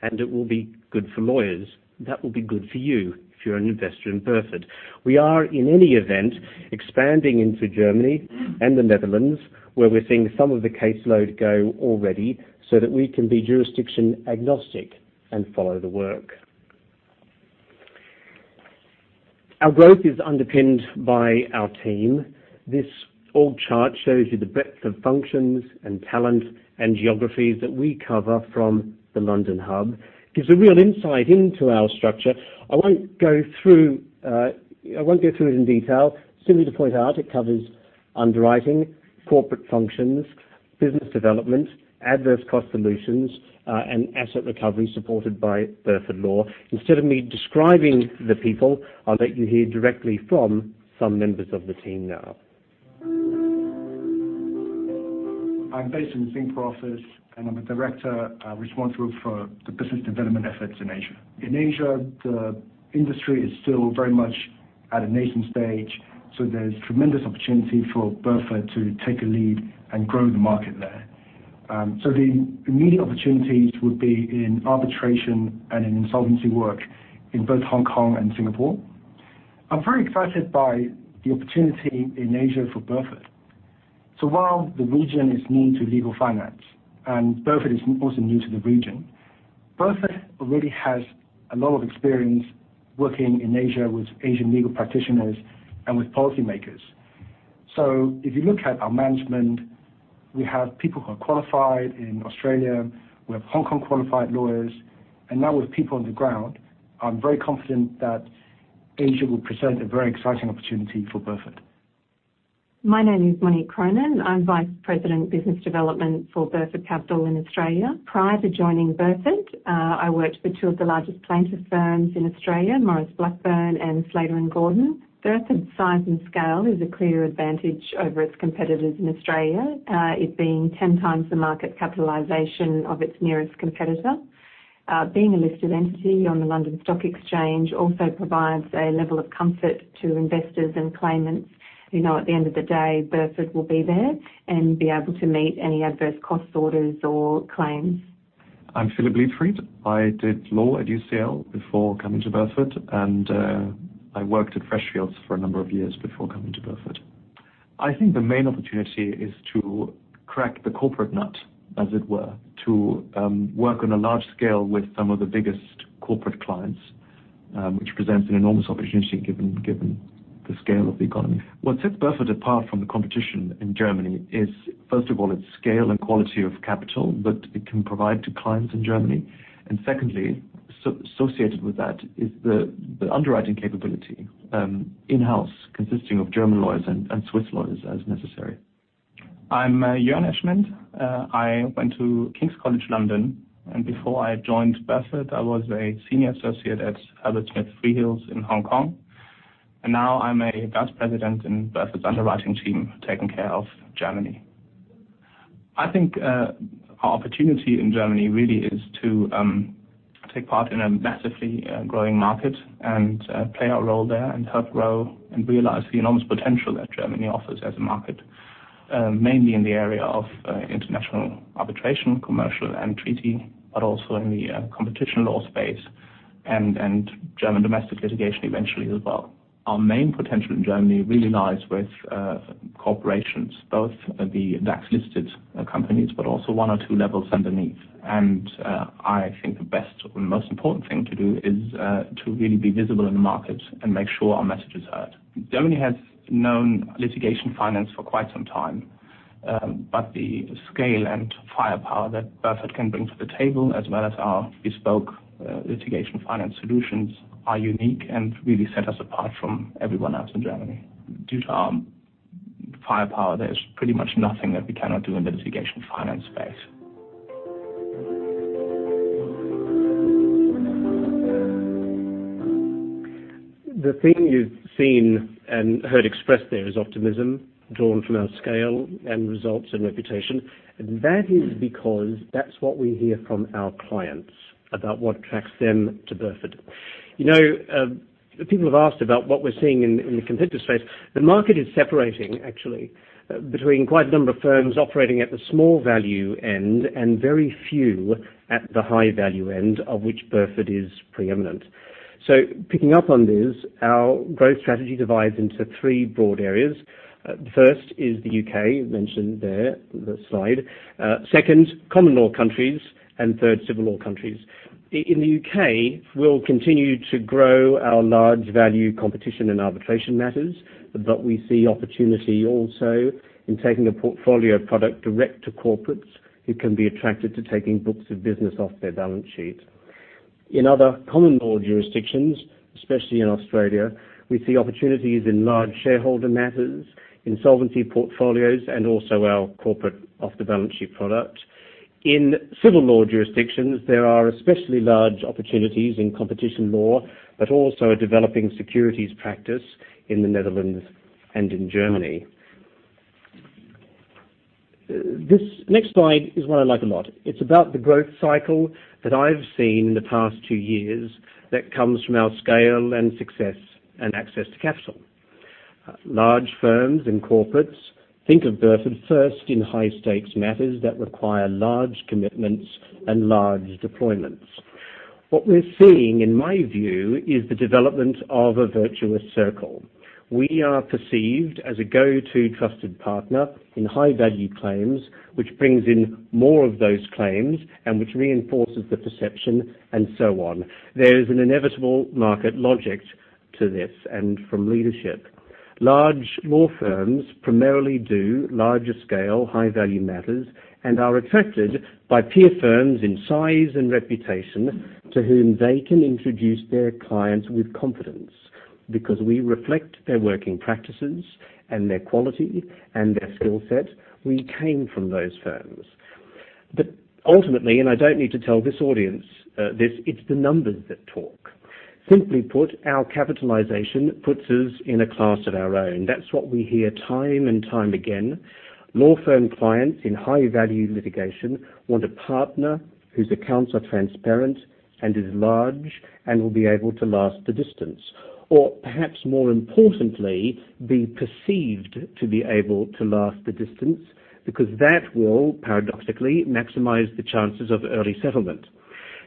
and it will be good for lawyers. That will be good for you if you're an investor in Burford. We are, in any event, expanding into Germany and the Netherlands, where we're seeing some of the caseload go already so that we can be jurisdiction agnostic and follow the work. Our growth is underpinned by our team. This org chart shows you the breadth of functions and talent and geographies that we cover from the London hub. Gives a real insight into our structure. I won't go through it in detail. Simply to point out, it covers underwriting, corporate functions, business development, adverse cost solutions, and asset recovery supported by Burford Law. Instead of me describing the people, I'll let you hear directly from some members of the team now. I'm based in the Singapore office. I'm a director responsible for the business development efforts in Asia. In Asia, the industry is still very much at a nascent stage. There's tremendous opportunity for Burford to take a lead and grow the market there. The immediate opportunities would be in arbitration and in insolvency work in both Hong Kong and Singapore. I'm very excited by the opportunity in Asia for Burford. While the region is new to legal finance and Burford is also new to the region, Burford already has a lot of experience working in Asia with Asian legal practitioners and with policymakers. If you look at our management, we have people who are qualified in Australia, we have Hong Kong-qualified lawyers, and now with people on the ground, I'm very confident that Asia will present a very exciting opportunity for Burford. My name is Monique Cronin. I'm Vice President Business Development for Burford Capital in Australia. Prior to joining Burford, I worked for two of the largest plaintiff firms in Australia, Maurice Blackburn and Slater and Gordon. Burford's size and scale is a clear advantage over its competitors in Australia. It being 10 times the market capitalization of its nearest competitor. Being a listed entity on the London Stock Exchange also provides a level of comfort to investors and claimants who know at the end of the day, Burford will be there and be able to meet any adverse cost orders or claims. I'm Philipp Leibfried. I did law at UCL before coming to Burford. I worked at Freshfields for a number of years before coming to Burford. I think the main opportunity is to crack the corporate nut, as it were, to work on a large scale with some of the biggest corporate clients, which presents an enormous opportunity given the scale of the economy. What sets Burford apart from the competition in Germany is, first of all, its scale and quality of capital that it can provide to clients in Germany, and secondly, associated with that is the underwriting capability in-house, consisting of German lawyers and Swiss lawyers as necessary. I'm Jörn Eschment. I went to King's College London. Before I joined Burford, I was a senior associate at Herbert Smith Freehills in Hong Kong. Now I'm a Vice President in Burford's underwriting team, taking care of Germany. I think our opportunity in Germany really is to take part in a massively growing market and play our role there and help grow and realize the enormous potential that Germany offers as a market. Mainly in the area of international arbitration, commercial and treaty, but also in the competition law space and German domestic litigation eventually as well. Our main potential in Germany really lies with corporations, both the DAX-listed companies, but also one or two levels underneath. I think the best and most important thing to do is to really be visible in the market and make sure our message is heard. Germany has known litigation finance for quite some time, but the scale and firepower that Burford can bring to the table, as well as our bespoke litigation finance solutions are unique and really set us apart from everyone else in Germany. Due to our firepower, there's pretty much nothing that we cannot do in the litigation finance space. The thing you've seen and heard expressed there is optimism drawn from our scale and results and reputation. That is because that's what we hear from our clients about what attracts them to Burford. People have asked about what we're seeing in the competitor space. The market is separating actually between quite a number of firms operating at the small value end, and very few at the high-value end of which Burford is preeminent. Picking up on this, our growth strategy divides into three broad areas. First is the U.K. mentioned there, the slide. Second, common law countries, and third, civil law countries. In the U.K., we'll continue to grow our large value competition and arbitration matters, but we see opportunity also in taking a portfolio product direct to corporates who can be attracted to taking books of business off their balance sheet. In other common law jurisdictions, especially in Australia, we see opportunities in large shareholder matters, insolvency portfolios, and also our corporate off-the-balance-sheet product. In civil law jurisdictions, there are especially large opportunities in competition law, but also a developing securities practice in the Netherlands and in Germany. This next slide is one I like a lot. It's about the growth cycle that I've seen in the past two years that comes from our scale and success and access to capital. Large firms and corporates think of Burford first in high-stakes matters that require large commitments and large deployments. What we're seeing, in my view, is the development of a virtuous circle. We are perceived as a go-to trusted partner in high-value claims, which brings in more of those claims and which reinforces the perception, and so on. There is an inevitable market logic to this and from leadership. Large law firms primarily do larger scale, high-value matters and are attracted by peer firms in size and reputation to whom they can introduce their clients with confidence because we reflect their working practices and their quality and their skill set. We came from those firms. Ultimately, and I don't need to tell this audience this, it's the numbers that talk. Simply put, our capitalization puts us in a class of our own. That's what we hear time and time again. Law firm clients in high-value litigation want a partner whose accounts are transparent and is large and will be able to last the distance. Perhaps more importantly, be perceived to be able to last the distance because that will paradoxically maximize the chances of early settlement.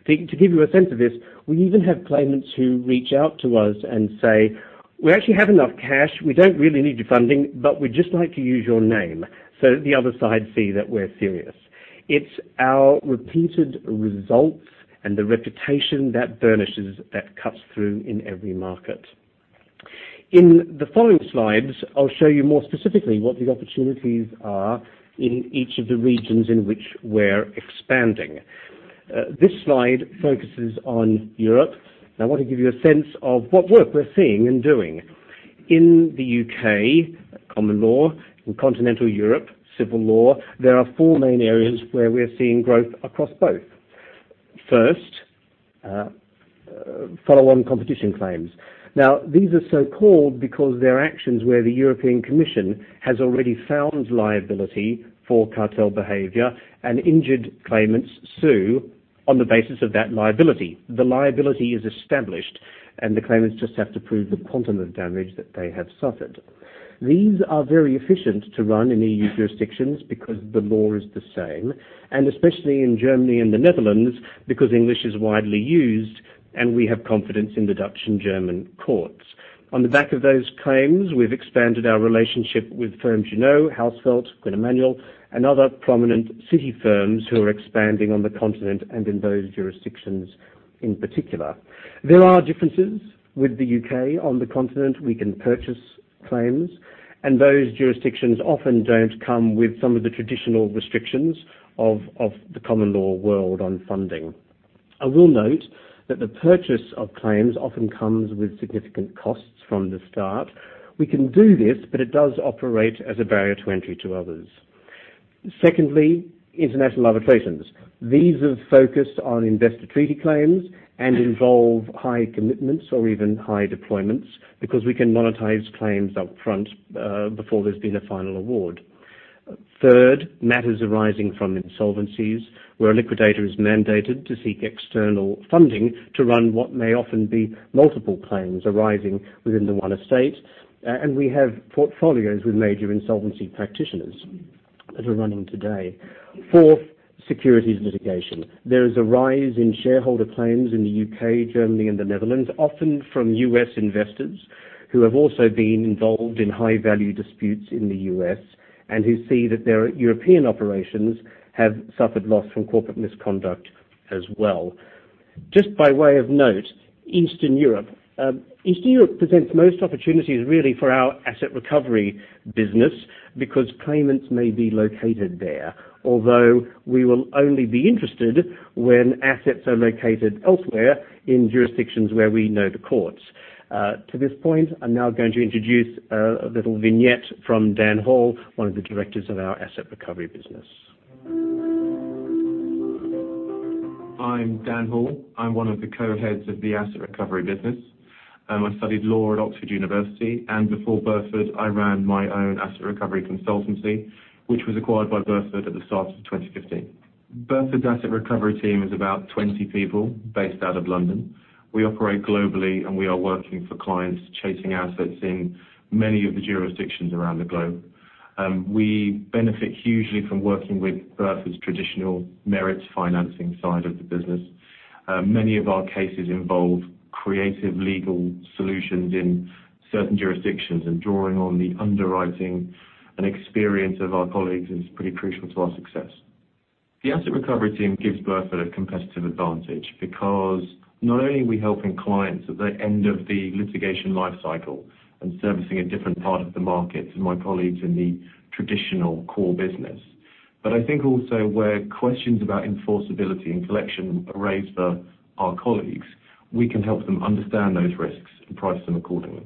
To give you a sense of this, we even have claimants who reach out to us and say, "We actually have enough cash. We don't really need your funding, but we'd just like to use your name so that the other side see that we're serious." It's our repeated results and the reputation that burnishes, that cuts through in every market. In the following slides, I'll show you more specifically what the opportunities are in each of the regions in which we're expanding. This slide focuses on Europe, and I want to give you a sense of what work we're seeing and doing. In the U.K., common law, in continental Europe, civil law, there are four main areas where we're seeing growth across both. First, follow-on competition claims. These are so-called because they're actions where the European Commission has already found liability for cartel behavior, and injured claimants sue on the basis of that liability. The liability is established. The claimants just have to prove the quantum of damage that they have suffered. These are very efficient to run in EU jurisdictions because the law is the same, and especially in Germany and the Netherlands, because English is widely used, and we have confidence in the Dutch and German courts. On the back of those claims, we've expanded our relationship with firms you know, Hausfeld, Quinn Emanuel, and other prominent city firms who are expanding on the continent and in those jurisdictions in particular. There are differences with the U.K. On the continent, we can purchase claims, and those jurisdictions often don't come with some of the traditional restrictions of the common law world on funding. I will note that the purchase of claims often comes with significant costs from the start. It does operate as a barrier to entry to others. Secondly, international arbitrations. These are focused on investor treaty claims and involve high commitments or even high deployments because we can monetize claims up front before there's been a final award. Third, matters arising from insolvencies where a liquidator is mandated to seek external funding to run what may often be multiple claims arising within the one estate, and we have portfolios with major insolvency practitioners that are running today. Fourth, securities litigation. There is a rise in shareholder claims in the U.K., Germany, and the Netherlands, often from U.S. investors who have also been involved in high-value disputes in the U.S. and who see that their European operations have suffered loss from corporate misconduct as well. Just by way of note, Eastern Europe. Eastern Europe presents most opportunities really for our asset recovery business because claimants may be located there. Although we will only be interested when assets are located elsewhere in jurisdictions where we know the courts. To this point, I'm now going to introduce a little vignette from Dan Hall, one of the directors of our asset recovery business. I'm Dan Hall. I'm one of the co-heads of the asset recovery business. I studied law at Oxford University. Before Burford, I ran my own asset recovery consultancy, which was acquired by Burford at the start of 2015. Burford asset recovery team is about 20 people based out of London. We operate globally. We are working for clients chasing assets in many of the jurisdictions around the globe. We benefit hugely from working with Burford's traditional merits financing side of the business. Many of our cases involve creative legal solutions in certain jurisdictions. Drawing on the underwriting and experience of our colleagues is pretty crucial to our success. The asset recovery team gives Burford a competitive advantage because not only are we helping clients at the end of the litigation life cycle and servicing a different part of the market to my colleagues in the traditional core business. I think also where questions about enforceability and collection arise for our colleagues, we can help them understand those risks and price them accordingly.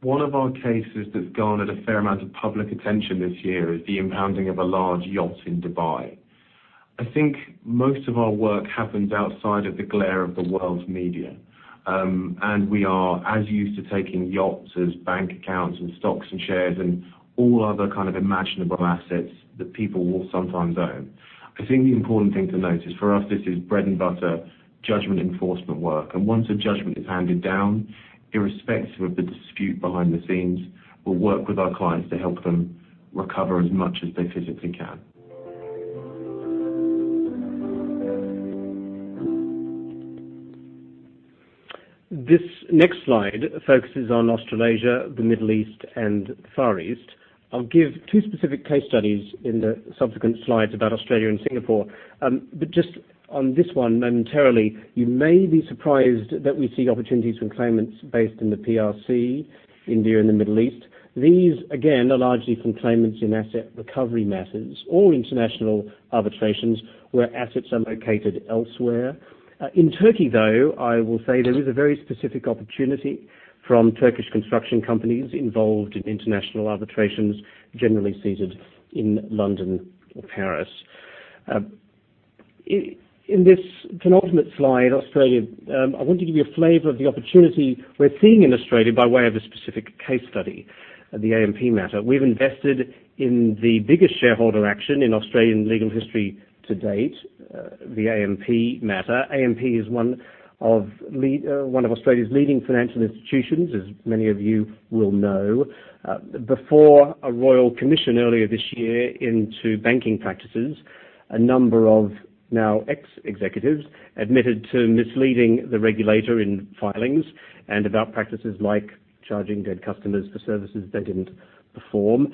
One of our cases that's garnered a fair amount of public attention this year is the impounding of a large yacht in Dubai. I think most of our work happens outside of the glare of the world's media. We are as used to taking yachts as bank accounts and stocks and shares, and all other kind of imaginable assets that people will sometimes own. I think the important thing to note is for us, this is bread-and-butter judgment enforcement work. Once a judgment is handed down, irrespective of the dispute behind the scenes, we'll work with our clients to help them recover as much as they physically can. This next slide focuses on Australasia, the Middle East, and the Far East. I'll give two specific case studies in the subsequent slides about Australia and Singapore. Just on this one, momentarily, you may be surprised that we see opportunities from claimants based in the PRC, India, and the Middle East. These, again, are largely from claimants in asset recovery matters or international arbitrations where assets are located elsewhere. In Turkey, though, I will say there is a very specific opportunity from Turkish construction companies involved in international arbitrations, generally seated in London or Paris. In this penultimate slide, Australia, I want to give you a flavor of the opportunity we're seeing in Australia by way of a specific case study, the AMP matter. We've invested in the biggest shareholder action in Australian legal history to date, the AMP matter. AMP is one of Australia's leading financial institutions, as many of you will know. Before a royal commission earlier this year into banking practices, a number of now ex-executives admitted to misleading the regulator in filings and about practices like charging dead customers for services they didn't perform.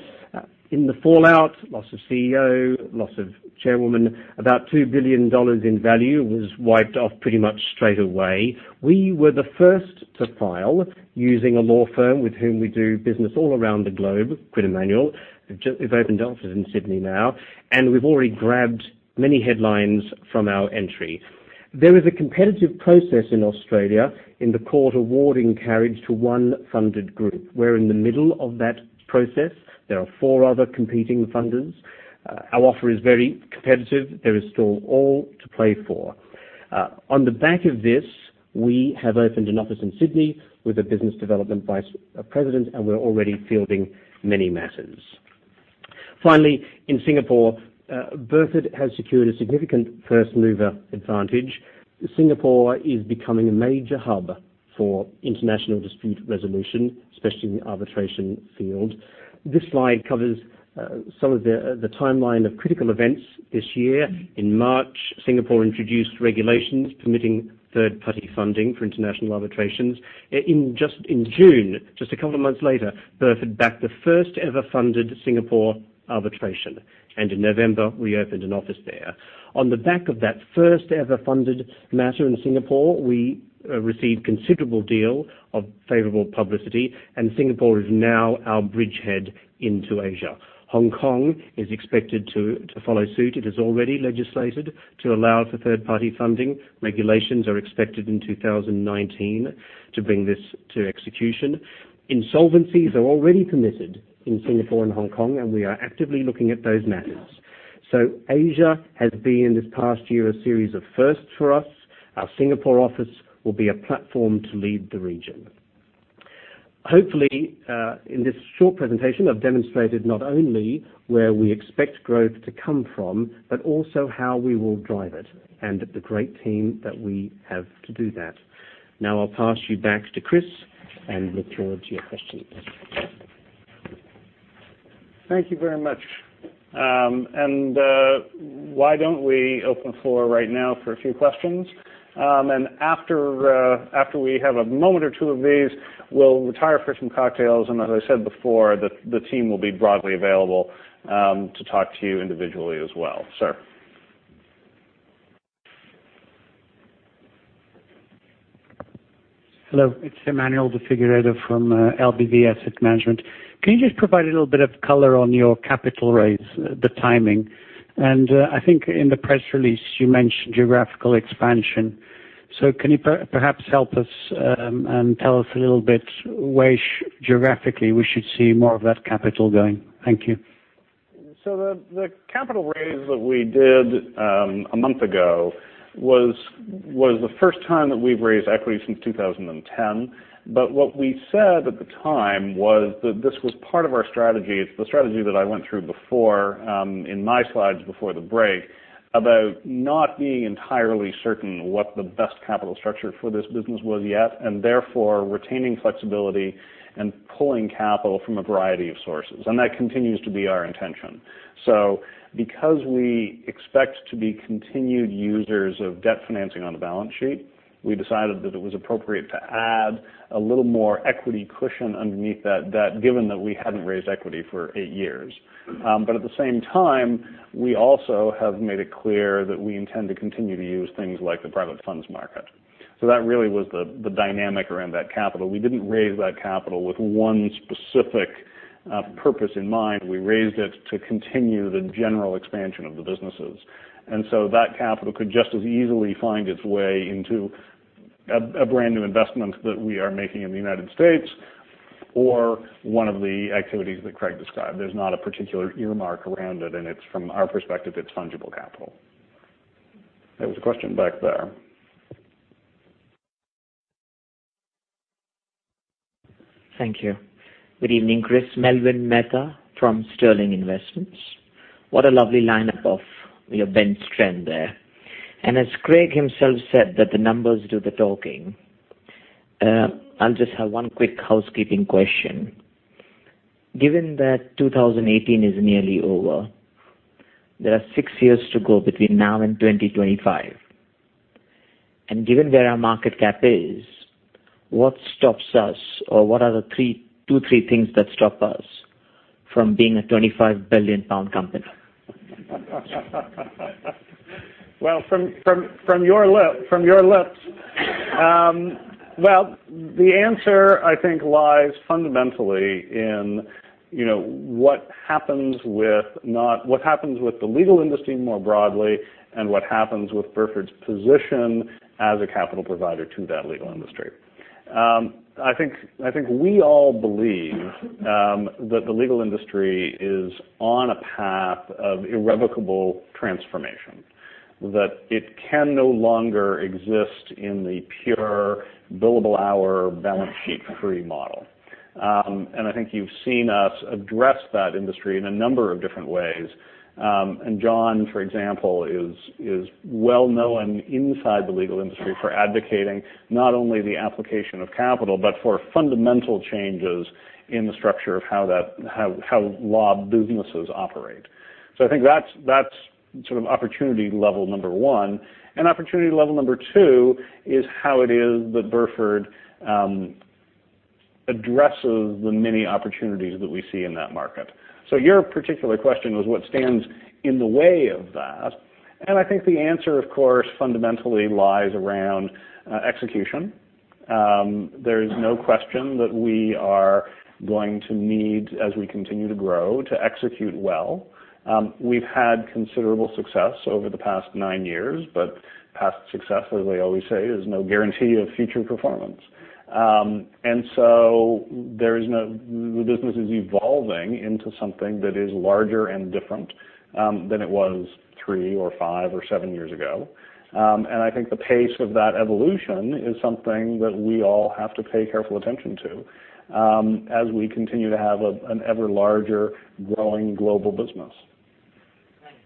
In the fallout, loss of CEO, loss of chairwoman. About $2 billion in value was wiped off pretty much straight away. We were the first to file using a law firm with whom we do business all around the globe, Quinn Emanuel. We've opened offices in Sydney now, and we've already grabbed many headlines from our entry. There is a competitive process in Australia in the court awarding carriage to one funded group. We're in the middle of that process. There are four other competing funders. Our offer is very competitive. There is still all to play for. On the back of this, we have opened an office in Sydney with a business development vice president, and we're already fielding many matters. In Singapore, Burford has secured a significant first-mover advantage. Singapore is becoming a major hub for international dispute resolution, especially in the arbitration field. This slide covers some of the timeline of critical events this year. In March, Singapore introduced regulations permitting third-party funding for international arbitrations. In June, just a couple of months later, Burford backed the first-ever funded Singapore arbitration, and in November, we opened an office there. On the back of that first-ever funded matter in Singapore, we received considerable deal of favorable publicity, and Singapore is now our bridgehead into Asia. Hong Kong is expected to follow suit. It has already legislated to allow for third-party funding. Regulations are expected in 2019 to bring this to execution. Insolvencies are already permitted in Singapore and Hong Kong, and we are actively looking at those matters. Asia has been, this past year, a series of firsts for us. Our Singapore office will be a platform to lead the region. Hopefully, in this short presentation, I've demonstrated not only where we expect growth to come from, but also how we will drive it, and the great team that we have to do that. I'll pass you back to Chris and look forward to your questions. Thank you very much. Why don't we open the floor right now for a few questions? After we have a moment or two of these, we will retire for some cocktails, and as I said before, the team will be broadly available to talk to you individually as well. Sir. Hello. It is Emmanuel de Figueiredo from LBV Asset Management. Can you just provide a little bit of color on your capital raise, the timing? I think in the press release, you mentioned geographical expansion. Can you perhaps help us and tell us a little bit where geographically we should see more of that capital going? Thank you. The capital raise that we did a month ago was the first time that we have raised equity since 2010. What we said at the time was that this was part of our strategy. It is the strategy that I went through before in my slides before the break about not being entirely certain what the best capital structure for this business was yet, and therefore retaining flexibility and pulling capital from a variety of sources. That continues to be our intention. Because we expect to be continued users of debt financing on the balance sheet, we decided that it was appropriate to add a little more equity cushion underneath that, given that we had not raised equity for eight years. At the same time, we also have made it clear that we intend to continue to use things like the private funds market. That really was the dynamic around that capital. We did not raise that capital with one specific purpose in mind. We raised it to continue the general expansion of the businesses. That capital could just as easily find its way into a brand new investment that we are making in the U.S. or one of the activities that Craig described. There is not a particular earmark around it, and from our perspective, it is fungible capital. There was a question back there. Thank you. Good evening, Chris. Melvyn Mehta from Sterling Investments. What a lovely lineup of your bench strength there. As Craig himself said that the numbers do the talking, I'll just have one quick housekeeping question. Given that 2018 is nearly over, there are six years to go between now and 2025. Given where our market cap is, what stops us, or what are the two, three things that stop us from being a 25 billion pound company? From your lips. The answer, I think, lies fundamentally in what happens with the legal industry more broadly, and what happens with Burford's position as a capital provider to that legal industry. I think we all believe that the legal industry is on a path of irrevocable transformation, that it can no longer exist in the pure billable hour, balance sheet free model. I think you've seen us address that industry in a number of different ways. Jon, for example, is well-known inside the legal industry for advocating not only the application of capital, but for fundamental changes in the structure of how law businesses operate. I think that's opportunity level number 1, and opportunity level number 2 is how it is that Burford addresses the many opportunities that we see in that market. Your particular question was what stands in the way of that? I think the answer, of course, fundamentally lies around execution. There's no question that we are going to need, as we continue to grow, to execute well. We've had considerable success over the past 9 years, but past success, as they always say, is no guarantee of future performance. The business is evolving into something that is larger and different than it was three or five or seven years ago. I think the pace of that evolution is something that we all have to pay careful attention to as we continue to have an ever larger, growing global business.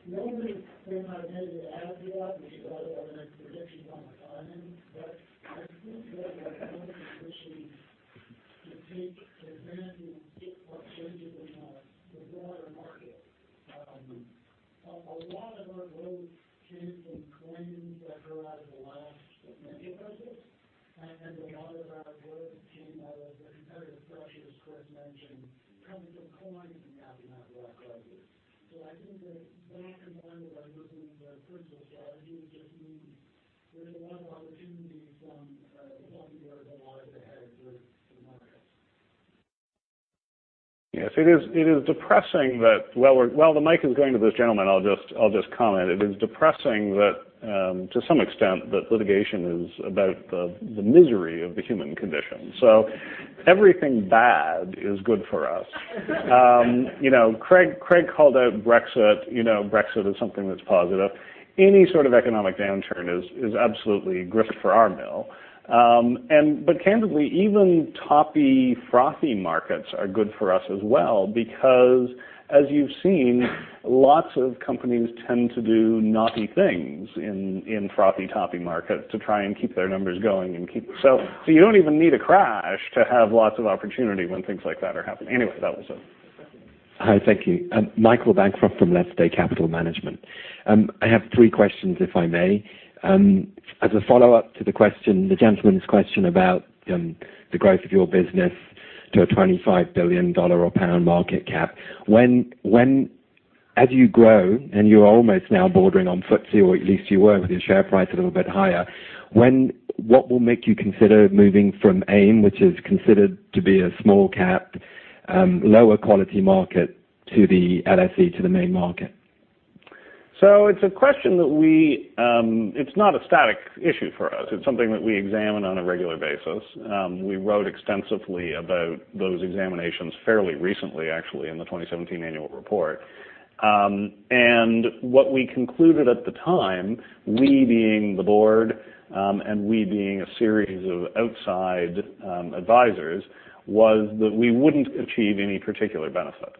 Nobody print high daily after that, which is also an expectation on the timing. I think that there's no position to take advantage of changes in the broader market. A lot of our growth came from claims that grew out of the last financial crisis, and a lot of our growth came out of the competitive pressures Chris mentioned coming from claims coming out of that crisis. I think that that, combined with our disciplined principal strategy, just means there's a lot of opportunity from the point of view of a lot of the headwinds in markets. Yes, it is depressing that while the mic is going to this gentleman, I'll just comment. It is depressing that to some extent, that litigation is about the misery of the human condition. Everything bad is good for us. Craig called out Brexit. Brexit is something that's positive. Any sort of economic downturn is absolutely grist for our mill. Candidly, even toppy, frothy markets are good for us as well because, as you've seen, lots of companies tend to do naughty things in frothy, toppy markets to try and keep their numbers going. You don't even need a crash to have lots of opportunity when things like that are happening. Anyway, that was it. Thank you. Hi. Thank you. Michael Bancroft from Leste Capital Management. I have three questions, if I may. As a follow-up to the gentleman's question about the growth of your business to a 25 billion pound or GBP market cap. As you grow, and you're almost now bordering on FTSE, or at least you were with your share price a little bit higher, what will make you consider moving from AIM, which is considered to be a small cap, lower quality market, to the LSE, to the main market? It's a question that it's not a static issue for us. It's something that we examine on a regular basis. We wrote extensively about those examinations fairly recently, actually, in the 2017 annual report. What we concluded at the time, we being the board, and we being a series of outside advisors, was that we wouldn't achieve any particular benefit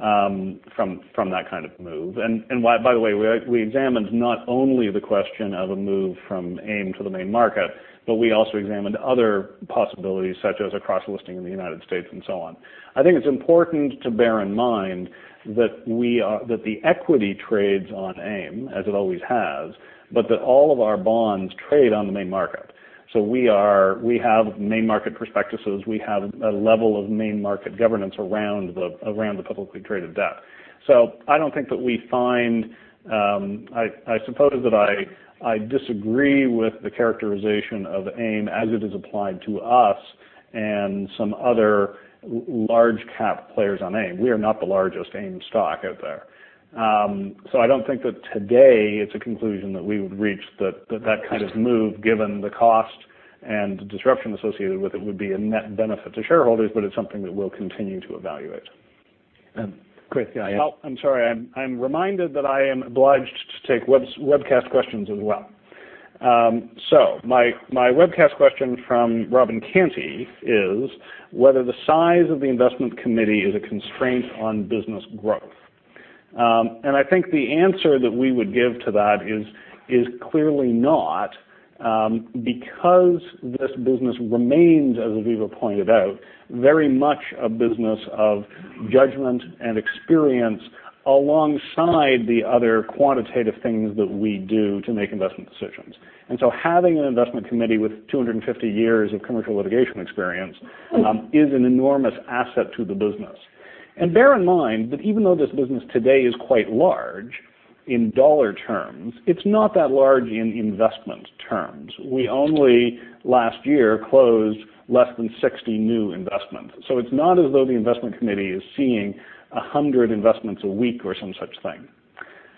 from that kind of move. By the way, we examined not only the question of a move from AIM to the main market, but we also examined other possibilities, such as a cross-listing in the U.S. and so on. I think it's important to bear in mind that the equity trades on AIM, as it always has, but that all of our bonds trade on the main market. We have main market prospectuses. We have a level of main market governance around the publicly traded debt. I suppose that I disagree with the characterization of AIM as it is applied to us and some other large cap players on AIM. We are not the largest AIM stock out there. I don't think that today it's a conclusion that we would reach that kind of move, given the cost and disruption associated with it would be a net benefit to shareholders. It's something that we'll continue to evaluate. Chris, yeah. Oh, I'm sorry. I'm reminded that I am obliged to take webcast questions as well. My webcast question from Robin Canty is whether the size of the investment committee is a constraint on business growth. I think the answer that we would give to that is clearly not, because this business remains, as Aviva pointed out, very much a business of judgment and experience alongside the other quantitative things that we do to make investment decisions. Having an investment committee with 250 years of commercial litigation experience is an enormous asset to the business. Bear in mind that even though this business today is quite large in dollar terms, it's not that large in investment terms. We only last year closed less than 60 new investments. It's not as though the investment committee is seeing 100 investments a week or some such thing.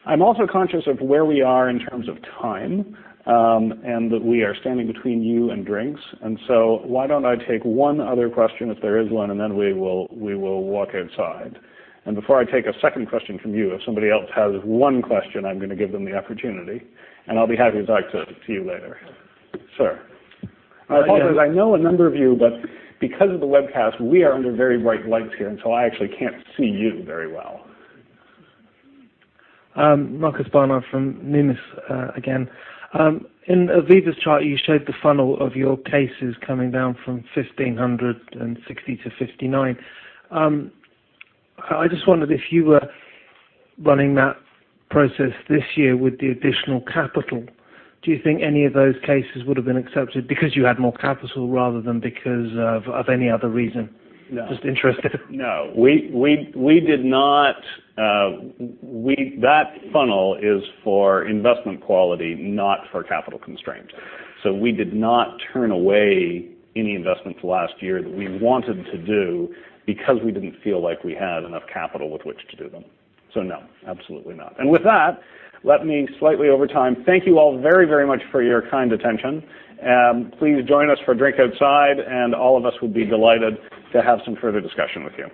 I'm also conscious of where we are in terms of time, and that we are standing between you and drinks. Why don't I take one other question if there is one, and then we will walk outside. Before I take a second question from you, if somebody else has one question, I'm going to give them the opportunity, and I'll be happy to talk to you later. Sir. Hi again. I apologize. I know a number of you, but because of the webcast, we are under very bright lights here, and so I actually can't see you very well. Marcus Barnard from Numis again. In Aviva's chart, you showed the funnel of your cases coming down from 1,560 to 59. I just wondered if you were running that process this year with the additional capital, do you think any of those cases would have been accepted because you had more capital rather than because of any other reason? No. Just interested. No, we did not. That funnel is for investment quality, not for capital constraint. We did not turn away any investments last year that we wanted to do because we didn't feel like we had enough capital with which to do them. No, absolutely not. With that, let me, slightly over time, thank you all very, very much for your kind attention. Please join us for a drink outside, and all of us will be delighted to have some further discussion with you.